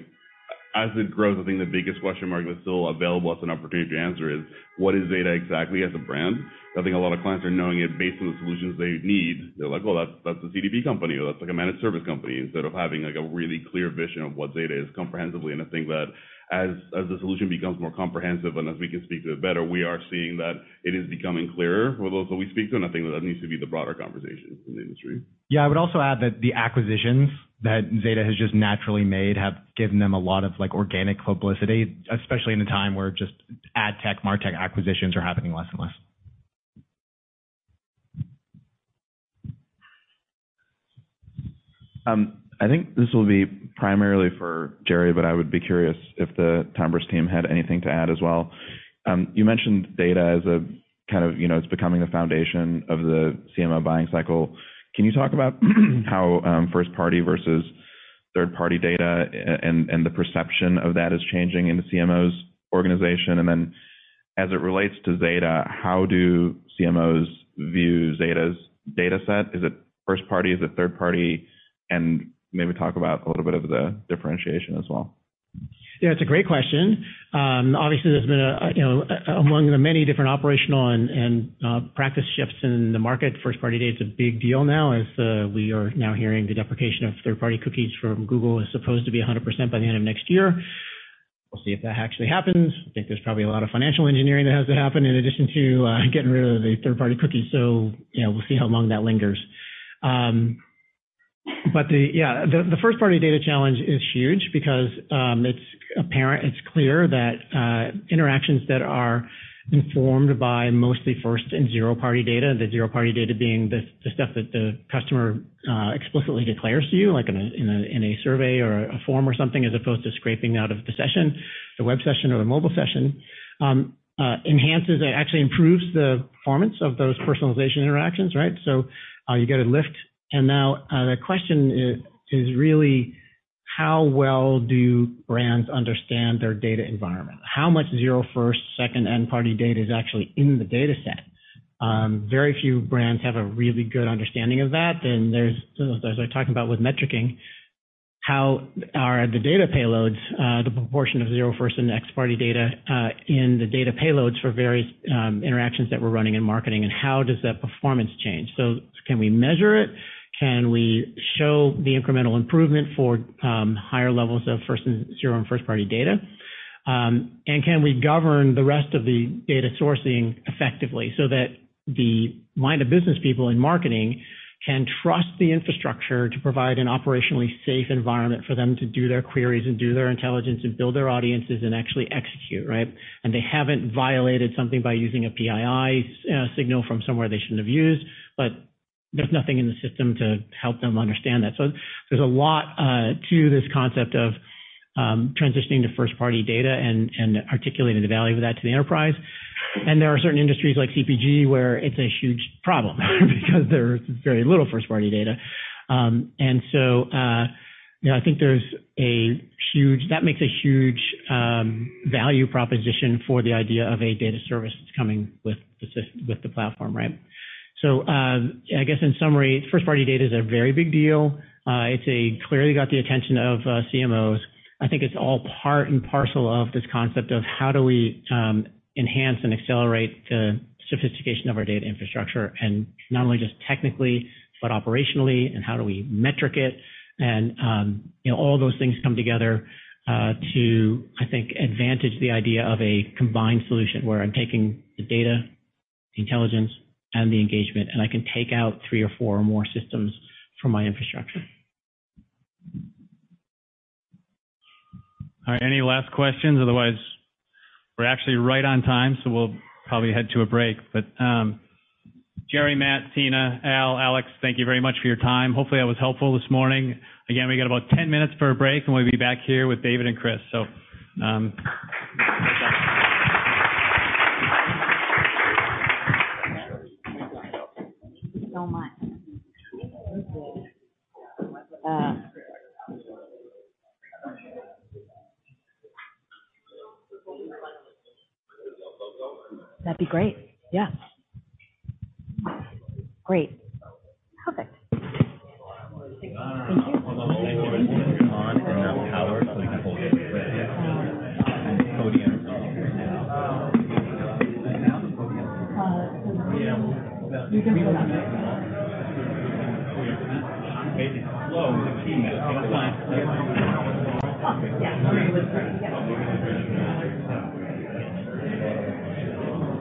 Speaker 12: as it grows, I think the biggest question mark that's still available as an opportunity to answer is: What is Zeta exactly as a brand? I think a lot of clients are knowing it based on the solutions they need. They're like, "Well, that's a CDP company, or that's like a managed service company," instead of having, like, a really clear vision of what Zeta is comprehensively. I think that as the solution becomes more comprehensive and as we can speak to it better, we are seeing that it is becoming clearer for those who we speak to, and I think that needs to be the broader conversation in the industry.
Speaker 11: Yeah, I would also add that the acquisitions that Zeta has just naturally made have given them a lot of, like, organic publicity, especially in a time where just ad tech, MarTech acquisitions are happening less and less.
Speaker 16: I think this will be primarily for Gerry, but I would be curious if the Tombras team had anything to add as well. You mentioned data as a kind of, you know, it's becoming the foundation of the CMO buying cycle. Can you talk about how first-party versus third-party data and the perception of that is changing in the CMO's organization? And then, as it relates to Zeta, how do CMOs view Zeta's data set? Is it first party, is it third party? And maybe talk about a little bit of the differentiation as well.
Speaker 14: Yeah, it's a great question. Obviously, there's been a, you know, among the many different operational and practice shifts in the market, first-party data is a big deal now, as we are now hearing the deprecation of third-party cookies from Google is supposed to be 100% by the end of next year. We'll see if that actually happens. I think there's probably a lot of financial engineering that has to happen in addition to getting rid of the third-party cookies. So, you know, we'll see how long that lingers. But the... Yeah, the first-party data challenge is huge because it's apparent, it's clear that interactions that are informed by mostly first and zero-party data, the zero-party data being the stuff that the customer explicitly declares to you, like in a survey or a form or something, as opposed to scraping out of the session, the web session or the mobile session, enhances and actually improves the performance of those personalization interactions, right? So you get a lift. And now the question is really how well do brands understand their data environment? How much zero first, second, and party data is actually in the dataset? Very few brands have a really good understanding of that. Then there's, as I talked about with metrics, how are the data payloads, the proportion of zero-, first-, and third-party data in the data payloads for various interactions that we're running in marketing, and how does that performance change? So can we measure it? Can we show the incremental improvement for higher levels of zero- and first-party data? And can we govern the rest of the data sourcing effectively so that the line-of-business people in marketing can trust the infrastructure to provide an operationally safe environment for them to do their queries and do their intelligence and build their audiences and actually execute, right? And they haven't violated something by using a PII signal from somewhere they shouldn't have used, but there's nothing in the system to help them understand that. So there's a lot to this concept of transitioning to first party data and articulating the value of that to the enterprise. There are certain industries like CPG, where it's a huge problem because there's very little first party data. And so, you know, I think that makes a huge value proposition for the idea of a data service that's coming with the platform, right? So, I guess in summary, first party data is a very big deal. It's clearly got the attention of CMOs. I think it's all part and parcel of this concept of how do we enhance and accelerate the sophistication of our data infrastructure, and not only just technically, but operationally, and how do we metric it? You know, all those things come together to, I think, advantage the idea of a combined solution where I'm taking the data, the intelligence, and the engagement, and I can take out three or four or more systems from my infrastructure.
Speaker 5: All right, any last questions? Otherwise, we're actually right on time, so we'll probably head to a break. But, Gerry, Matt, Tina, Al, Alex, thank you very much for your time. Hopefully, that was helpful this morning. Again, we got about 10-minutes for a break, and we'll be back here with David and Chris. So, [crosstalk]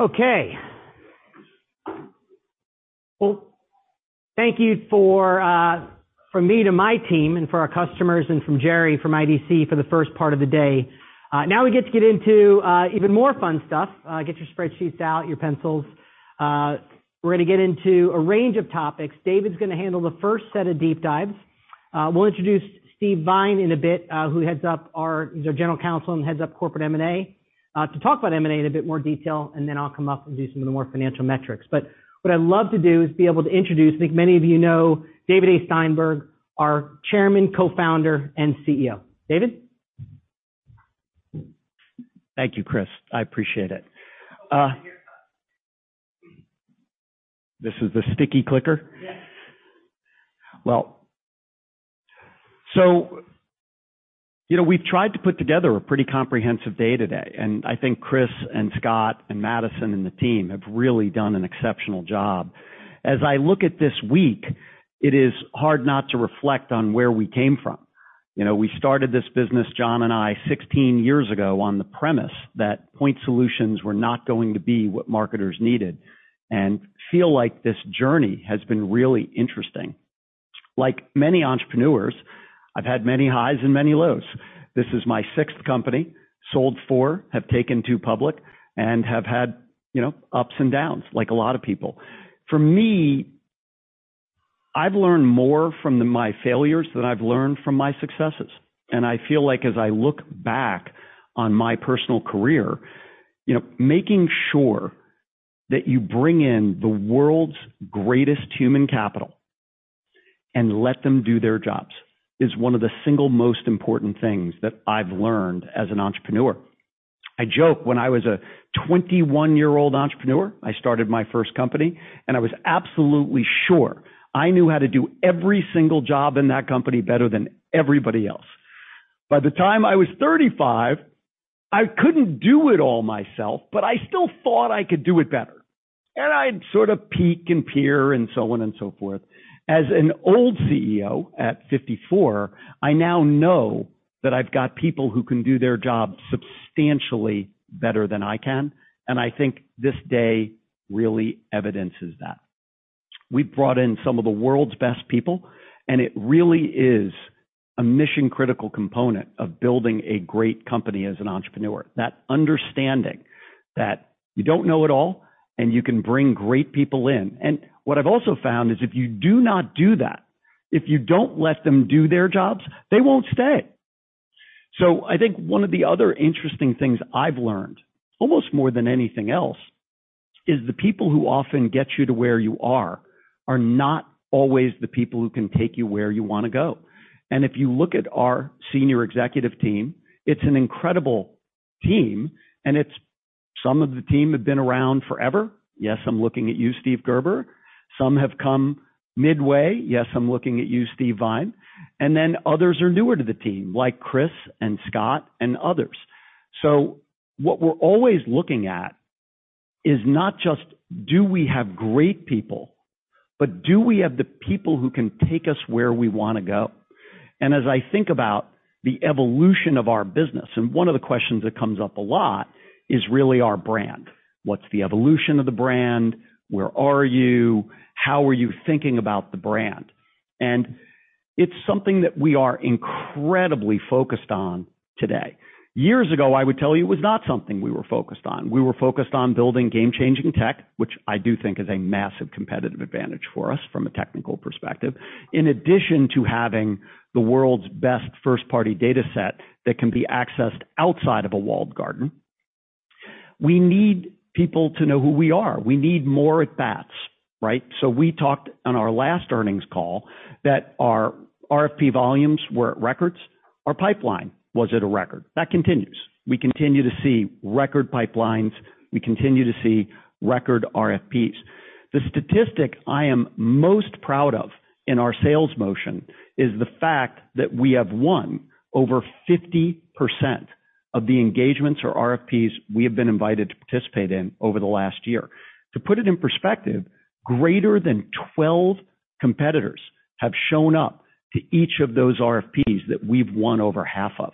Speaker 1: Okay. Well, thank you for, from me to my team and for our customers, and from Gerry, from IDC, for the first part of the day. Now we get to get into even more fun stuff. Get your spreadsheets out, your pencils. We're gonna get into a range of topics. David's gonna handle the first set of deep dives. We'll introduce Steve Vine in a bit, who heads up our—he's our general counsel and heads up corporate M&A, to talk about M&A in a bit more detail, and then I'll come up and do some of the more financial metrics. But what I'd love to do is be able to introduce, I think many of you know, David A. Steinberg, our Chairman, Co-Founder, and CEO. David?
Speaker 17: Thank you, Chris. I appreciate it. This is the sticky clicker?
Speaker 1: Yes.
Speaker 17: Well... So, you know, we've tried to put together a pretty comprehensive day today, and I think Chris and Scott and Madison and the team have really done an exceptional job. As I look at this week, it is hard not to reflect on where we came from. You know, we started this business, John and I, 16 years ago, on the premise that point solutions were not going to be what marketers needed, and feel like this journey has been really interesting. Like many entrepreneurs, I've had many highs and many lows. This is my sixth company. Sold four, have taken two public, and have had, you know, ups and downs, like a lot of people. For me, I've learned more from my failures than I've learned from my successes, and I feel like as I look back on my personal career, you know, making sure that you bring in the world's greatest human capital and let them do their jobs, is one of the single most important things that I've learned as an entrepreneur. I joke, when I was a 21-year-old entrepreneur, I started my first company, and I was absolutely sure I knew how to do every single job in that company better than everybody else. By the time I was 35, I couldn't do it all myself, but I still thought I could do it better, and I'd sort of peek and peer and so on and so forth. As an old CEO, at 54, I now know that I've got people who can do their jobs substantially better than I can, and I think this day really evidences that. We've brought in some of the world's best people, and it really is a mission-critical component of building a great company as an entrepreneur. That understanding that you don't know it all, and you can bring great people in. What I've also found is, if you do not do that, if you don't let them do their jobs, they won't stay. I think one of the other interesting things I've learned, almost more than anything else, is the people who often get you to where you are, are not always the people who can take you where you want to go. If you look at our senior executive team, it's an incredible team, and some of the team have been around forever. Yes, I'm looking at you, Steve Gerber. Some have come midway. Yes, I'm looking at you, Steve Vine. And then others are newer to the team, like Chris and Scott and others. So what we're always looking at is not just do we have great people, but do we have the people who can take us where we wanna go? And as I think about the evolution of our business, and one of the questions that comes up a lot is really our brand. What's the evolution of the brand? Where are you? How are you thinking about the brand? And it's something that we are incredibly focused on today. Years ago, I would tell you it was not something we were focused on. We were focused on building game-changing tech, which I do think is a massive competitive advantage for us from a technical perspective. In addition to having the world's best first-party data set that can be accessed outside of a walled garden, we need people to know who we are. We need more at-bats, right? So we talked on our last earnings call that our RFP volumes were at records. Our pipeline was at a record. That continues. We continue to see record pipelines. We continue to see record RFPs. The statistic I am most proud of in our sales motion is the fact that we have won over 50% of the engagements or RFPs we have been invited to participate in over the last year. To put it in perspective, greater than 12 competitors have shown up to each of those RFPs that we've won over half of.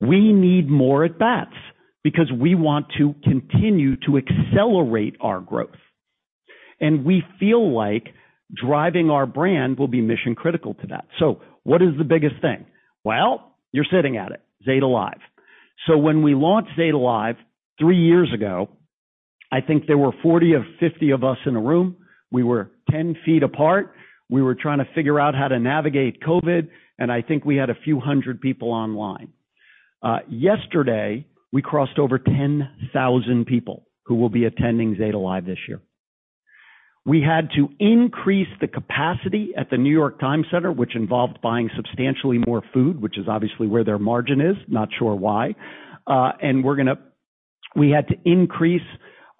Speaker 17: We need more at-bats because we want to continue to accelerate our growth, and we feel like driving our brand will be mission-critical to that. So what is the biggest thing? Well, you're sitting at it, Zeta Live. So when we launched Zeta Live three years ago, I think there were 40 or 50 of us in a room. We were 10 feet apart. We were trying to figure out how to navigate COVID, and I think we had a few hundred people online. Yesterday, we crossed over 10,000 people who will be attending Zeta Live this year. We had to increase the capacity at the New York Times Center, which involved buying substantially more food, which is obviously where their margin is. Not sure why. And we had to increase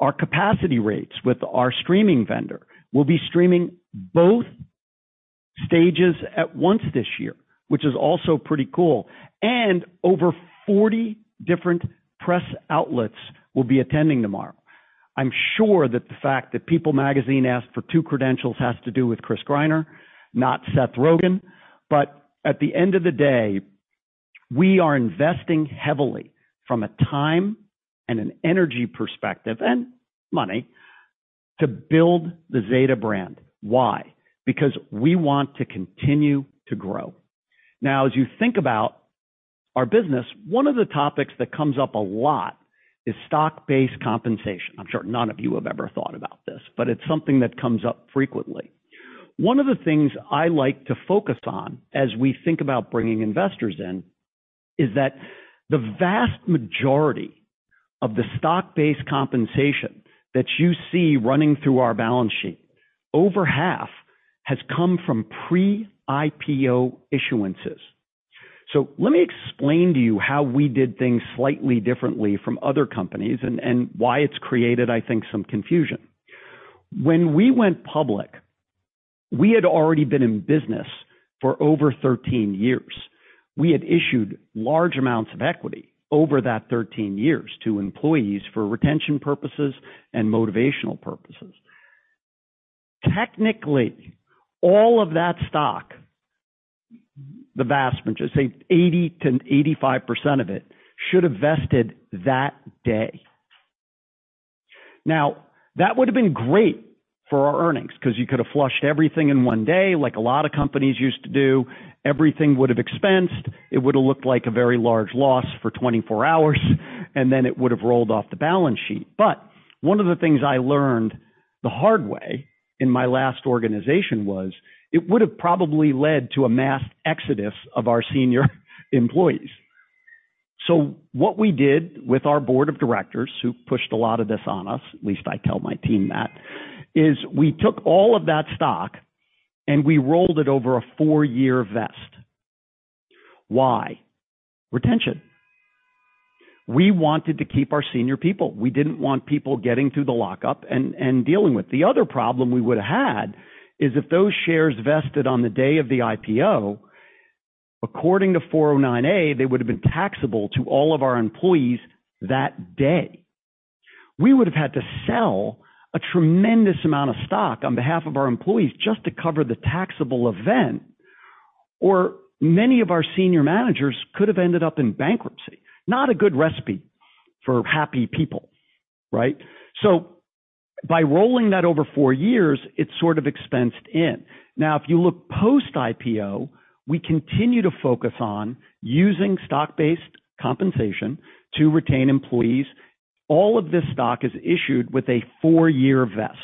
Speaker 17: our capacity rates with our streaming vendor. We'll be streaming both stages at once this year, which is also pretty cool, and over 40 different press outlets will be attending tomorrow. I'm sure that the fact that People magazine asked for two credentials has to do with Chris Greiner, not Seth Rogen. But at the end of the day, we are investing heavily from a time and an energy perspective, and money, to build the Zeta brand. Why? Because we want to continue to grow. Now, as you think about our business, one of the topics that comes up a lot is stock-based compensation. I'm sure none of you have ever thought about this, but it's something that comes up frequently. One of the things I like to focus on as we think about bringing investors in, is that the vast majority of the stock-based compensation that you see running through our balance sheet, over half has come from pre-IPO issuances. So let me explain to you how we did things slightly differently from other companies and, and why it's created, I think, some confusion. When we went public, we had already been in business for over 13 years. We had issued large amounts of equity over that 13 years to employees for retention purposes and motivational purposes. Technically, all of that stock, the vast majority, say 80%-85% of it, should have vested that day. Now, that would have been great for our earnings because you could have flushed everything in one day, like a lot of companies used to do. Everything would have expensed. It would have looked like a very large loss for 24 hours, and then it would have rolled off the balance sheet. But one of the things I learned the hard way in my last organization was, it would have probably led to a mass exodus of our senior employees. So what we did with our board of directors, who pushed a lot of this on us, at least I tell my team that, is we took all of that stock, and we rolled it over a four year vest. Why? Retention. We wanted to keep our senior people. We didn't want people getting through the lockup and, and dealing with. The other problem we would have had, is if those shares vested on the day of the IPO, according to 409A, they would have been taxable to all of our employees that day. We would have had to sell a tremendous amount of stock on behalf of our employees just to cover the taxable event, or many of our senior managers could have ended up in bankruptcy. Not a good recipe for happy people, right? So by rolling that over four years, it's sort of expensed in. Now, if you look post-IPO, we continue to focus on using stock-based compensation to retain employees. All of this stock is issued with a four year vest.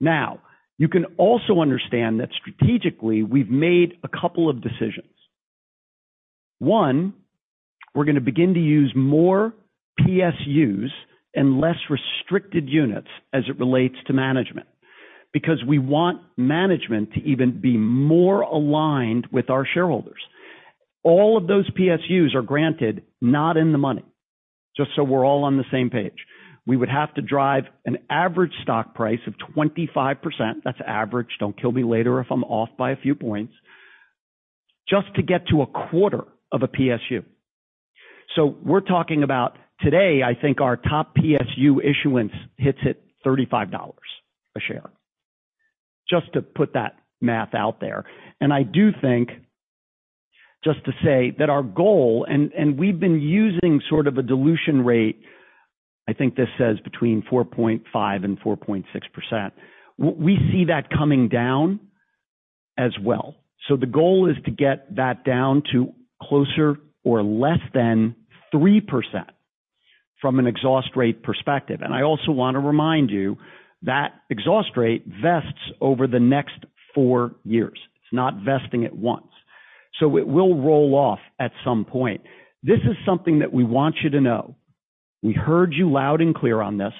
Speaker 17: Now, you can also understand that strategically, we've made a couple of decisions. One, we're gonna begin to use more PSUs and less restricted units as it relates to management, because we want management to even be more aligned with our shareholders. All of those PSUs are granted, not in the money, just so we're all on the same page. We would have to drive an average stock price of 25%, that's average, don't kill me later if I'm off by a few points, just to get to a quarter of a PSU. So we're talking about today, I think our top PSU issuance hits at $35 a share. Just to put that math out there. And I do think, just to say, that our goal, and we've been using sort of a dilution rate, I think this says between 4.5% and 4.6%. We see that coming down as well. So the goal is to get that down to closer or less than 3% from an exhaust rate perspective. And I also want to remind you that exhaust rate vests over the next four years. It's not vesting at once. So it will roll off at some point. This is something that we want you to know. We heard you loud and clear on this.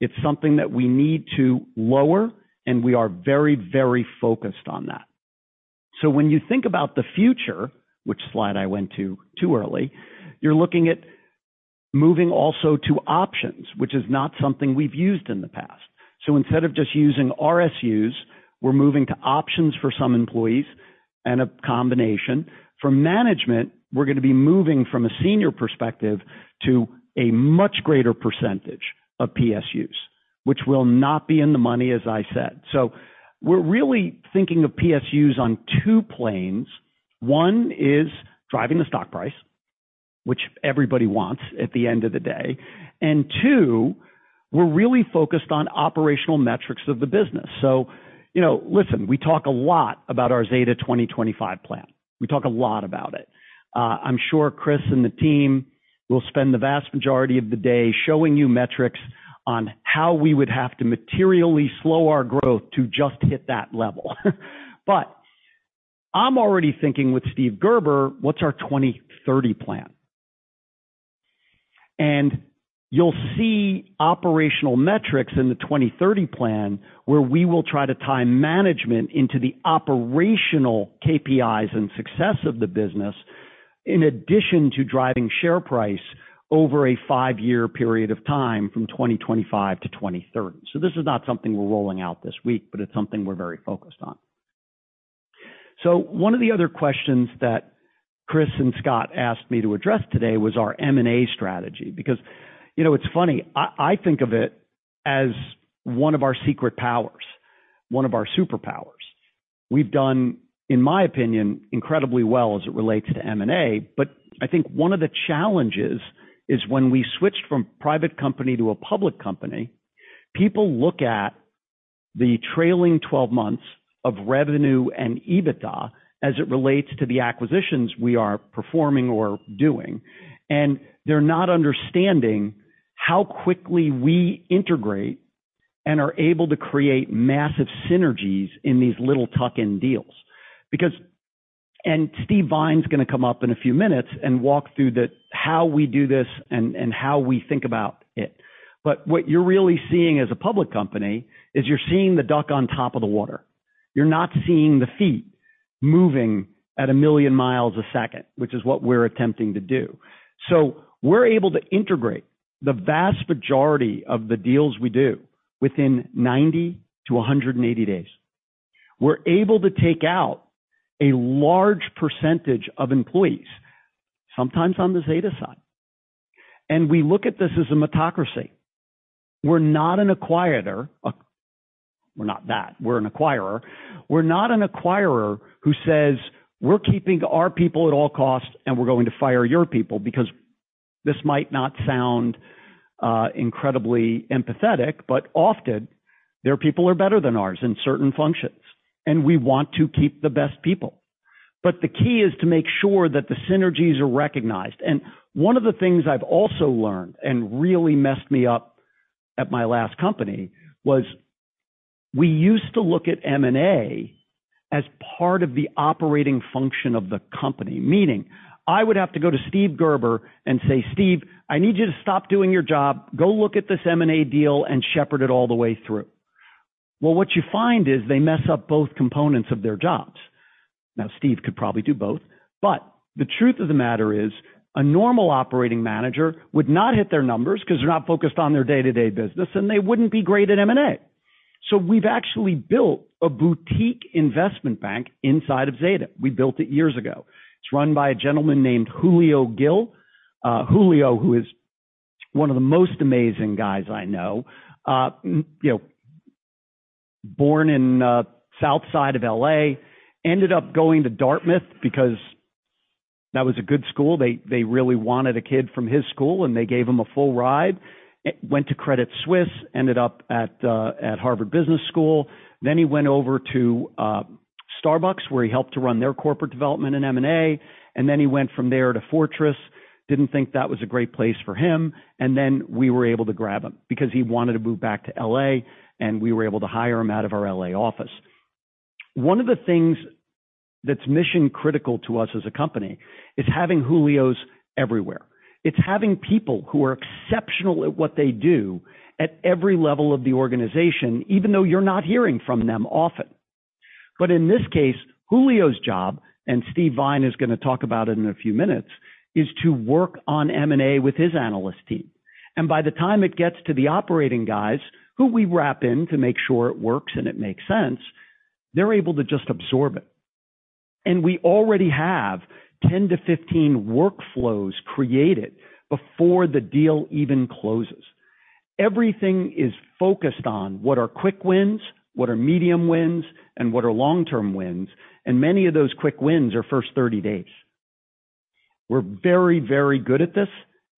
Speaker 17: It's something that we need to lower, and we are very, very focused on that. So when you think about the future, which slide I went to, too early, you're looking at moving also to options, which is not something we've used in the past. So instead of just using RSUs, we're moving to options for some employees and a combination. For management, we're gonna be moving from a senior perspective to a much greater percentage of PSUs, which will not be in the money, as I said. So we're really thinking of PSUs on two planes. One is driving the stock price, which everybody wants at the end of the day, and two, we're really focused on operational metrics of the business. So, you know, listen, we talk a lot about our Zeta 2025 plan. We talk a lot about it. I'm sure Chris and the team will spend the vast majority of the day showing you metrics on how we would have to materially slow our growth to just hit that level. But I'm already thinking with Steve Gerber, what's our 2030 plan? And you'll see operational metrics in the 2030 plan, where we will try to tie management into the operational KPIs and success of the business, in addition to driving share price over a five-year period of time, from 2025 to 2030. So this is not something we're rolling out this week, but it's something we're very focused on. One of the other questions that Chris and Scott asked me to address today was our M&A strategy, because, you know, it's funny, I, I think of it as one of our secret powers, one of our superpowers. We've done, in my opinion, incredibly well as it relates to M&A, but I think one of the challenges is when we switched from private company to a public company, people look at the trailing twelve months of revenue and EBITDA as it relates to the acquisitions we are performing or doing, and they're not understanding how quickly we integrate and are able to create massive synergies in these little tuck-in deals. Because and Steve Vine's gonna come up in a few minutes and walk through how we do this and how we think about it. But what you're really seeing as a public company is you're seeing the duck on top of the water. You're not seeing the feet moving at a million miles a second, which is what we're attempting to do. So we're able to integrate the vast majority of the deals we do within 90-180 days. We're able to take out a large percentage of employees, sometimes on the Zeta side. And we look at this as a meritocracy. We're not an acqui-hirer. We're not that, we're an acquirer. We're not an acquirer who says, "We're keeping our people at all costs, and we're going to fire your people," because this might not sound incredibly empathetic, but often their people are better than ours in certain functions, and we want to keep the best people. The key is to make sure that the synergies are recognized. One of the things I've also learned, and really messed me up at my last company, was we used to look at M&A as part of the operating function of the company, meaning I would have to go to Steve Gerber and say, "Steve, I need you to stop doing your job. Go look at this M&A deal and shepherd it all the way through." Well, what you find is they mess up both components of their jobs. Now, Steve could probably do both, but the truth of the matter is, a normal operating manager would not hit their numbers because they're not focused on their day-to-day business, and they wouldn't be great at M&A. We've actually built a boutique investment bank inside of Zeta. We built it years ago. It's run by a gentleman named Julio Gil. Julio, who is one of the most amazing guys I know, you know, born in south side of L.A., ended up going to Dartmouth because that was a good school. They really wanted a kid from his school, and they gave him a full ride. Went to Credit Suisse, ended up at Harvard Business School. Then he went over to Starbucks, where he helped to run their corporate development in M&A, and then he went from there to Fortress. Didn't think that was a great place for him, and then we were able to grab him because he wanted to move back to L.A., and we were able to hire him out of our L.A. office. One of the things that's mission-critical to us as a company is having Julios everywhere. It's having people who are exceptional at what they do at every level of the organization, even though you're not hearing from them often. But in this case, Julio's job, and Steve Vine is going to talk about it in a few minutes, is to work on M&A with his analyst team. And by the time it gets to the operating guys, who we wrap in to make sure it works and it makes sense, they're able to just absorb it. And we already have 10-15 workflows created before the deal even closes. Everything is focused on what are quick wins, what are medium wins, and what are long-term wins, and many of those quick wins are first 30 days. We're very, very good at this,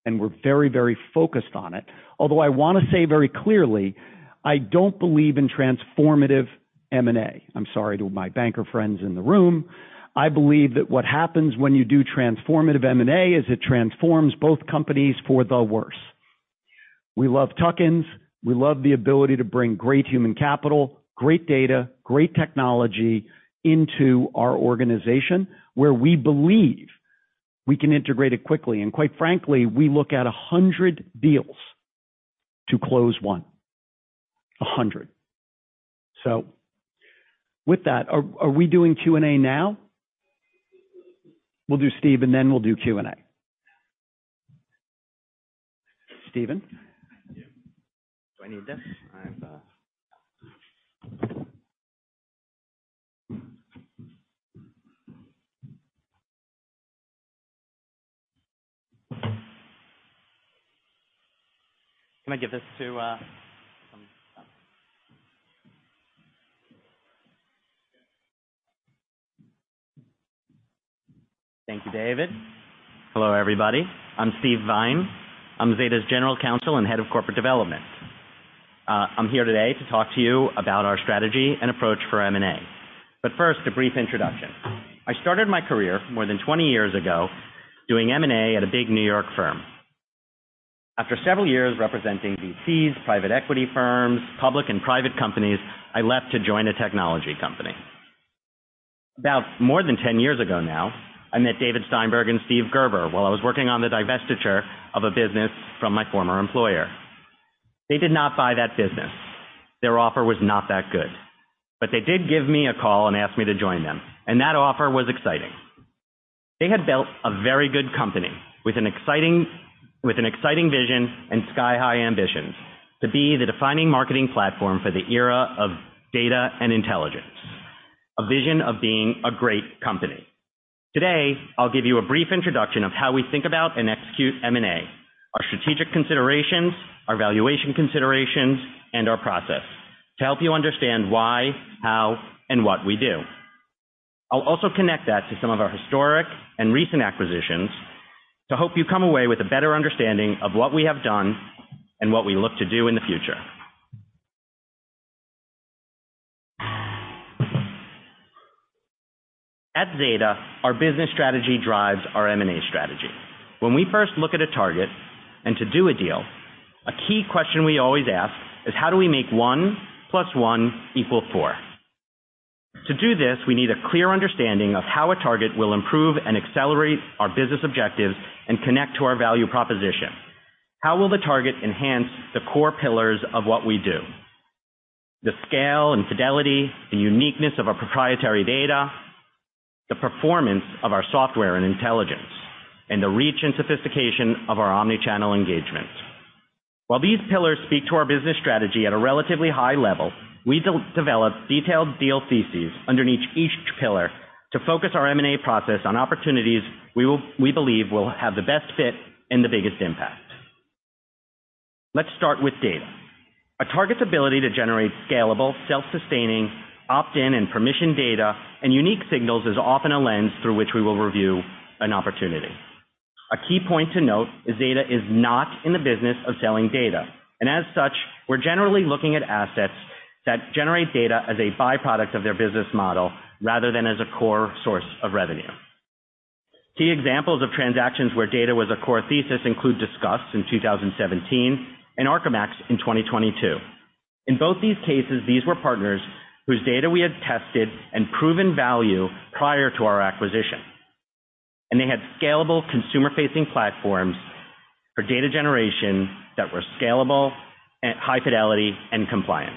Speaker 17: and we're very, very focused on it. Although I want to say very clearly, I don't believe in transformative M&A. I'm sorry to my banker friends in the room. I believe that what happens when you do transformative M&A is it transforms both companies for the worse. We love tuck-ins. We love the ability to bring great human capital, great data, great technology into our organization, where we believe we can integrate it quickly. And quite frankly, we look at 100 deals to close one. 100. So with that, are we doing Q&A now? We'll do Steve, and then we'll do Q&A. Steven?
Speaker 18: Yeah. Do I need this? I have... Can I give this to, some... Thank you, David. Hello, everybody. I'm Steve Vine. I'm Zeta's General Counsel and Head of Corporate Development. I'm here today to talk to you about our strategy and approach for M&A. But first, a brief introduction. I started my career more than 20 years ago doing M&A at a big New York firm. After several years representing VCs, private equity firms, public and private companies, I left to join a technology company. About more than 10 years ago now, I met David Steinberg and Steve Gerber while I was working on the divestiture of a business from my former employer. They did not buy that business. Their offer was not that good, but they did give me a call and asked me to join them, and that offer was exciting. They had built a very good company with an exciting vision and sky-high ambitions to be the defining marketing platform for the era of data and intelligence. A vision of being a great company. Today, I'll give you a brief introduction of how we think about and execute M&A, our strategic considerations, our valuation considerations, and our process to help you understand why, how, and what we do. I'll also connect that to some of our historic and recent acquisitions to hope you come away with a better understanding of what we have done and what we look to do in the future. At Zeta, our business strategy drives our M&A strategy. When we first look at a target and to do a deal, a key question we always ask is: how do we make one plus one equal four? To do this, we need a clear understanding of how a target will improve and accelerate our business objectives and connect to our value proposition. How will the target enhance the core pillars of what we do? The scale and fidelity, the uniqueness of our proprietary data, the performance of our software and intelligence, and the reach and sophistication of our omni-channel engagement. While these pillars speak to our business strategy at a relatively high level, we de-develop detailed deal theses underneath each pillar to focus our M&A process on opportunities we believe will have the best fit and the biggest impact. Let's start with data. A target's ability to generate scalable, self-sustaining, opt-in, and permission data and unique signals is often a lens through which we will review an opportunity. A key point to note is Zeta is not in the business of selling data, and as such, we're generally looking at assets that generate data as a byproduct of their business model rather than as a core source of revenue. Key examples of transactions where data was a core thesis include Disqus in 2017 and ArcaMax in 2022. In both these cases, these were partners whose data we had tested and proven value prior to our acquisition, and they had scalable consumer-facing platforms for data generation that were scalable and high fidelity and compliant.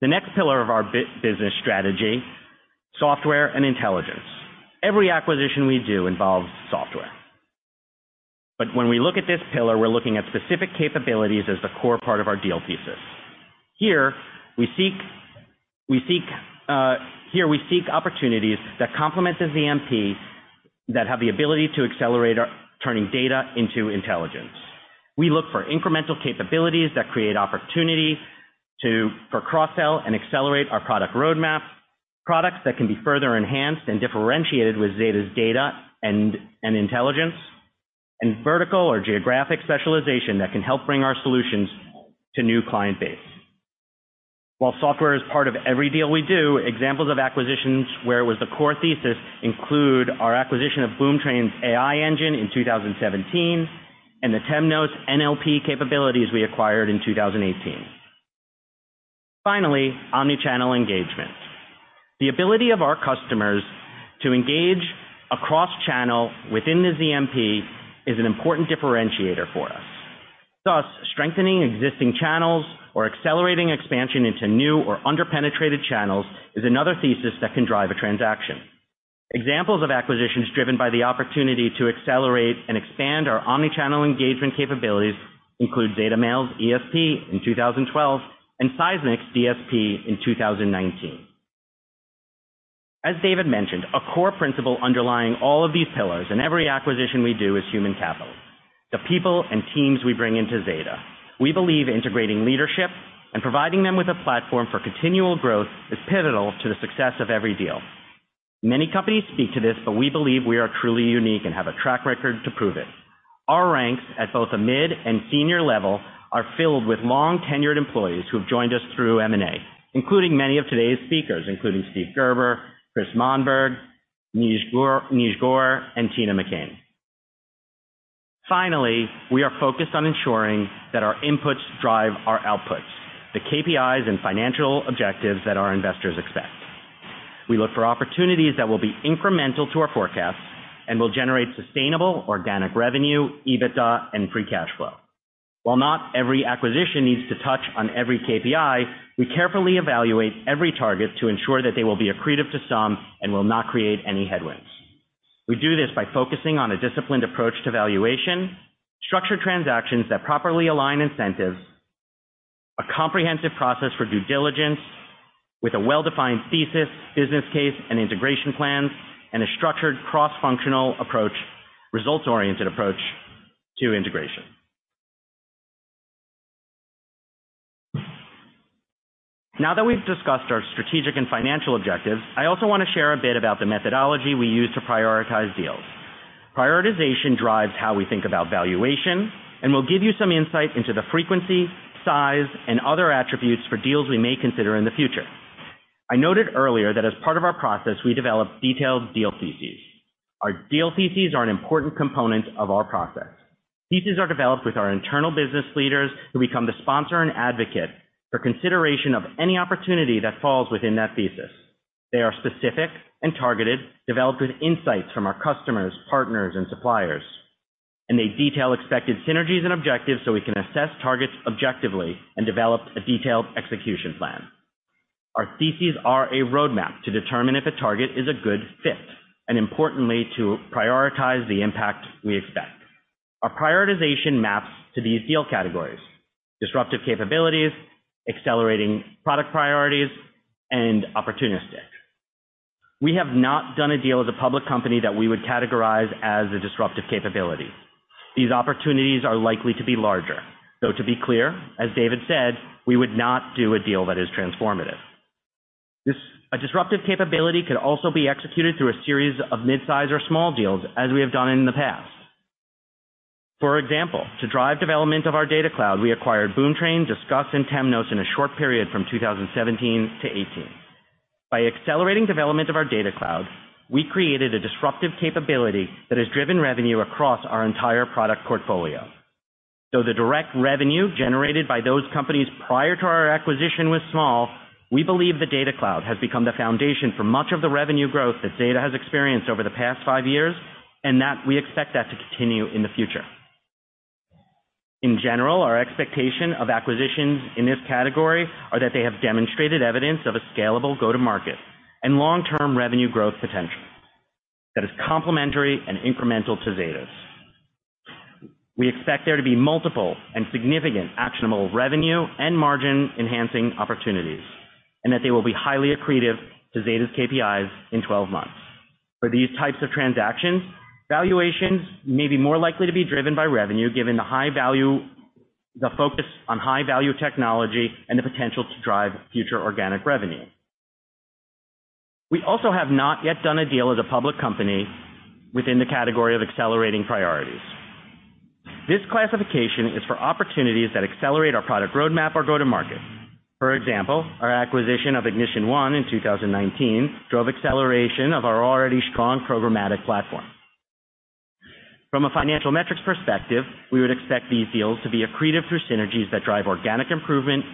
Speaker 18: The next pillar of our business strategy, software and intelligence. Every acquisition we do involves software. But when we look at this pillar, we're looking at specific capabilities as the core part of our deal thesis. Here, we seek opportunities that complement the ZMP, that have the ability to accelerate our turning data into intelligence. We look for incremental capabilities that create opportunity to, for cross-sell and accelerate our product roadmap, products that can be further enhanced and differentiated with Zeta's data and, and intelligence, and vertical or geographic specialization that can help bring our solutions to new client base. While software is part of every deal we do, examples of acquisitions where it was the core thesis include our acquisition of Boomtrain's AI engine in 2017 and the Temnos NLP capabilities we acquired in 2018. Finally, omni-channel engagement. The ability of our customers to engage across channel within the ZMP is an important differentiator for us. Thus, strengthening existing channels or accelerating expansion into new or under-penetrated channels is another thesis that can drive a transaction. Examples of acquisitions driven by the opportunity to accelerate and expand our omni-channel engagement capabilities include DataMail's ESP in 2012, and Sizmek's DSP in 2019. As David mentioned, a core principle underlying all of these pillars and every acquisition we do is human capital, the people and teams we bring into Zeta. We believe integrating leadership and providing them with a platform for continual growth is pivotal to the success of every deal. Many companies speak to this, but we believe we are truly unique and have a track record to prove it. Our ranks at both a mid and senior level are filled with long-tenured employees who have joined us through M&A, including many of today's speakers, including Steven Gerber, Christian Monberg, Neej Gore, and Tina McCain. Finally, we are focused on ensuring that our inputs drive our outputs, the KPIs and financial objectives that our investors expect. We look for opportunities that will be incremental to our forecasts and will generate sustainable organic revenue, EBITDA, and free cash flow. While not every acquisition needs to touch on every KPI, we carefully evaluate every target to ensure that they will be accretive to some and will not create any headwinds. We do this by focusing on a disciplined approach to valuation, structure transactions that properly align incentives, a comprehensive process for due diligence with a well-defined thesis, business case, and integration plans, and a structured, cross-functional approach, results-oriented approach to integration. Now that we've discussed our strategic and financial objectives, I also want to share a bit about the methodology we use to prioritize deals. Prioritization drives how we think about valuation, and we'll give you some insight into the frequency, size, and other attributes for deals we may consider in the future. I noted earlier that as part of our process, we developed detailed deal theses. Our deal theses are an important component of our process. Theses are developed with our internal business leaders, who become the sponsor and advocate for consideration of any opportunity that falls within that thesis. They are specific and targeted, developed with insights from our customers, partners, and suppliers, and they detail expected synergies and objectives so we can assess targets objectively and develop a detailed execution plan. Our theses are a roadmap to determine if a target is a good fit, and importantly, to prioritize the impact we expect. Our prioritization maps to these deal categories: disruptive capabilities, accelerating product priorities, and opportunistic. We have not done a deal as a public company that we would categorize as a disruptive capability. These opportunities are likely to be larger. So to be clear, as David said, we would not do a deal that is transformative. A disruptive capability could also be executed through a series of mid-size or small deals, as we have done in the past. For example, to drive development of our Data Cloud, we acquired Boomtrain, Discuss, and Temnos in a short period from 2017 to 2018. By accelerating development of our Data Cloud, we created a disruptive capability that has driven revenue across our entire product portfolio. Though the direct revenue generated by those companies prior to our acquisition was small, we believe the Data Cloud has become the foundation for much of the revenue growth that Zeta has experienced over the past five years, and that we expect that to continue in the future. In general, our expectation of acquisitions in this category are that they have demonstrated evidence of a scalable go-to-market and long-term revenue growth potential that is complementary and incremental to Zeta's. We expect there to be multiple and significant actionable revenue and margin-enhancing opportunities, and that they will be highly accretive to Zeta's KPIs in twelve months. For these types of transactions, valuations may be more likely to be driven by revenue, given the high value, the focus on high-value technology and the potential to drive future organic revenue. We also have not yet done a deal as a public company within the category of accelerating priorities. This classification is for opportunities that accelerate our product roadmap or go-to-market. For example, our acquisition of IgnitionOne in 2019 drove acceleration of our already strong programmatic platform. From a financial metrics perspective, we would expect these deals to be accretive through synergies that drive organic improvement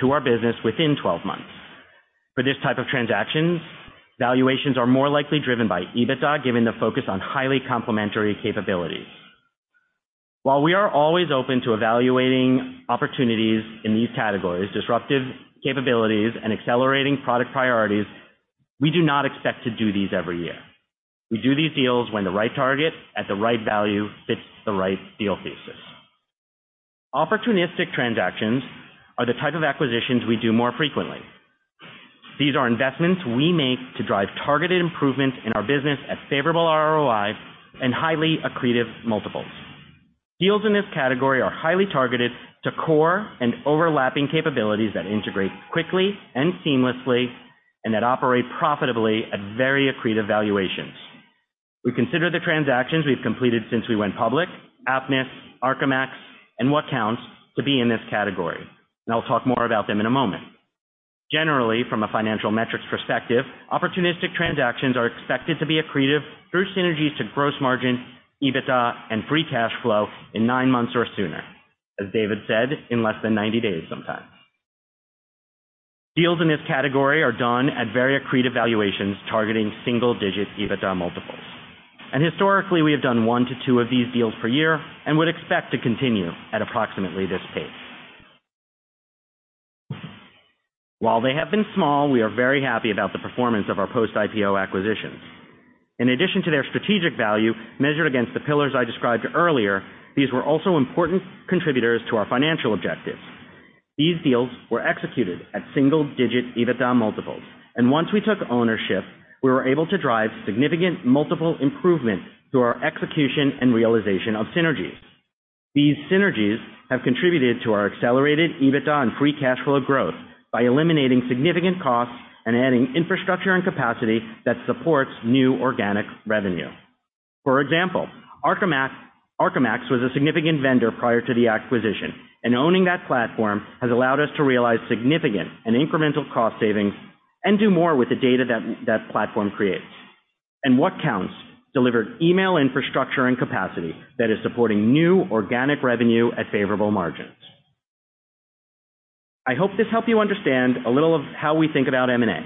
Speaker 18: to our business within 12 months. For this type of transactions, valuations are more likely driven by EBITDA, given the focus on highly complementary capabilities. While we are always open to evaluating opportunities in these categories, disruptive capabilities and accelerating product priorities, we do not expect to do these every year. We do these deals when the right target at the right value fits the right deal thesis. Opportunistic transactions are the type of acquisitions we do more frequently. These are investments we make to drive targeted improvements in our business at favorable ROI and highly accretive multiples. Deals in this category are highly targeted to core and overlapping capabilities that integrate quickly and seamlessly and that operate profitably at very accretive valuations. We consider the transactions we've completed since we went public, Apptness, ArcaMax, and WhatCounts, to be in this category, and I'll talk more about them in a moment... Generally, from a financial metrics perspective, opportunistic transactions are expected to be accretive through synergies to gross margin, EBITDA, and free cash flow in nine months or sooner. As David said, in less than 90 days, sometimes. Deals in this category are done at very accretive valuations, targeting single-digit EBITDA multiples. Historically, we have done one to two of these deals per year and would expect to continue at approximately this pace. While they have been small, we are very happy about the performance of our post-IPO acquisitions. In addition to their strategic value, measured against the pillars I described earlier, these were also important contributors to our financial objectives. These deals were executed at single-digit EBITDA multiples, and once we took ownership, we were able to drive significant multiple improvement through our execution and realization of synergies. These synergies have contributed to our accelerated EBITDA and free cash flow growth by eliminating significant costs and adding infrastructure and capacity that supports new organic revenue. For example, ArcaMax was a significant vendor prior to the acquisition, and owning that platform has allowed us to realize significant and incremental cost savings and do more with the data that platform creates. And WhatCounts delivered email infrastructure and capacity that is supporting new organic revenue at favorable margins. I hope this helped you understand a little of how we think about M&A,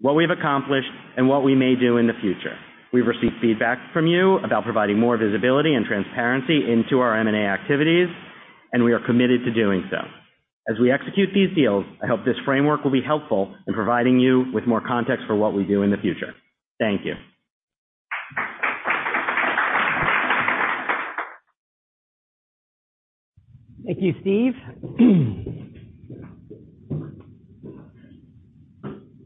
Speaker 18: what we've accomplished, and what we may do in the future. We've received feedback from you about providing more visibility and transparency into our M&A activities, and we are committed to doing so. As we execute these deals, I hope this framework will be helpful in providing you with more context for what we do in the future. Thank you.
Speaker 1: Thank you, Steve.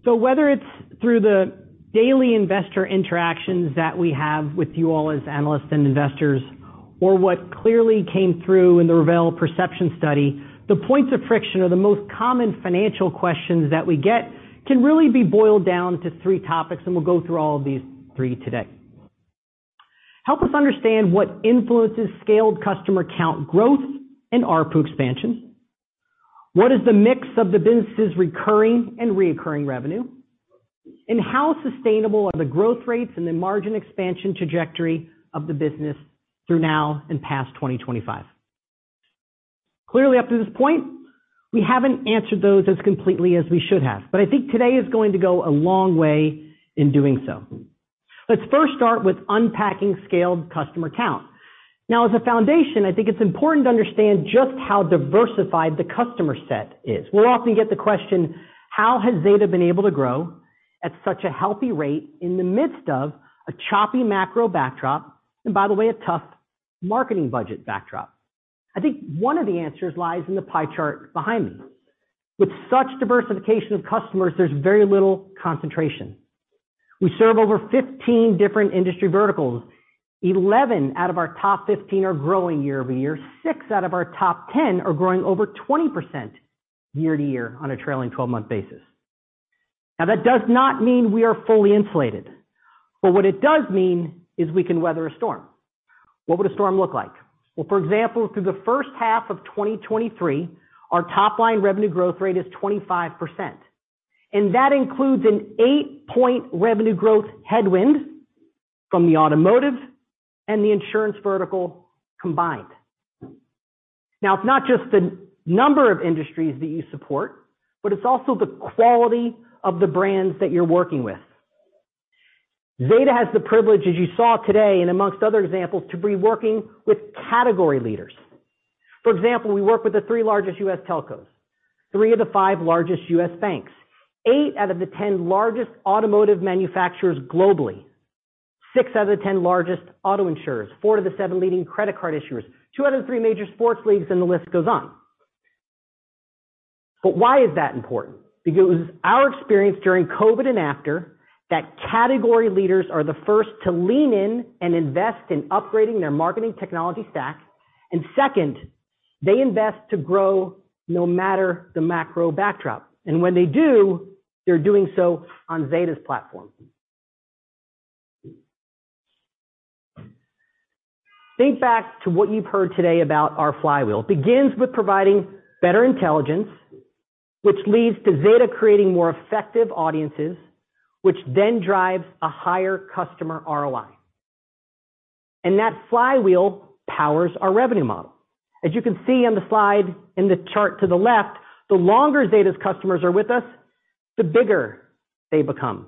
Speaker 1: So whether it's through the daily investor interactions that we have with you all as analysts and investors, or what clearly came through in the Rivel perception study, the points of friction or the most common financial questions that we get, can really be boiled down to three topics, and we'll go through all of these three today. Help us understand what influences scaled customer count growth and ARPU expansion. What is the mix of the business's recurring and reoccurring revenue? And how sustainable are the growth rates and the margin expansion trajectory of the business through now and past 2025? Clearly, up to this point, we haven't answered those as completely as we should have, but I think today is going to go a long way in doing so. Let's first start with unpacking scaled customer count. Now, as a foundation, I think it's important to understand just how diversified the customer set is. We'll often get the question, "How has Zeta been able to grow at such a healthy rate in the midst of a choppy macro backdrop, and by the way, a tough marketing budget backdrop?" I think one of the answers lies in the pie chart behind me. With such diversification of customers, there's very little concentration. We serve over 15 different industry verticals. 11 out of our top 15 are growing year-over-year. Six out of our top 10 are growing over 20% year-over-year on a trailing 12-month basis. Now, that does not mean we are fully insulated, but what it does mean is we can weather a storm. What would a storm look like? Well, for example, through the first half of 2023, our top-line revenue growth rate is 25%, and that includes an 8-point revenue growth headwind from the automotive and the insurance vertical combined. Now, it's not just the number of industries that you support, but it's also the quality of the brands that you're working with. Zeta has the privilege, as you saw today, and among other examples, to be working with category leaders. For example, we work with the three largest U.S. telcos, three of the five largest U.S. banks, eight out of the 10 largest automotive manufacturers globally, six out of the 10 largest auto insurers, four out of the seven leading credit card issuers, two out of the three major sports leagues, and the list goes on. But why is that important? Because it was our experience during COVID and after, that category leaders are the first to lean in and invest in upgrading their marketing technology stack. Second, they invest to grow no matter the macro backdrop. When they do, they're doing so on Zeta's platform. Think back to what you've heard today about our flywheel. It begins with providing better intelligence, which leads to Zeta creating more effective audiences, which then drives a higher customer ROI. That flywheel powers our revenue model. As you can see on the slide in the chart to the left, the longer Zeta's customers are with us, the bigger they become.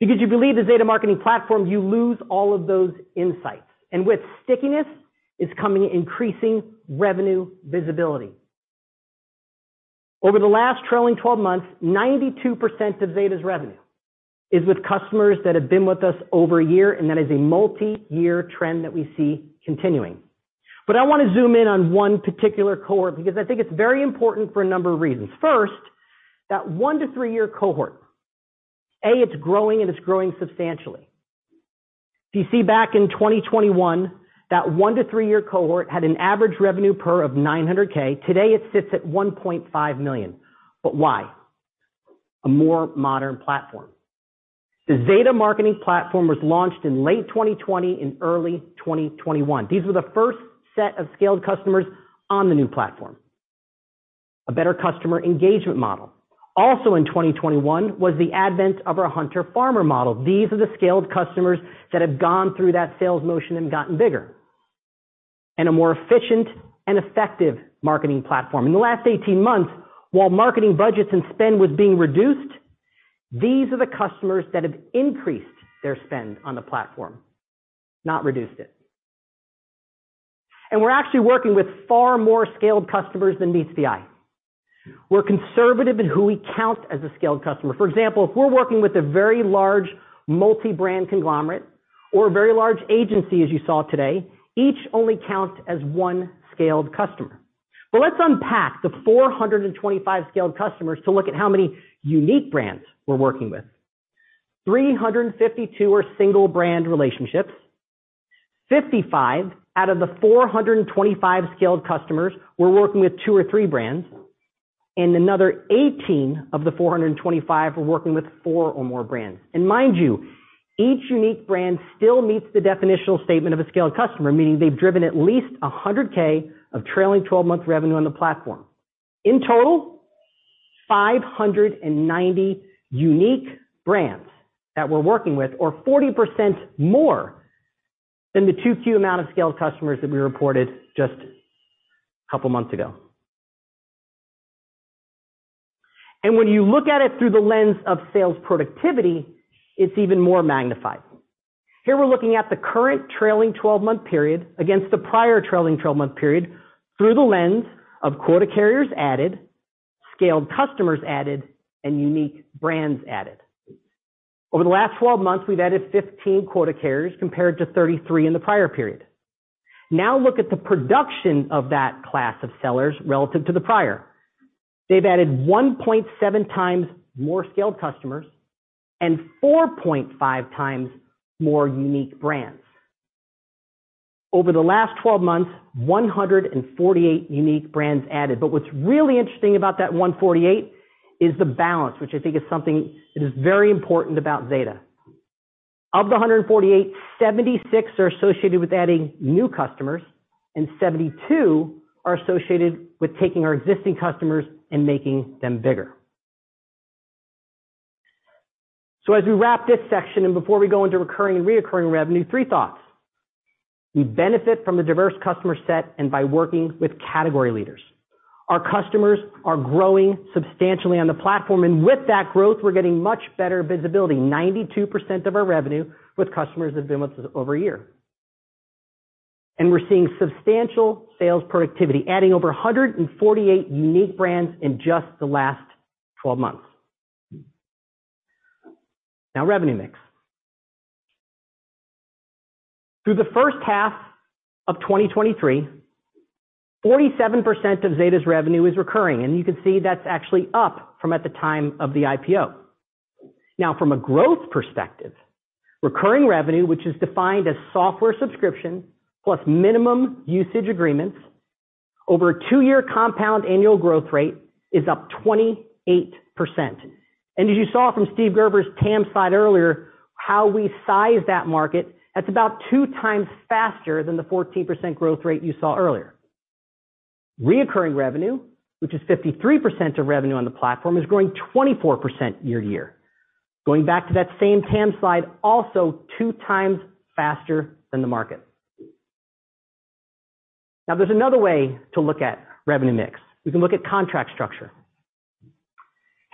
Speaker 1: Because you believe the Zeta Marketing Platform, you lose all of those insights, and with stickiness, is coming increasing revenue visibility. Over the last trailing twelve months, 92% of Zeta's revenue is with customers that have been with us over a year, and that is a multi-year trend that we see continuing. But I wanna zoom in on one particular cohort because I think it's very important for a number of reasons. First, that one to three year cohort, A, it's growing, and it's growing substantially. If you see back in 2021, that one to three, year cohort had an average revenue per of $900K. Today, it sits at $1.5 million. But why? A more modern platform... The Zeta Marketing Platform was launched in late 2020 and early 2021. These were the first set of scaled customers on the new platform. A better customer engagement model. Also in 2021, was the advent of our hunter-farmer model. These are the scaled customers that have gone through that sales motion and gotten bigger and a more efficient and effective marketing platform. In the last 18 months, while marketing budgets and spend was being reduced, these are the customers that have increased their spend on the platform, not reduced it. And we're actually working with far more scaled customers than meets the eye. We're conservative in who we count as a scaled customer. For example, if we're working with a very large multi-brand conglomerate or a very large agency, as you saw today, each only counts as one scaled customer. But let's unpack the 425 scaled customers to look at how many unique brands we're working with. 352 are single-brand relationships. 55 out of the 425 scaled customers, we're working with two or three brands, and another 18 of the 425 are working with four or more brands. And mind you, each unique brand still meets the definitional statement of a scaled customer, meaning they've driven at least $100K of trailing twelve-month revenue on the platform. In total, 590 unique brands that we're working with, or 40% more than the 2Q amount of scaled customers that we reported just a couple of months ago. And when you look at it through the lens of sales productivity, it's even more magnified. Here, we're looking at the current trailing twelve-month period against the prior trailing twelve-month period through the lens of quota carriers added, scaled customers added, and unique brands added. Over the last 12 months, we've added 15 quota carriers, compared to 33 in the prior period. Now, look at the production of that class of sellers relative to the prior. They've added 1.7x more scaled customers and 4.5x more unique brands. Over the last 12 months, 148 unique brands added. But what's really interesting about that 148 is the balance, which I think is something that is very important about Zeta. Of the 148, 76 are associated with adding new customers, and 72 are associated with taking our existing customers and making them bigger. So as we wrap this section and before we go into recurring and reoccurring revenue, three thoughts. We benefit from a diverse customer set and by working with category leaders. Our customers are growing substantially on the platform, and with that growth, we're getting much better visibility. 92% of our revenue with customers have been with us over a year. We're seeing substantial sales productivity, adding over 148 unique brands in just the last 12 months. Now, revenue mix. Through the first half of 2023, 47% of Zeta's revenue is recurring, and you can see that's actually up from at the time of the IPO. Now, from a growth perspective, recurring revenue, which is defined as software subscription plus minimum usage agreements, over a two year compound annual growth rate, is up 28%. And as you saw from Steve Gerber's TAM slide earlier, how we size that market, that's about 2x faster than the 14% growth rate you saw earlier. Recurring revenue, which is 53% of revenue on the platform, is growing 24% year-over-year. Going back to that same TAM slide, also 2x faster than the market. Now, there's another way to look at revenue mix. We can look at contract structure.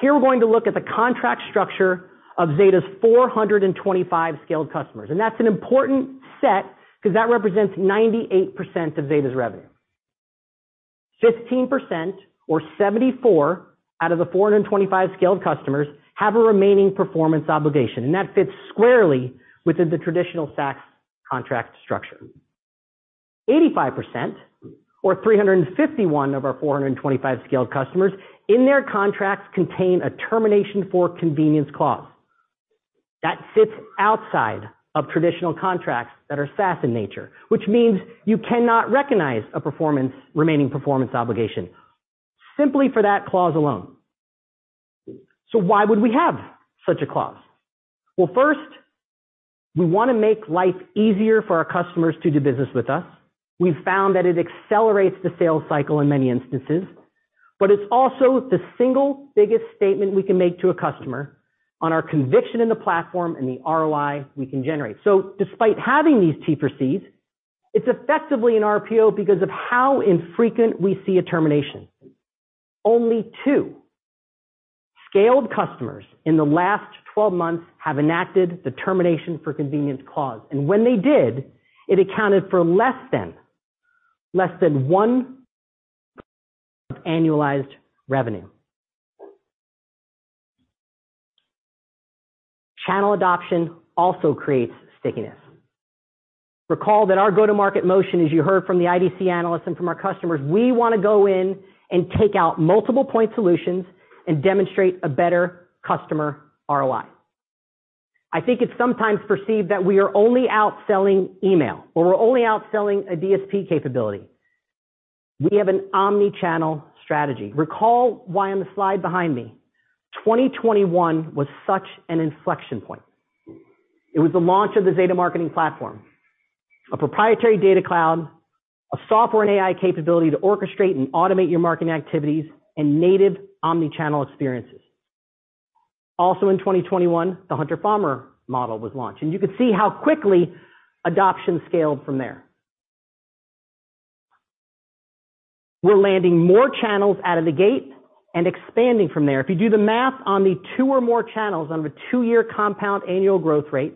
Speaker 1: Here, we're going to look at the contract structure of Zeta's 425 scaled customers, and that's an important set because that represents 98% of Zeta's revenue. 15% or 74 out of the 425 scaled customers have a remaining performance obligation, and that fits squarely within the traditional SaaS contract structure. 85% or 351 of our 425 scaled customers in their contracts contain a termination for convenience clause. That sits outside of traditional contracts that are SaaS in nature, which means you cannot recognize a remaining performance obligation simply for that clause alone. So why would we have such a clause? Well, first, we want to make life easier for our customers to do business with us. We've found that it accelerates the sales cycle in many instances, but it's also the single biggest statement we can make to a customer on our conviction in the platform and the ROI we can generate. So despite having these T for Cs, it's effectively an RPO because of how infrequent we see a termination. Only two scaled customers in the last 12 months have enacted the termination for convenience clause, and when they did, it accounted for less than one annualized revenue. Channel adoption also creates stickiness. Recall that our go-to-market motion, as you heard from the IDC analyst and from our customers, we want to go in and take out multiple point solutions and demonstrate a better customer ROI. I think it's sometimes perceived that we are only out selling email, or we're only out selling a DSP capability. We have an omni-channel strategy. Recall why on the slide behind me, 2021 was such an inflection point. It was the launch of the Zeta Marketing Platform, a proprietary Data Cloud, a software and AI capability to orchestrate and automate your marketing activities, and native omni-channel experiences. Also, in 2021, the Hunter Farmer model was launched, and you can see how quickly adoption scaled from there. We're landing more channels out of the gate and expanding from there. If you do the math on the two or more channels on the two-year compound annual growth rate,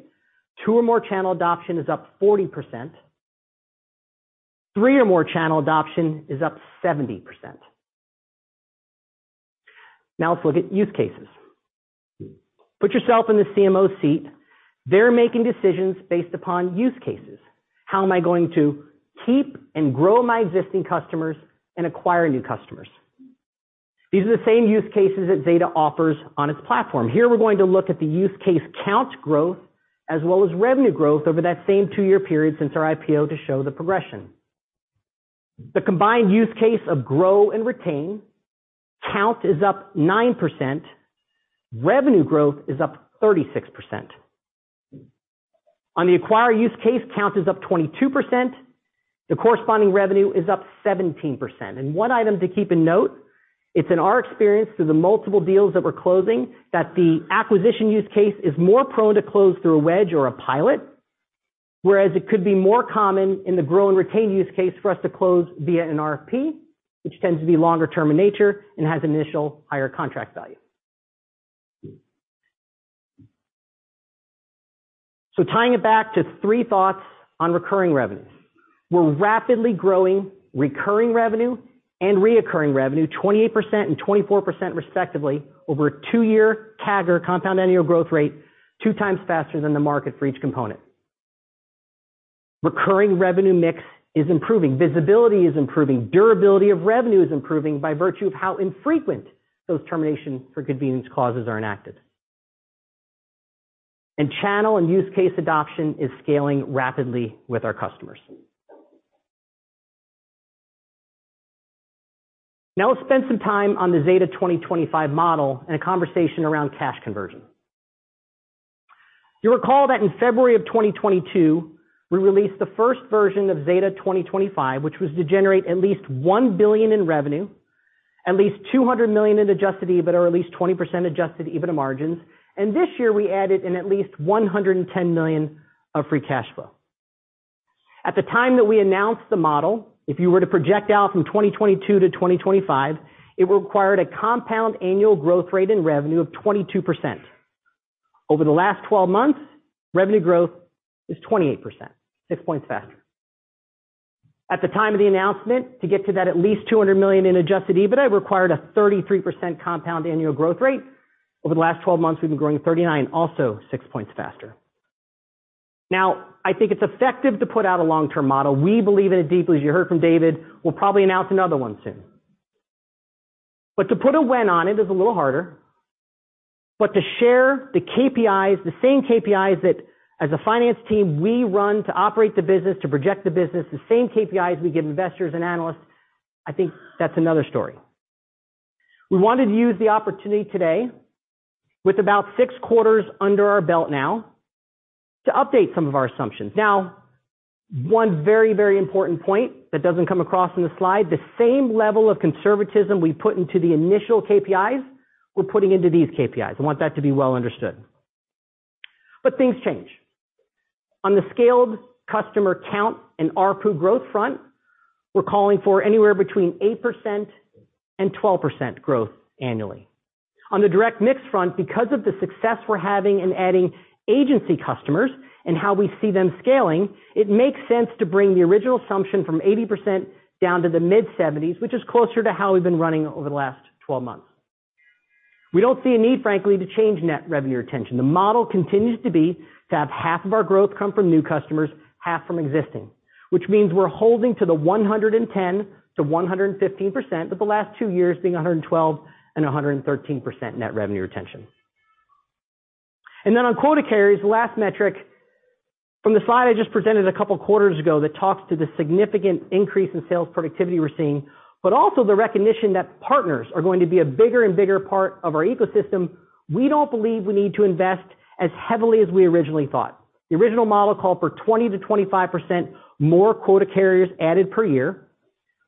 Speaker 1: two or more channel adoption is up 40%. Three or more channel adoption is up 70%. Now, let's look at use cases. Put yourself in the CMO seat. They're making decisions based upon use cases. How am I going to keep and grow my existing customers and acquire new customers? These are the same use cases that Zeta offers on its platform. Here, we're going to look at the use case count growth, as well as revenue growth over that same two-year period since our IPO, to show the progression. The combined use case of grow and retain, count is up 9%, revenue growth is up 36%. On the acquire use case, count is up 22%, the corresponding revenue is up 17%. One item to keep in note, it's in our experience, through the multiple deals that we're closing, that the acquisition use case is more prone to close through a wedge or a pilot, whereas it could be more common in the grow and retain use case for us to close via an RFP, which tends to be longer term in nature and has initial higher contract value. Tying it back to three thoughts on recurring revenues. We're rapidly growing recurring revenue and reoccurring revenue, 28% and 24% respectively, over a two year CAGR, compound annual growth rate, 2x faster than the market for each component. Recurring revenue mix is improving, visibility is improving, durability of revenue is improving by virtue of how infrequent those termination for convenience clauses are enacted. And channel and use case adoption is scaling rapidly with our customers. Now, let's spend some time on the Zeta 2025 model and a conversation around cash conversion. You'll recall that in February 2022, we released the first version of Zeta 2025, which was to generate at least $1 billion in revenue, at least $200 million in Adjusted EBITDA, or at least 20% Adjusted EBITDA margins. And this year, we added an at least $110 million of free cash flow. At the time that we announced the model, if you were to project out from 2022-2025, it required a compound annual growth rate in revenue of 22%. Over the last 12 months, revenue growth is 28%, six points faster. At the time of the announcement, to get to that at least $200 million in Adjusted EBITDA, it required a 33% compound annual growth rate. Over the last 12 months, we've been growing at 39%, also six points faster. Now, I think it's effective to put out a long-term model. We believe in it deeply. As you heard from David, we'll probably announce another one soon. But to put a win on it is a little harder. But to share the KPIs, the same KPIs that as a finance team, we run to operate the business, to project the business, the same KPIs we give investors and analysts, I think that's another story. We wanted to use the opportunity today, with about 6 quarters under our belt now, to update some of our assumptions. Now, one very, very important point that doesn't come across in the slide, the same level of conservatism we put into the initial KPIs, we're putting into these KPIs. I want that to be well understood. But things change. On the scaled customer count and ARPU growth front, we're calling for anywhere between 8% and 12% growth annually. On the direct mix front, because of the success we're having in adding agency customers and how we see them scaling, it makes sense to bring the original assumption from 80% down to the mid-70s, which is closer to how we've been running over the last 12 months. We don't see a need, frankly, to change net revenue retention. The model continues to be to have half of our growth come from new customers, half from existing, which means we're holding to the 110%-115%, with the last two years being 112% and 113% net revenue retention. Then on quota carriers, the last metric from the slide I just presented a couple of quarters ago that talks to the significant increase in sales productivity we're seeing, but also the recognition that partners are going to be a bigger and bigger part of our ecosystem, we don't believe we need to invest as heavily as we originally thought. The original model called for 20%-25% more quota carriers added per year.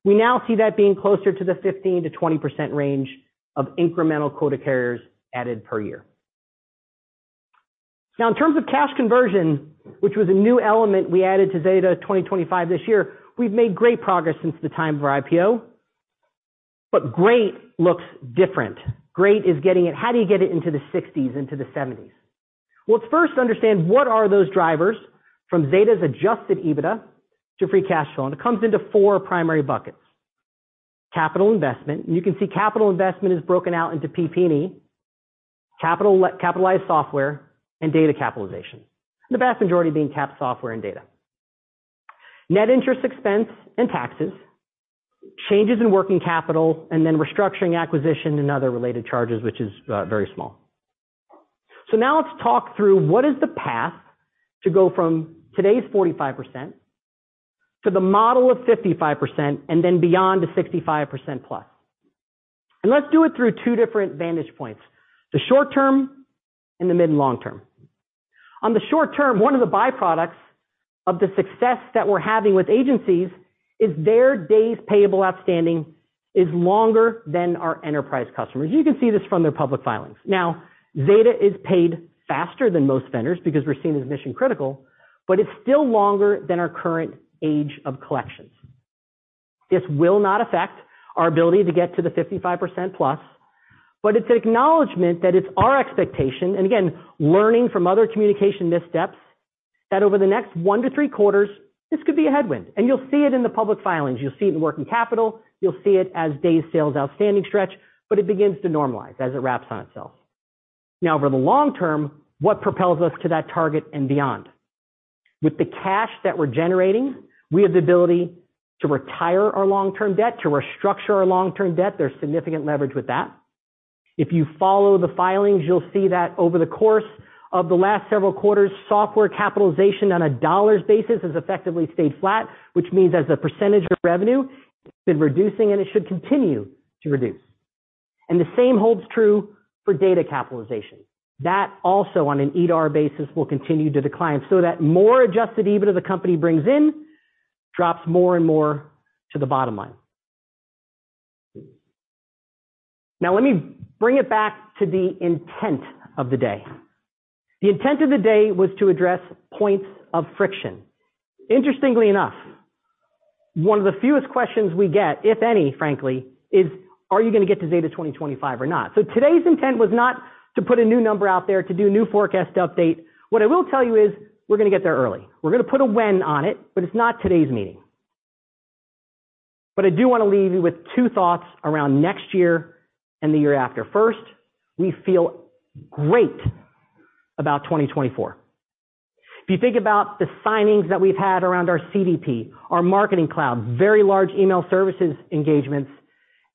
Speaker 1: We now see that being closer to the 15%-20% range of incremental quota carriers added per year. Now, in terms of cash conversion, which was a new element we added to Zeta 2025 this year, we've made great progress since the time of our IPO, but great looks different. Great is getting it... How do you get it into the 60s, into the 70s? Well, let's first understand what are those drivers from Zeta's Adjusted EBITDA to free cash flow, and it comes into four primary buckets. Capital investment, and you can see capital investment is broken out into PP&E, capitalized software, and data capitalization. The vast majority being cap software and data. Net interest expense and taxes, changes in working capital, and then restructuring, acquisition, and other related charges, which is very small. Now let's talk through what is the path to go from today's 45% to the model of 55%, and then beyond to 65%+. Let's do it through two different vantage points: the short term and the mid and long term. On the short term, one of the byproducts of the success that we're having with agencies is their days payable outstanding is longer than our enterprise customers. You can see this from their public filings. Now, Zeta is paid faster than most vendors because we're seen as mission-critical, but it's still longer than our current age of collections. This will not affect our ability to get to the 55%+, but it's an acknowledgment that it's our expectation, and again, learning from other communication missteps, that over the next one to three quarters, this could be a headwind. You'll see it in the public filings, you'll see it in working capital, you'll see it as days sales outstanding stretch, but it begins to normalize as it wraps on itself. Now, over the long term, what propels us to that target and beyond? With the cash that we're generating, we have the ability to retire our long-term debt, to restructure our long-term debt. There's significant leverage with that. If you follow the filings, you'll see that over the course of the last several quarters, software capitalization on a dollars basis has effectively stayed flat, which means as a percentage of revenue, it's been reducing and it should continue to reduce. And the same holds true for data capitalization. That also, on an EDAR basis, will continue to decline, so that more Adjusted EBITDA the company brings in, drops more and more to the bottom line. Now, let me bring it back to the intent of the day. The intent of the day was to address points of friction. Interestingly enough, one of the fewest questions we get, if any, frankly, is: Are you gonna get to Zeta 2025 or not? So today's intent was not to put a new number out there, to do a new forecast update. What I will tell you is we're gonna get there early. We're gonna put a when on it, but it's not today's meeting. But I do wanna leave you with two thoughts around next year and the year after. First, we feel great about 2024. If you think about the signings that we've had around our CDP, our marketing cloud, very large email services engagements,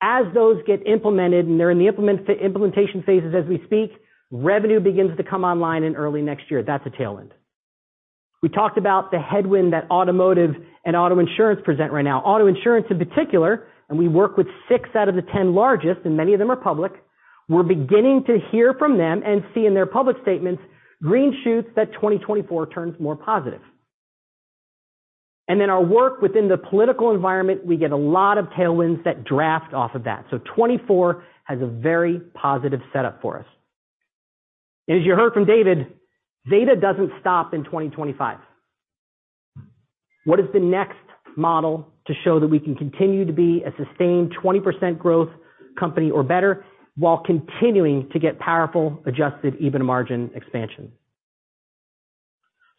Speaker 1: as those get implemented, and they're in the implementation phases as we speak, revenue begins to come online in early next year. That's a tailwind. We talked about the headwind that automotive and auto insurance present right now. Auto insurance, in particular, and we work with six out of the 10 largest, and many of them are public, we're beginning to hear from them and see in their public statements, green shoots that 2024 turns more positive. And then our work within the political environment, we get a lot of tailwinds that draft off of that. So 2024 has a very positive setup for us. And as you heard from David, Zeta doesn't stop in 2025. What is the next model to show that we can continue to be a sustained 20% growth company or better, while continuing to get powerful, Adjusted EBITDA margin expansion?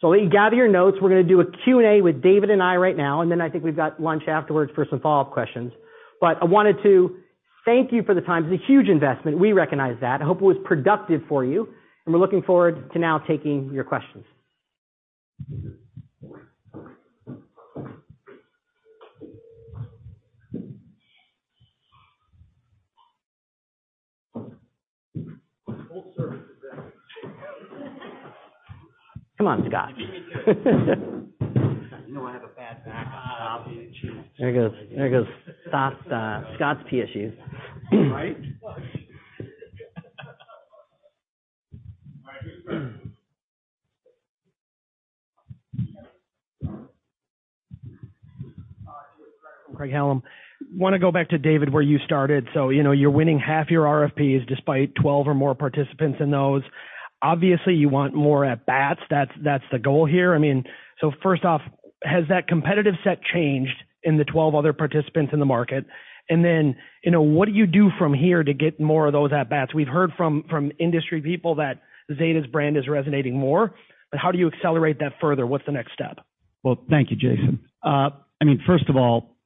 Speaker 1: So I'll let you gather your notes. We're gonna do a Q&A with David and I right now, and then I think we've got lunch afterwards for some follow-up questions. But I wanted to thank you for the time. It's a huge investment, we recognize that. I hope it was productive for you, and we're looking forward to now taking your questions. Come on, Scott.
Speaker 5: You know I have a bad back.
Speaker 1: There he goes. There he goes. Scott's, Scott's PSU.
Speaker 5: Right?
Speaker 19: Craig Hallum. Wanna go back to David, where you started. So, you know, you're winning half your RFPs despite 12 or more participants in those. Obviously, you want more at-bats. That's, that's the goal here. I mean, so first off, has that competitive set changed in the 12 other participants in the market? And then, you know, what do you do from here to get more of those at-bats? We've heard from, from industry people that Zeta's brand is resonating more, but how do you accelerate that further? What's the next step?
Speaker 17: Well, thank you, Jason. I mean, first of all,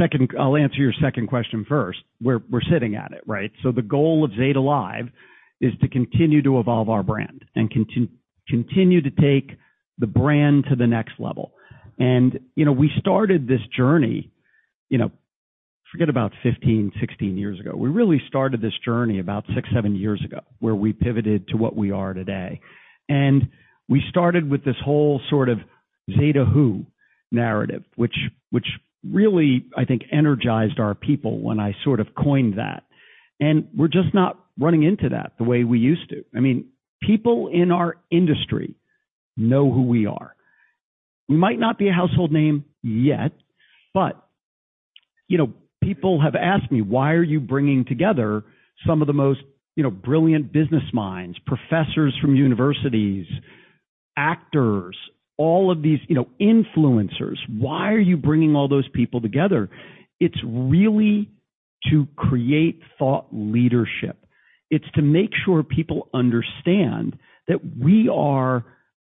Speaker 17: second, I'll answer your second question first. We're, we're sitting at it, right? So the goal of Zeta Live is to continue to evolve our brand and continue to take the brand to the next level. And, you know, we started this journey, you know, forget about 15, 16 years ago. We really started this journey about six, seven years ago, where we pivoted to what we are today. And we started with this whole sort of Zeta who narrative, which, which really, I think, energized our people when I sort of coined that. And we're just not running into that the way we used to. I mean, people in our industry know who we are. We might not be a household name yet, but, you know, people have asked me: Why are you bringing together some of the most, you know, brilliant business minds, professors from universities, actors, all of these, you know, influencers? Why are you bringing all those people together? It's really to create thought leadership. It's to make sure people understand that we are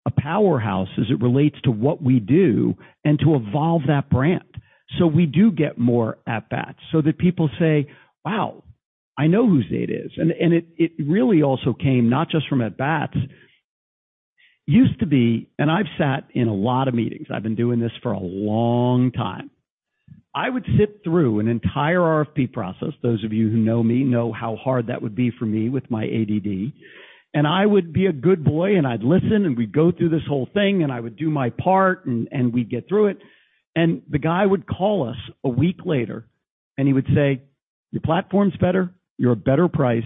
Speaker 17: a powerhouse as it relates to what we do, and to evolve that brand. So we do get more at-bats, so that people say, "Wow! I know who Zeta is." And it really also came not just from at-bats. Used to be, and I've sat in a lot of meetings. I've been doing this for a long time. I would sit through an entire RFP process. Those of you who know me know how hard that would be for me with my ADD, and I would be a good boy, and I'd listen, and we'd go through this whole thing, and I would do my part, and, and we'd get through it. And the guy would call us a week later, and he would say, "Your platform's better, you're a better price,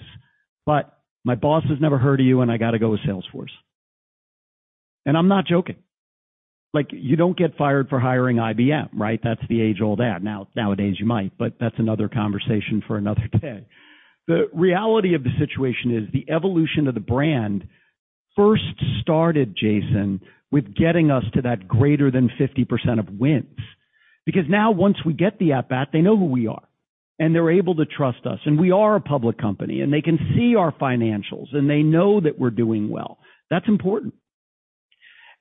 Speaker 17: but my boss has never heard of you, and I got to go with Salesforce." And I'm not joking. Like, you don't get fired for hiring IBM, right? That's the age-old ad. Now, nowadays, you might, but that's another conversation for another day. The reality of the situation is the evolution of the brand first started, Jason, with getting us to that greater than 50% of wins. Because now once we get the at-bat, they know who we are, and they're able to trust us. And we are a public company, and they can see our financials, and they know that we're doing well. That's important.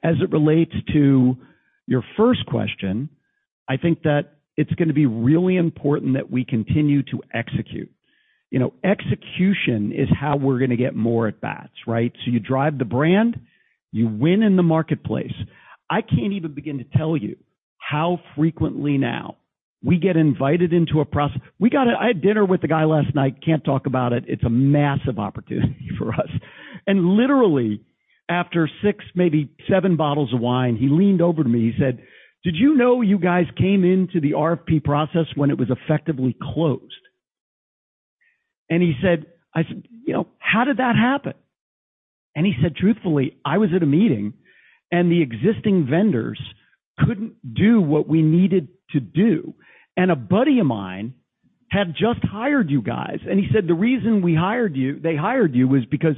Speaker 17: As it relates to your first question, I think that it's gonna be really important that we continue to execute. You know, execution is how we're gonna get more at bats, right? So you drive the brand, you win in the marketplace. I can't even begin to tell you how frequently now we get invited into a process. I had dinner with the guy last night, can't talk about it. It's a massive opportunity for us. Literally, after six, maybe seven bottles of wine, he leaned over to me, he said, "Did you know you guys came into the RFP process when it was effectively closed?" And he said, I said, "You know, how did that happen?" And he said, "Truthfully, I was at a meeting, and the existing vendors couldn't do what we needed to do, and a buddy of mine had just hired you guys. " And he said, "The reason we hired you, they hired you was because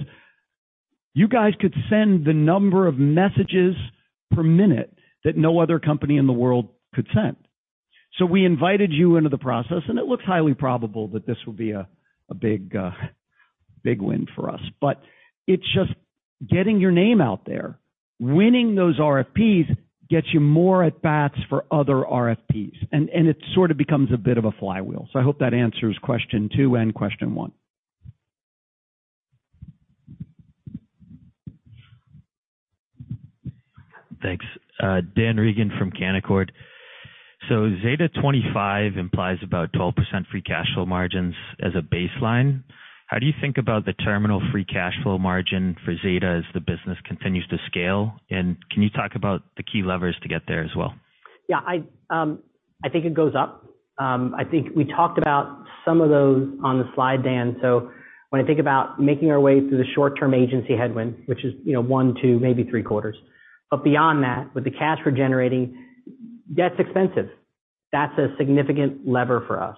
Speaker 17: you guys could send the number of messages per minute that no other company in the world could send. So we invited you into the process, and it looks highly probable that this will be a big win for us." But it's just getting your name out there. Winning those RFPs gets you more at bats for other RFPs, and it sort of becomes a bit of a flywheel. So I hope that answers question two and question one.
Speaker 8: Thanks. Dan Reagan from Canaccord. So Zeta 25 implies about 12% free cash flow margins as a baseline. How do you think about the terminal free cash flow margin for Zeta as the business continues to scale? And can you talk about the key levers to get there as well?
Speaker 1: Yeah, I, I think it goes up. I think we talked about some of those on the slide, Dan. So when I think about making our way through the short-term agency headwind, which is, you know, one, two, maybe three quarters, but beyond that, with the cash we're generating, that's expensive. That's a significant lever for us.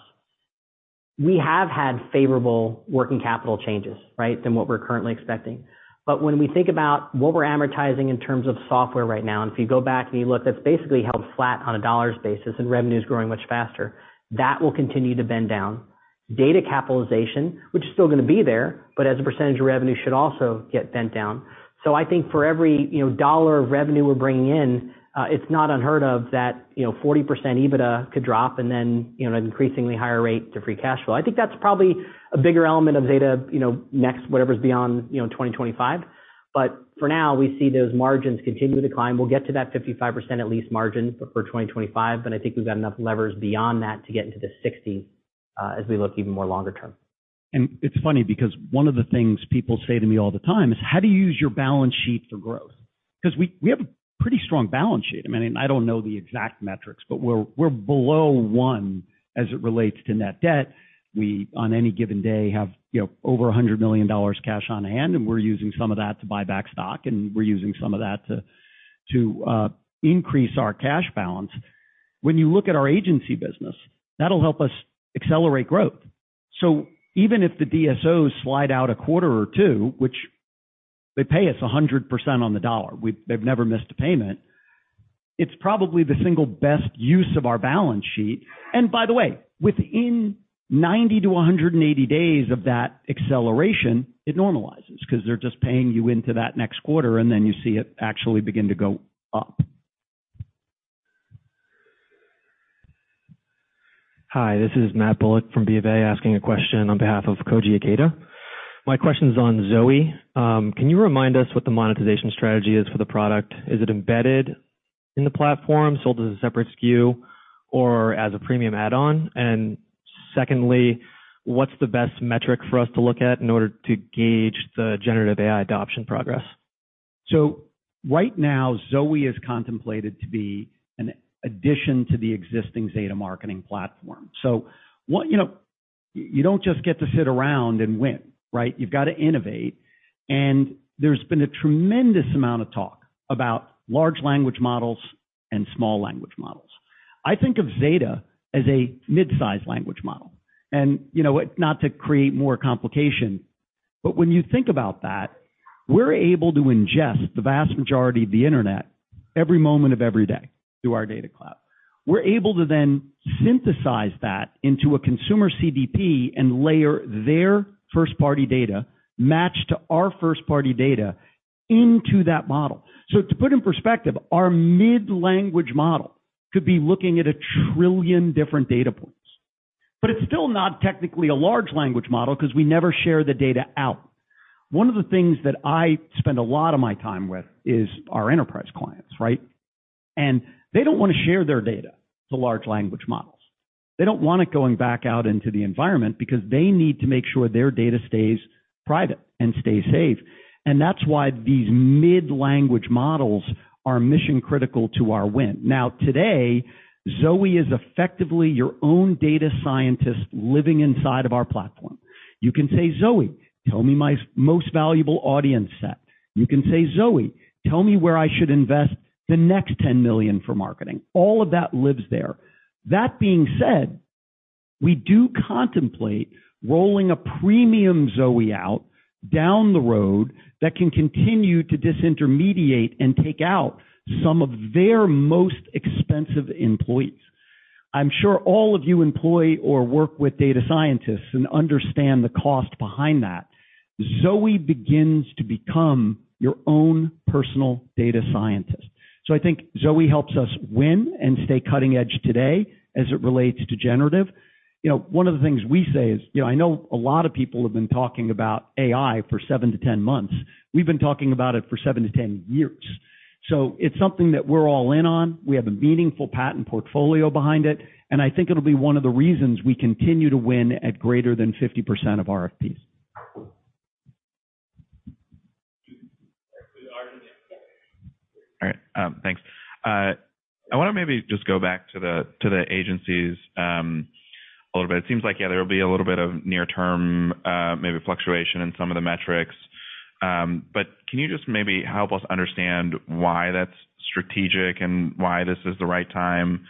Speaker 1: We have had favorable working capital changes, right? Than what we're currently expecting. But when we think about what we're amortizing in terms of software right now, and if you go back and you look, that's basically held flat on a dollars basis, and revenue is growing much faster, that will continue to bend down. Data capitalization, which is still gonna be there, but as a percentage of revenue, should also get bent down. So I think for every, you know, $1 of revenue we're bringing in, it's not unheard of that, you know, 40% EBITDA could drop and then, you know, an increasingly higher rate to free cash flow. I think that's probably a bigger element of Zeta, you know, next, whatever's beyond, you know, 2025. But for now, we see those margins continue to decline. We'll get to that 55% at least margin for 2025, but I think we've got enough levers beyond that to get into the 60, as we look even more longer term.
Speaker 17: And it's funny because one of the things people say to me all the time is: How do you use your balance sheet for growth? Because we, we have a pretty strong balance sheet. I mean, and I don't know the exact metrics, but we're, we're below one as it relates to net debt. We, on any given day, have, you know, over $100 million cash on hand, and we're using some of that to buy back stock, and we're using some of that to, to, increase our cash balance. When you look at our agency business, that'll help us accelerate growth. So even if the DSOs slide out a quarter or two, which they pay us 100% on the dollar, we've-- they've never missed a payment, it's probably the single best use of our balance sheet. And by the way, within 90-180 days of that acceleration, it normalizes because they're just paying you into that next quarter, and then you see it actually begin to go up.
Speaker 20: Hi, this is Matt Bullock from BofA, asking a question on behalf of Koji Ikeda. My question is on ZOE. Can you remind us what the monetization strategy is for the product? Is it embedded in the platform, sold as a separate SKU or as a premium add-on? And secondly, what's the best metric for us to look at in order to gauge the generative AI adoption progress?
Speaker 17: So right now, ZOE is contemplated to be an addition to the existing Zeta Marketing Platform. So what... You know, you don't just get to sit around and win, right? You've got to innovate, and there's been a tremendous amount of talk about large language models and small language models. I think of Zeta as a mid-sized language model. And, you know, not to create more complication, but when you think about that, we're able to ingest the vast majority of the internet every moment of every day through our Data Cloud. We're able to then synthesize that into a consumer CDP and layer their first-party data, matched to our first-party data, into that model. So to put in perspective, our mid-sized language model could be looking at a trillion different data points... But it's still not technically a large language model because we never share the data out. One of the things that I spend a lot of my time with is our enterprise clients, right? And they don't want to share their data to large language models. They don't want it going back out into the environment because they need to make sure their data stays private and stays safe. And that's why these mid-language models are mission-critical to our win. Now, today, ZOE is effectively your own data scientist living inside of our platform. You can say, "ZOE, tell me my most valuable audience set." You can say, "ZOE, tell me where I should invest the next $10 million for marketing." All of that lives there. That being said, we do contemplate rolling a premium ZOE out down the road that can continue to disintermediate and take out some of their most expensive employees. I'm sure all of you employ or work with data scientists and understand the cost behind that. ZOE begins to become your own personal data scientist. So I think ZOE helps us win and stay cutting edge today as it relates to generative. You know, one of the things we say is, you know, I know a lot of people have been talking about AI for seven to 10 months. We've been talking about it for seven to 10 years. So it's something that we're all in on. We have a meaningful patent portfolio behind it, and I think it'll be one of the reasons we continue to win at greater than 50% of RFPs.
Speaker 6: All right, thanks. I want to maybe just go back to the, to the agencies, a little bit. It seems like, yeah, there will be a little bit of near-term, maybe fluctuation in some of the metrics. But can you just maybe help us understand why that's strategic and why this is the right time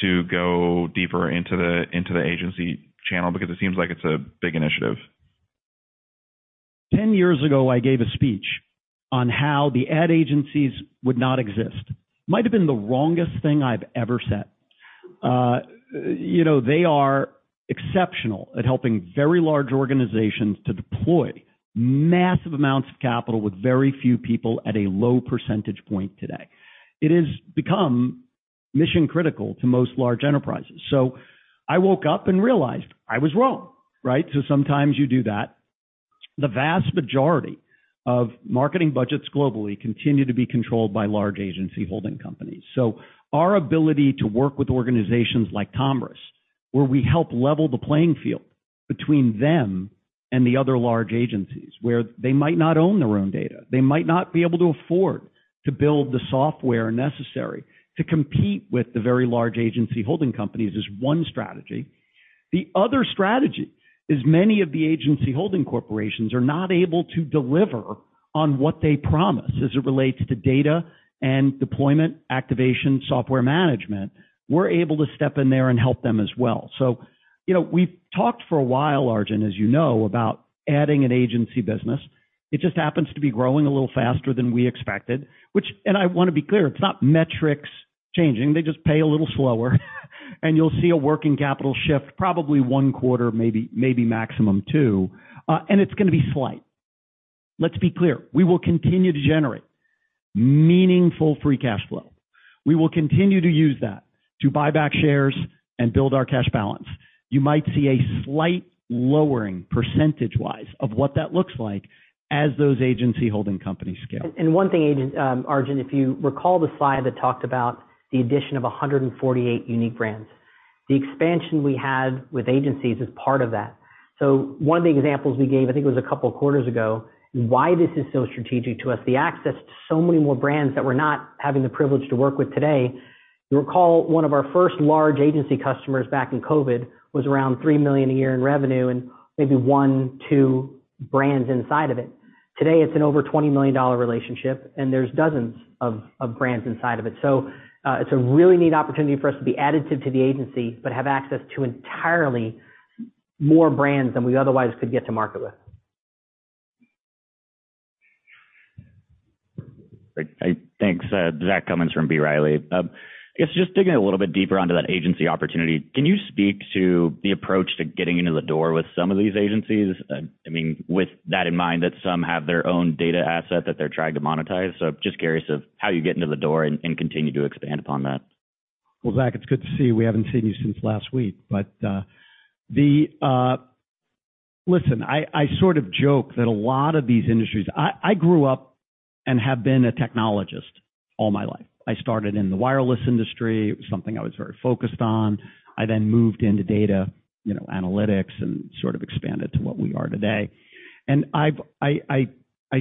Speaker 6: to go deeper into the, into the agency channel? Because it seems like it's a big initiative.
Speaker 17: Ten years ago, I gave a speech on how the ad agencies would not exist. Might have been the wrongest thing I've ever said. You know, they are exceptional at helping very large organizations to deploy massive amounts of capital with very few people at a low percentage point today. It has become mission-critical to most large enterprises. So I woke up and realized I was wrong, right? So sometimes you do that. The vast majority of marketing budgets globally continue to be controlled by large agency holding companies. So our ability to work with organizations like Commerce, where we help level the playing field between them and the other large agencies, where they might not own their own data, they might not be able to afford to build the software necessary to compete with the very large agency holding companies, is one strategy. The other strategy is many of the agency holding corporations are not able to deliver on what they promise as it relates to data and deployment, activation, software management. We're able to step in there and help them as well. So, you know, we've talked for a while, Arjun, as you know, about adding an agency business. It just happens to be growing a little faster than we expected, which, and I want to be clear, it's not metrics changing. They just pay a little slower, and you'll see a working capital shift, probably one quarter, maybe, maybe maximum two, and it's going to be slight. Let's be clear, we will continue to generate meaningful free cash flow. We will continue to use that to buy back shares and build our cash balance. You might see a slight lowering percentage-wise of what that looks like as those agency holding companies scale.
Speaker 1: One thing, agent, Arjun, if you recall the slide that talked about the addition of 148 unique brands, the expansion we had with agencies is part of that. So one of the examples we gave, I think it was a couple of quarters ago, why this is so strategic to us, the access to so many more brands that we're not having the privilege to work with today. You'll recall, one of our first large agency customers back in COVID was around $3 million a year in revenue and maybe one or two brands inside of it. Today, it's an over $20 million relationship, and there's dozens of brands inside of it. So, it's a really neat opportunity for us to be additive to the agency, but have access to entirely more brands than we otherwise could get to market with.
Speaker 21: Great. Thanks. Zach Cummins from B. Riley. I guess just digging a little bit deeper onto that agency opportunity, can you speak to the approach to getting into the door with some of these agencies? I mean, with that in mind, that some have their own data asset that they're trying to monetize. So just curious of how you get into the door and continue to expand upon that.
Speaker 17: Well, Zach, it's good to see you. We haven't seen you since last week, but... Listen, I sort of joke that a lot of these industries, I grew up and have been a technologist all my life. I started in the wireless industry. It was something I was very focused on. I then moved into data, you know, analytics and sort of expanded to what we are today. And I've, I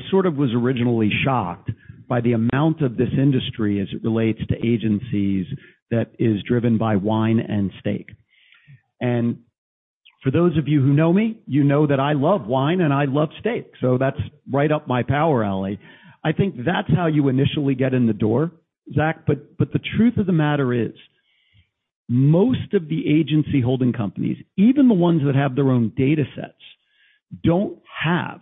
Speaker 17: sort of was originally shocked by the amount of this industry as it relates to agencies that is driven by wine and steak. And for those of you who know me, you know that I love wine and I love steak, so that's right up my power alley. I think that's how you initially get in the door, Zach. But, but the truth of the matter is, most of the agency holding companies, even the ones that have their own datasets, don't have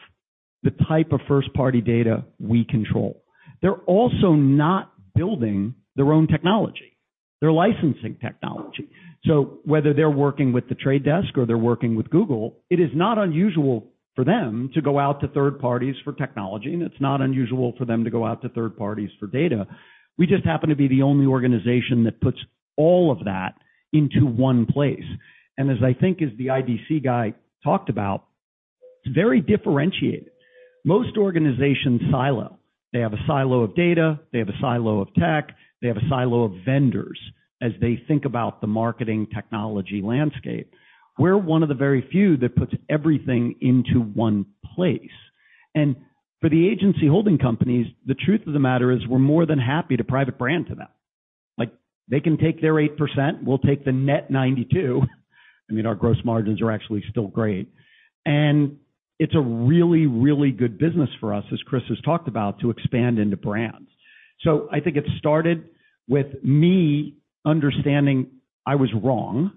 Speaker 17: the type of first-party data we control. They're also not building their own technology. They're licensing technology. So whether they're working with The Trade Desk or they're working with Google, it is not unusual for them to go out to third parties for technology, and it's not unusual for them to go out to third parties for data. We just happen to be the only organization that puts all of that into one place. And as I think as the IDC guy talked about, it's very differentiated. Most organizations silo. They have a silo of data, they have a silo of tech, they have a silo of vendors, as they think about the marketing technology landscape. We're one of the very few that puts everything into one place. And for the agency holding companies, the truth of the matter is, we're more than happy to private brand to them. Like, they can take their 8%, we'll take the net 92%. I mean, our gross margins are actually still great, and it's a really, really good business for us, as Chris has talked about, to expand into brands. So I think it started with me understanding I was wrong.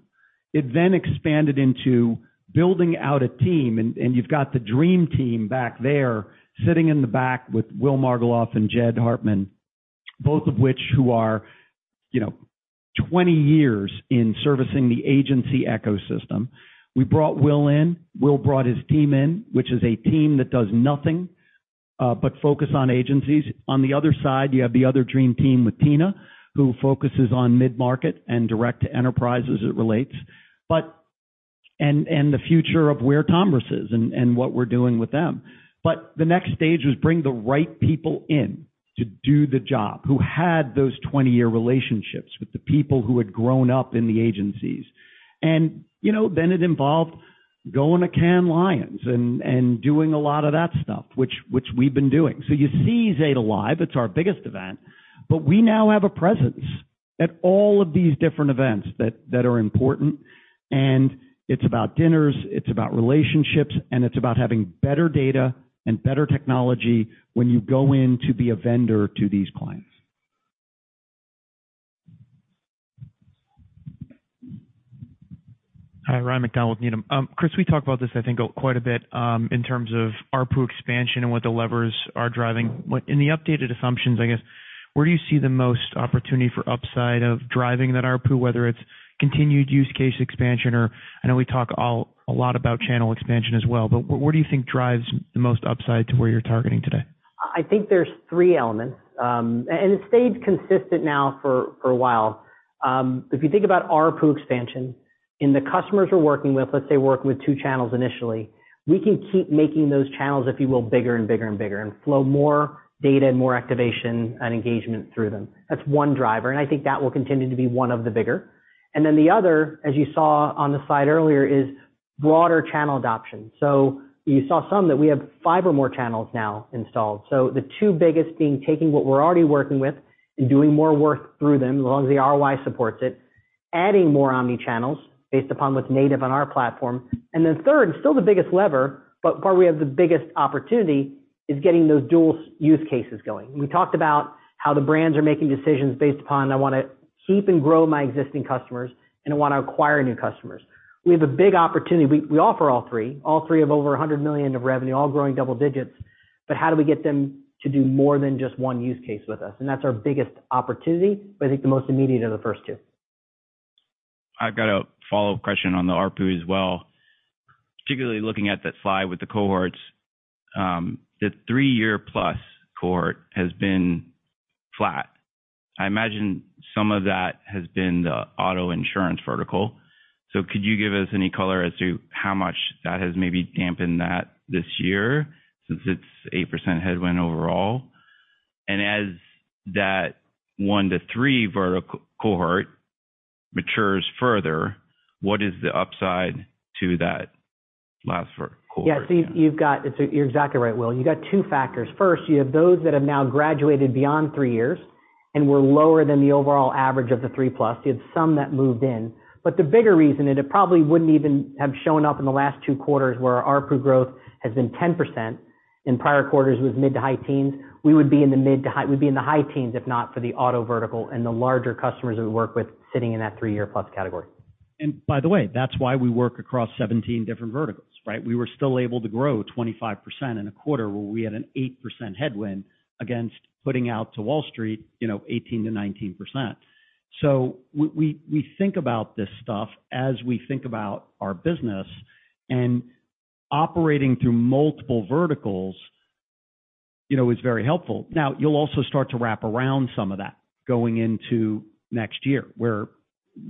Speaker 17: It then expanded into building out a team, and you've got the dream team back there, sitting in the back with Will Margiloff and Jed Hartman, both of which, who are, you know, 20 years in servicing the agency ecosystem. We brought Will in, Will brought his team in, which is a team that does nothing but focus on agencies. On the other side, you have the other dream team with Tina, who focuses on mid-market and direct to enterprise as it relates. But and, and the future of where commerce is and, and what we're doing with them. But the next stage was bring the right people in to do the job, who had those 20-year relationships with the people who had grown up in the agencies. And, you know, then it involved going to Cannes Lions and, and doing a lot of that stuff, which, which we've been doing. So you see Zeta Live, it's our biggest event, but we now have a presence at all of these different events that, that are important. And it's about dinners, it's about relationships, and it's about having better data and better technology when you go in to be a vendor to these clients.
Speaker 7: Hi, Ryan MacDonald, Needham. Chris, we talked about this, I think, quite a bit, in terms of ARPU expansion and what the levers are driving. In the updated assumptions, I guess, where do you see the most opportunity for upside of driving that ARPU, whether it's continued use case expansion or... I know we talk a lot about channel expansion as well, but what do you think drives the most upside to where you're targeting today?
Speaker 1: I think there's three elements, and it's stayed consistent now for a while. If you think about ARPU expansion, in the customers we're working with, let's say we're working with two channels initially, we can keep making those channels, if you will, bigger and bigger and bigger, and flow more data and more activation and engagement through them. That's one driver, and I think that will continue to be one of the bigger. And then the other, as you saw on the slide earlier, is broader channel adoption. So you saw some, that we have five or more channels now installed. So the two biggest being, taking what we're already working with and doing more work through them, as long as the ROI supports it, adding more omni-channels based upon what's native on our platform. Then third, still the biggest lever, but where we have the biggest opportunity, is getting those dual-use cases going. We talked about how the brands are making decisions based upon, "I want to keep and grow my existing customers, and I want to acquire new customers." We have a big opportunity. We offer all three. All three have over $100 million of revenue, all growing double digits, but how do we get them to do more than just one use case with us? And that's our biggest opportunity, but I think the most immediate are the first two.
Speaker 6: I've got a follow-up question on the ARPU as well, particularly looking at the slide with the cohorts. The three-year-plus cohort has been flat. I imagine some of that has been the auto insurance vertical. So could you give us any color as to how much that has maybe dampened that this year, since it's 8% headwind overall? And as that one to three vertical cohort matures further, what is the upside to that last vertical cohort?
Speaker 1: Yeah, so you've got—you're exactly right, Will. You've got two factors. First, you have those that have now graduated beyond three years and were lower than the overall average of the three-plus. You have some that moved in. But the bigger reason, and it probably wouldn't even have shown up in the last two quarters, where our ARPU growth has been 10%, in prior quarters was mid- to high-teens. We would be in the mid- to high—we'd be in the high teens, if not for the auto vertical and the larger customers that we work with sitting in that three-year-plus category.
Speaker 17: By the way, that's why we work across 17 different verticals, right? We were still able to grow 25% in a quarter, where we had an 8% headwind, against putting out to Wall Street, you know, 18%-19%. So we think about this stuff as we think about our business, and operating through multiple verticals, you know, is very helpful. Now, you'll also start to wrap around some of that going into next year, where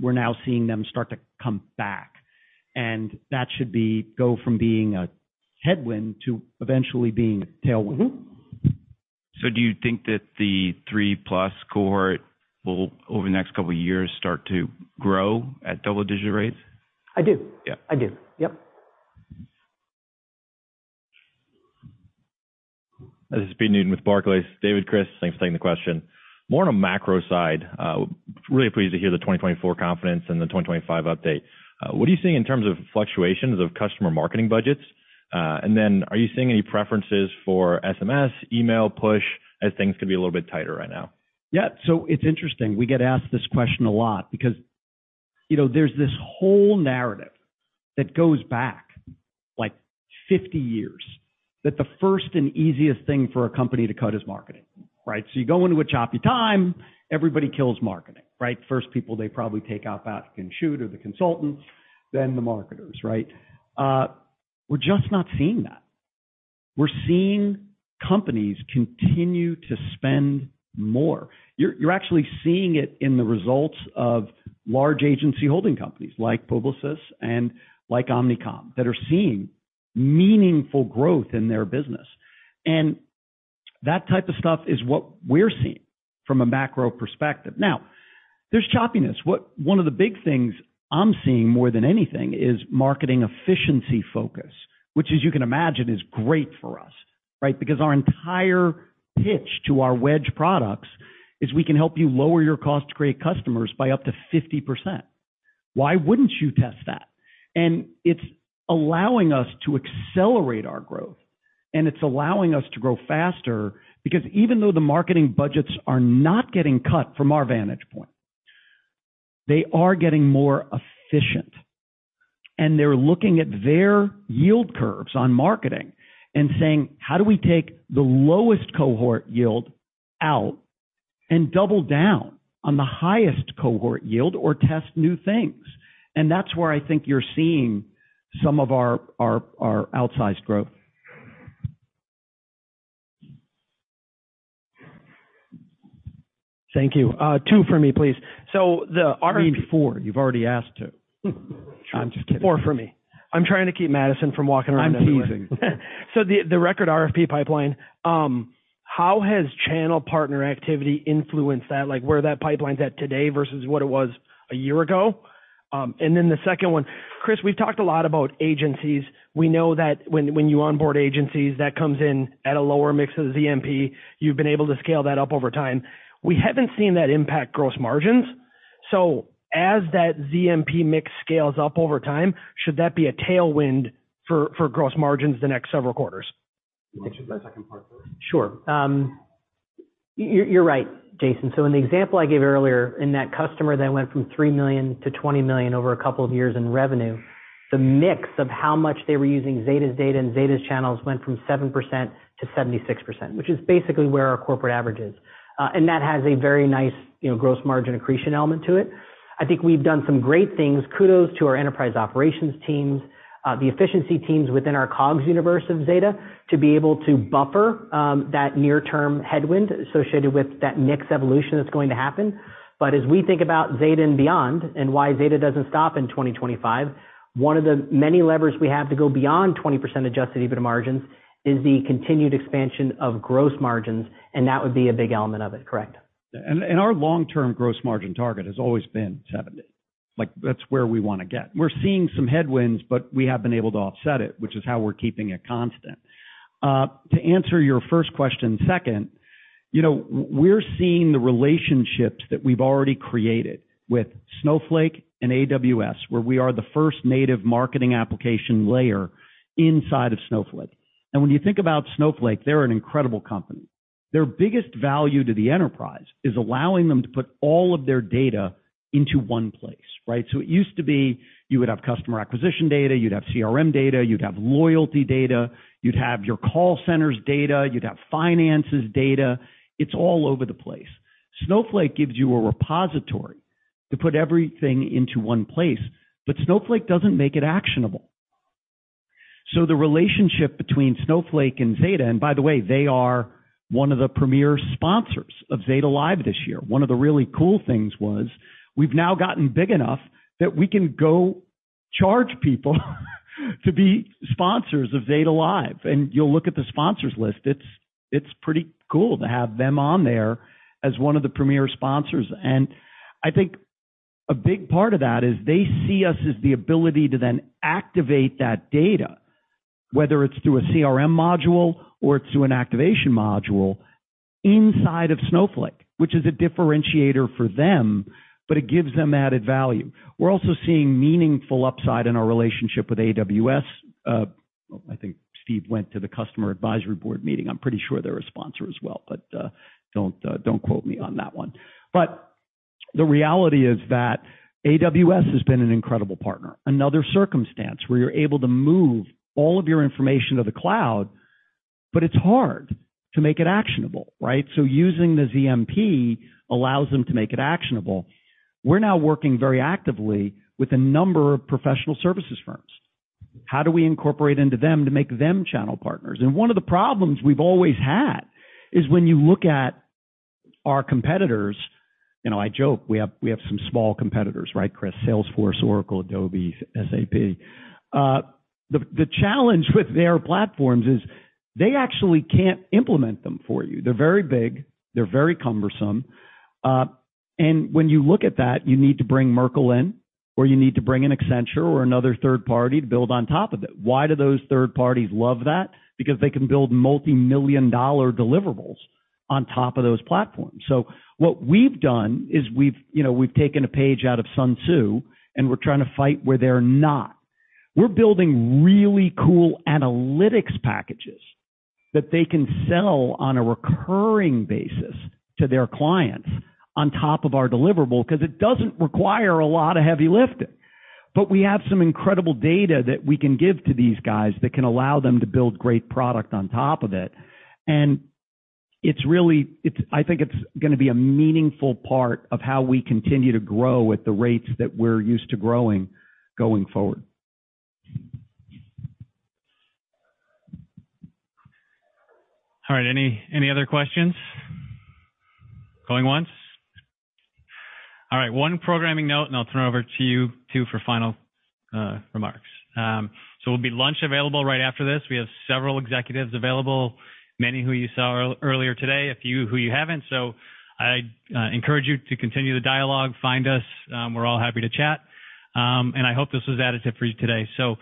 Speaker 17: we're now seeing them start to come back, and that should go from being a headwind to eventually being a tailwind.
Speaker 6: Do you think that the 3+ cohort will, over the next couple of years, start to grow at double-digit rates?
Speaker 17: I do.
Speaker 6: Yeah.
Speaker 17: I do. Yep.
Speaker 22: This is Pete Newton with Barclays. David, Chris, thanks for taking the question. More on a macro side, really pleased to hear the 2024 confidence and the 2025 update. What are you seeing in terms of fluctuations of customer marketing budgets? And then are you seeing any preferences for SMS, email, push, as things could be a little bit tighter right now?
Speaker 17: Yeah. So it's interesting, we get asked this question a lot because, you know, there's this whole narrative that goes back, like, 50 years, that the first and easiest thing for a company to cut is marketing, right? So you go into a choppy time, everybody kills marketing, right? First people they probably take out back and shoot are the consultants, then the marketers, right? We're just not seeing that. We're seeing companies continue to spend more. You're actually seeing it in the results of large agency holding companies like Publicis and like Omnicom, that are seeing meaningful growth in their business. And that type of stuff is what we're seeing from a macro perspective. Now, there's choppiness. What one of the big things I'm seeing more than anything is marketing efficiency focus, which, as you can imagine, is great for us, right? Because our entire pitch to our wedge products is we can help you lower your cost to create customers by up to 50%. Why wouldn't you test that? It's allowing us to accelerate our growth, and it's allowing us to grow faster, because even though the marketing budgets are not getting cut from our vantage point, they are getting more efficient. They're looking at their yield curves on marketing and saying: How do we take the lowest cohort yield out and double down on the highest cohort yield or test new things? That's where I think you're seeing some of our outsized growth.
Speaker 19: Thank you. Two for me, please. So the-
Speaker 17: You need four. You've already asked two. I'm just kidding.
Speaker 19: ...four for me. I'm trying to keep Madison from walking around-
Speaker 17: I'm teasing.
Speaker 19: So the record RFP pipeline, how has channel partner activity influenced that? Like, where that pipeline's at today versus what it was a year ago. And then the second one, Chris, we've talked a lot about agencies. We know that when you onboard agencies, that comes in at a lower mix of ZMP, you've been able to scale that up over time. We haven't seen that impact gross margins. So as that ZMP mix scales up over time, should that be a tailwind for gross margins the next several quarters?
Speaker 17: You want the second part first?
Speaker 1: Sure. You're right, Jason. So in the example I gave earlier, in that customer that went from $3 million to $20 million over a couple of years in revenue, the mix of how much they were using Zeta's data and Zeta's channels went from 7% to 76%, which is basically where our corporate average is. And that has a very nice, you know, gross margin accretion element to it. I think we've done some great things. Kudos to our enterprise operations teams, the efficiency teams within our COGS universe of Zeta, to be able to buffer that near-term headwind associated with that mix evolution that's going to happen. But as we think about Zeta and beyond, and why Zeta doesn't stop in 2025, one of the many levers we have to go beyond 20% Adjusted EBITDA margins is the continued expansion of gross margins, and that would be a big element of it, correct?
Speaker 17: Our long-term gross margin target has always been 70%. Like, that's where we wanna get. We're seeing some headwinds, but we have been able to offset it, which is how we're keeping it constant. To answer your first question second, you know, we're seeing the relationships that we've already created with Snowflake and AWS, where we are the first native marketing application layer inside of Snowflake. And when you think about Snowflake, they're an incredible company. Their biggest value to the enterprise is allowing them to put all of their data into one place, right? So it used to be you would have customer acquisition data, you'd have CRM data, you'd have loyalty data, you'd have your call centers data, you'd have finances data. It's all over the place. Snowflake gives you a repository to put everything into one place, but Snowflake doesn't make it actionable. So the relationship between Snowflake and Zeta, and by the way, they are one of the premier sponsors of Zeta Live this year. One of the really cool things was, we've now gotten big enough that we can go charge people, to be sponsors of Zeta Live. And you'll look at the sponsors list, it's pretty cool to have them on there as one of the premier sponsors. And I think a big part of that is they see us as the ability to then activate that data, whether it's through a CRM module or it's through an activation module inside of Snowflake, which is a differentiator for them, but it gives them added value. We're also seeing meaningful upside in our relationship with AWS. I think Steve went to the customer advisory board meeting. I'm pretty sure they're a sponsor as well, but don't, don't quote me on that one. But the reality is that AWS has been an incredible partner. Another circumstance where you're able to move all of your information to the cloud, but it's hard to make it actionable, right? So using the ZMP allows them to make it actionable. We're now working very actively with a number of professional services firms. How do we incorporate into them to make them channel partners? And one of the problems we've always had is when you look at our competitors, you know, I joke, we have, we have some small competitors, right, Chris? Salesforce, Oracle, Adobe, SAP. The challenge with their platforms is, they actually can't implement them for you. They're very big, they're very cumbersome, and when you look at that, you need to bring Merkle in, or you need to bring an Accenture or another third party to build on top of it. Why do those third parties love that? Because they can build multimillion-dollar deliverables on top of those platforms. So what we've done is we've, you know, we've taken a page out of Sun Tzu, and we're trying to fight where they're not. We're building really cool analytics packages that they can sell on a recurring basis to their clients on top of our deliverable, because it doesn't require a lot of heavy lifting. But we have some incredible data that we can give to these guys that can allow them to build great product on top of it. And-- It's really, I think it's gonna be a meaningful part of how we continue to grow at the rates that we're used to growing, going forward.
Speaker 5: All right, any other questions? Going once. All right, one programming note, and I'll turn it over to you two for final remarks. So there'll be lunch available right after this. We have several executives available, many who you saw earlier today, a few who you haven't. So I encourage you to continue the dialogue. Find us, we're all happy to chat. And I hope this was additive for you today. So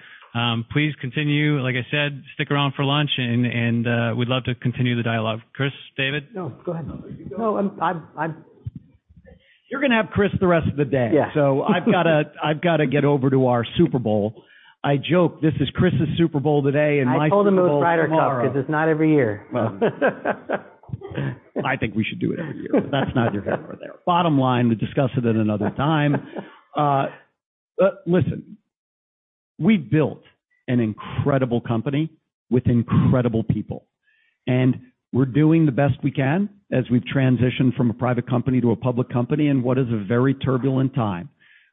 Speaker 5: please continue. Like I said, stick around for lunch and, and we'd love to continue the dialogue. Chris, David?
Speaker 17: No, go ahead. No, I'm. You're gonna have Chris the rest of the day. Yeah. So I've gotta get over to our Super Bowl. I joke this is Chris's Super Bowl today, and my Super Bowl tomorrow. I told them it was Ryder Cup, 'cause it's not every year. I think we should do it every year. But that's neither here nor there. Bottom line, we'll discuss it at another time. Listen, we built an incredible company with incredible people, and we're doing the best we can as we've transitioned from a private company to a public company in what is a very turbulent time.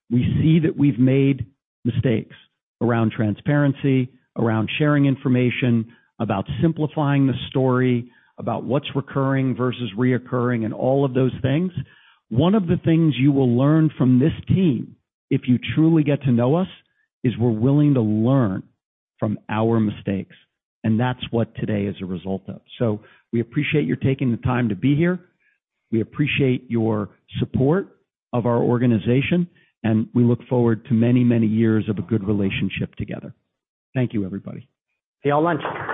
Speaker 17: We see that we've made mistakes around transparency, around sharing information, about simplifying the story, about what's recurring versus reoccurring, and all of those things. One of the things you will learn from this team, if you truly get to know us, is we're willing to learn from our mistakes, and that's what today is a result of. So we appreciate your taking the time to be here. We appreciate your support of our organization, and we look forward to many, many years of a good relationship together. Thank you, everybody. See you all at lunch.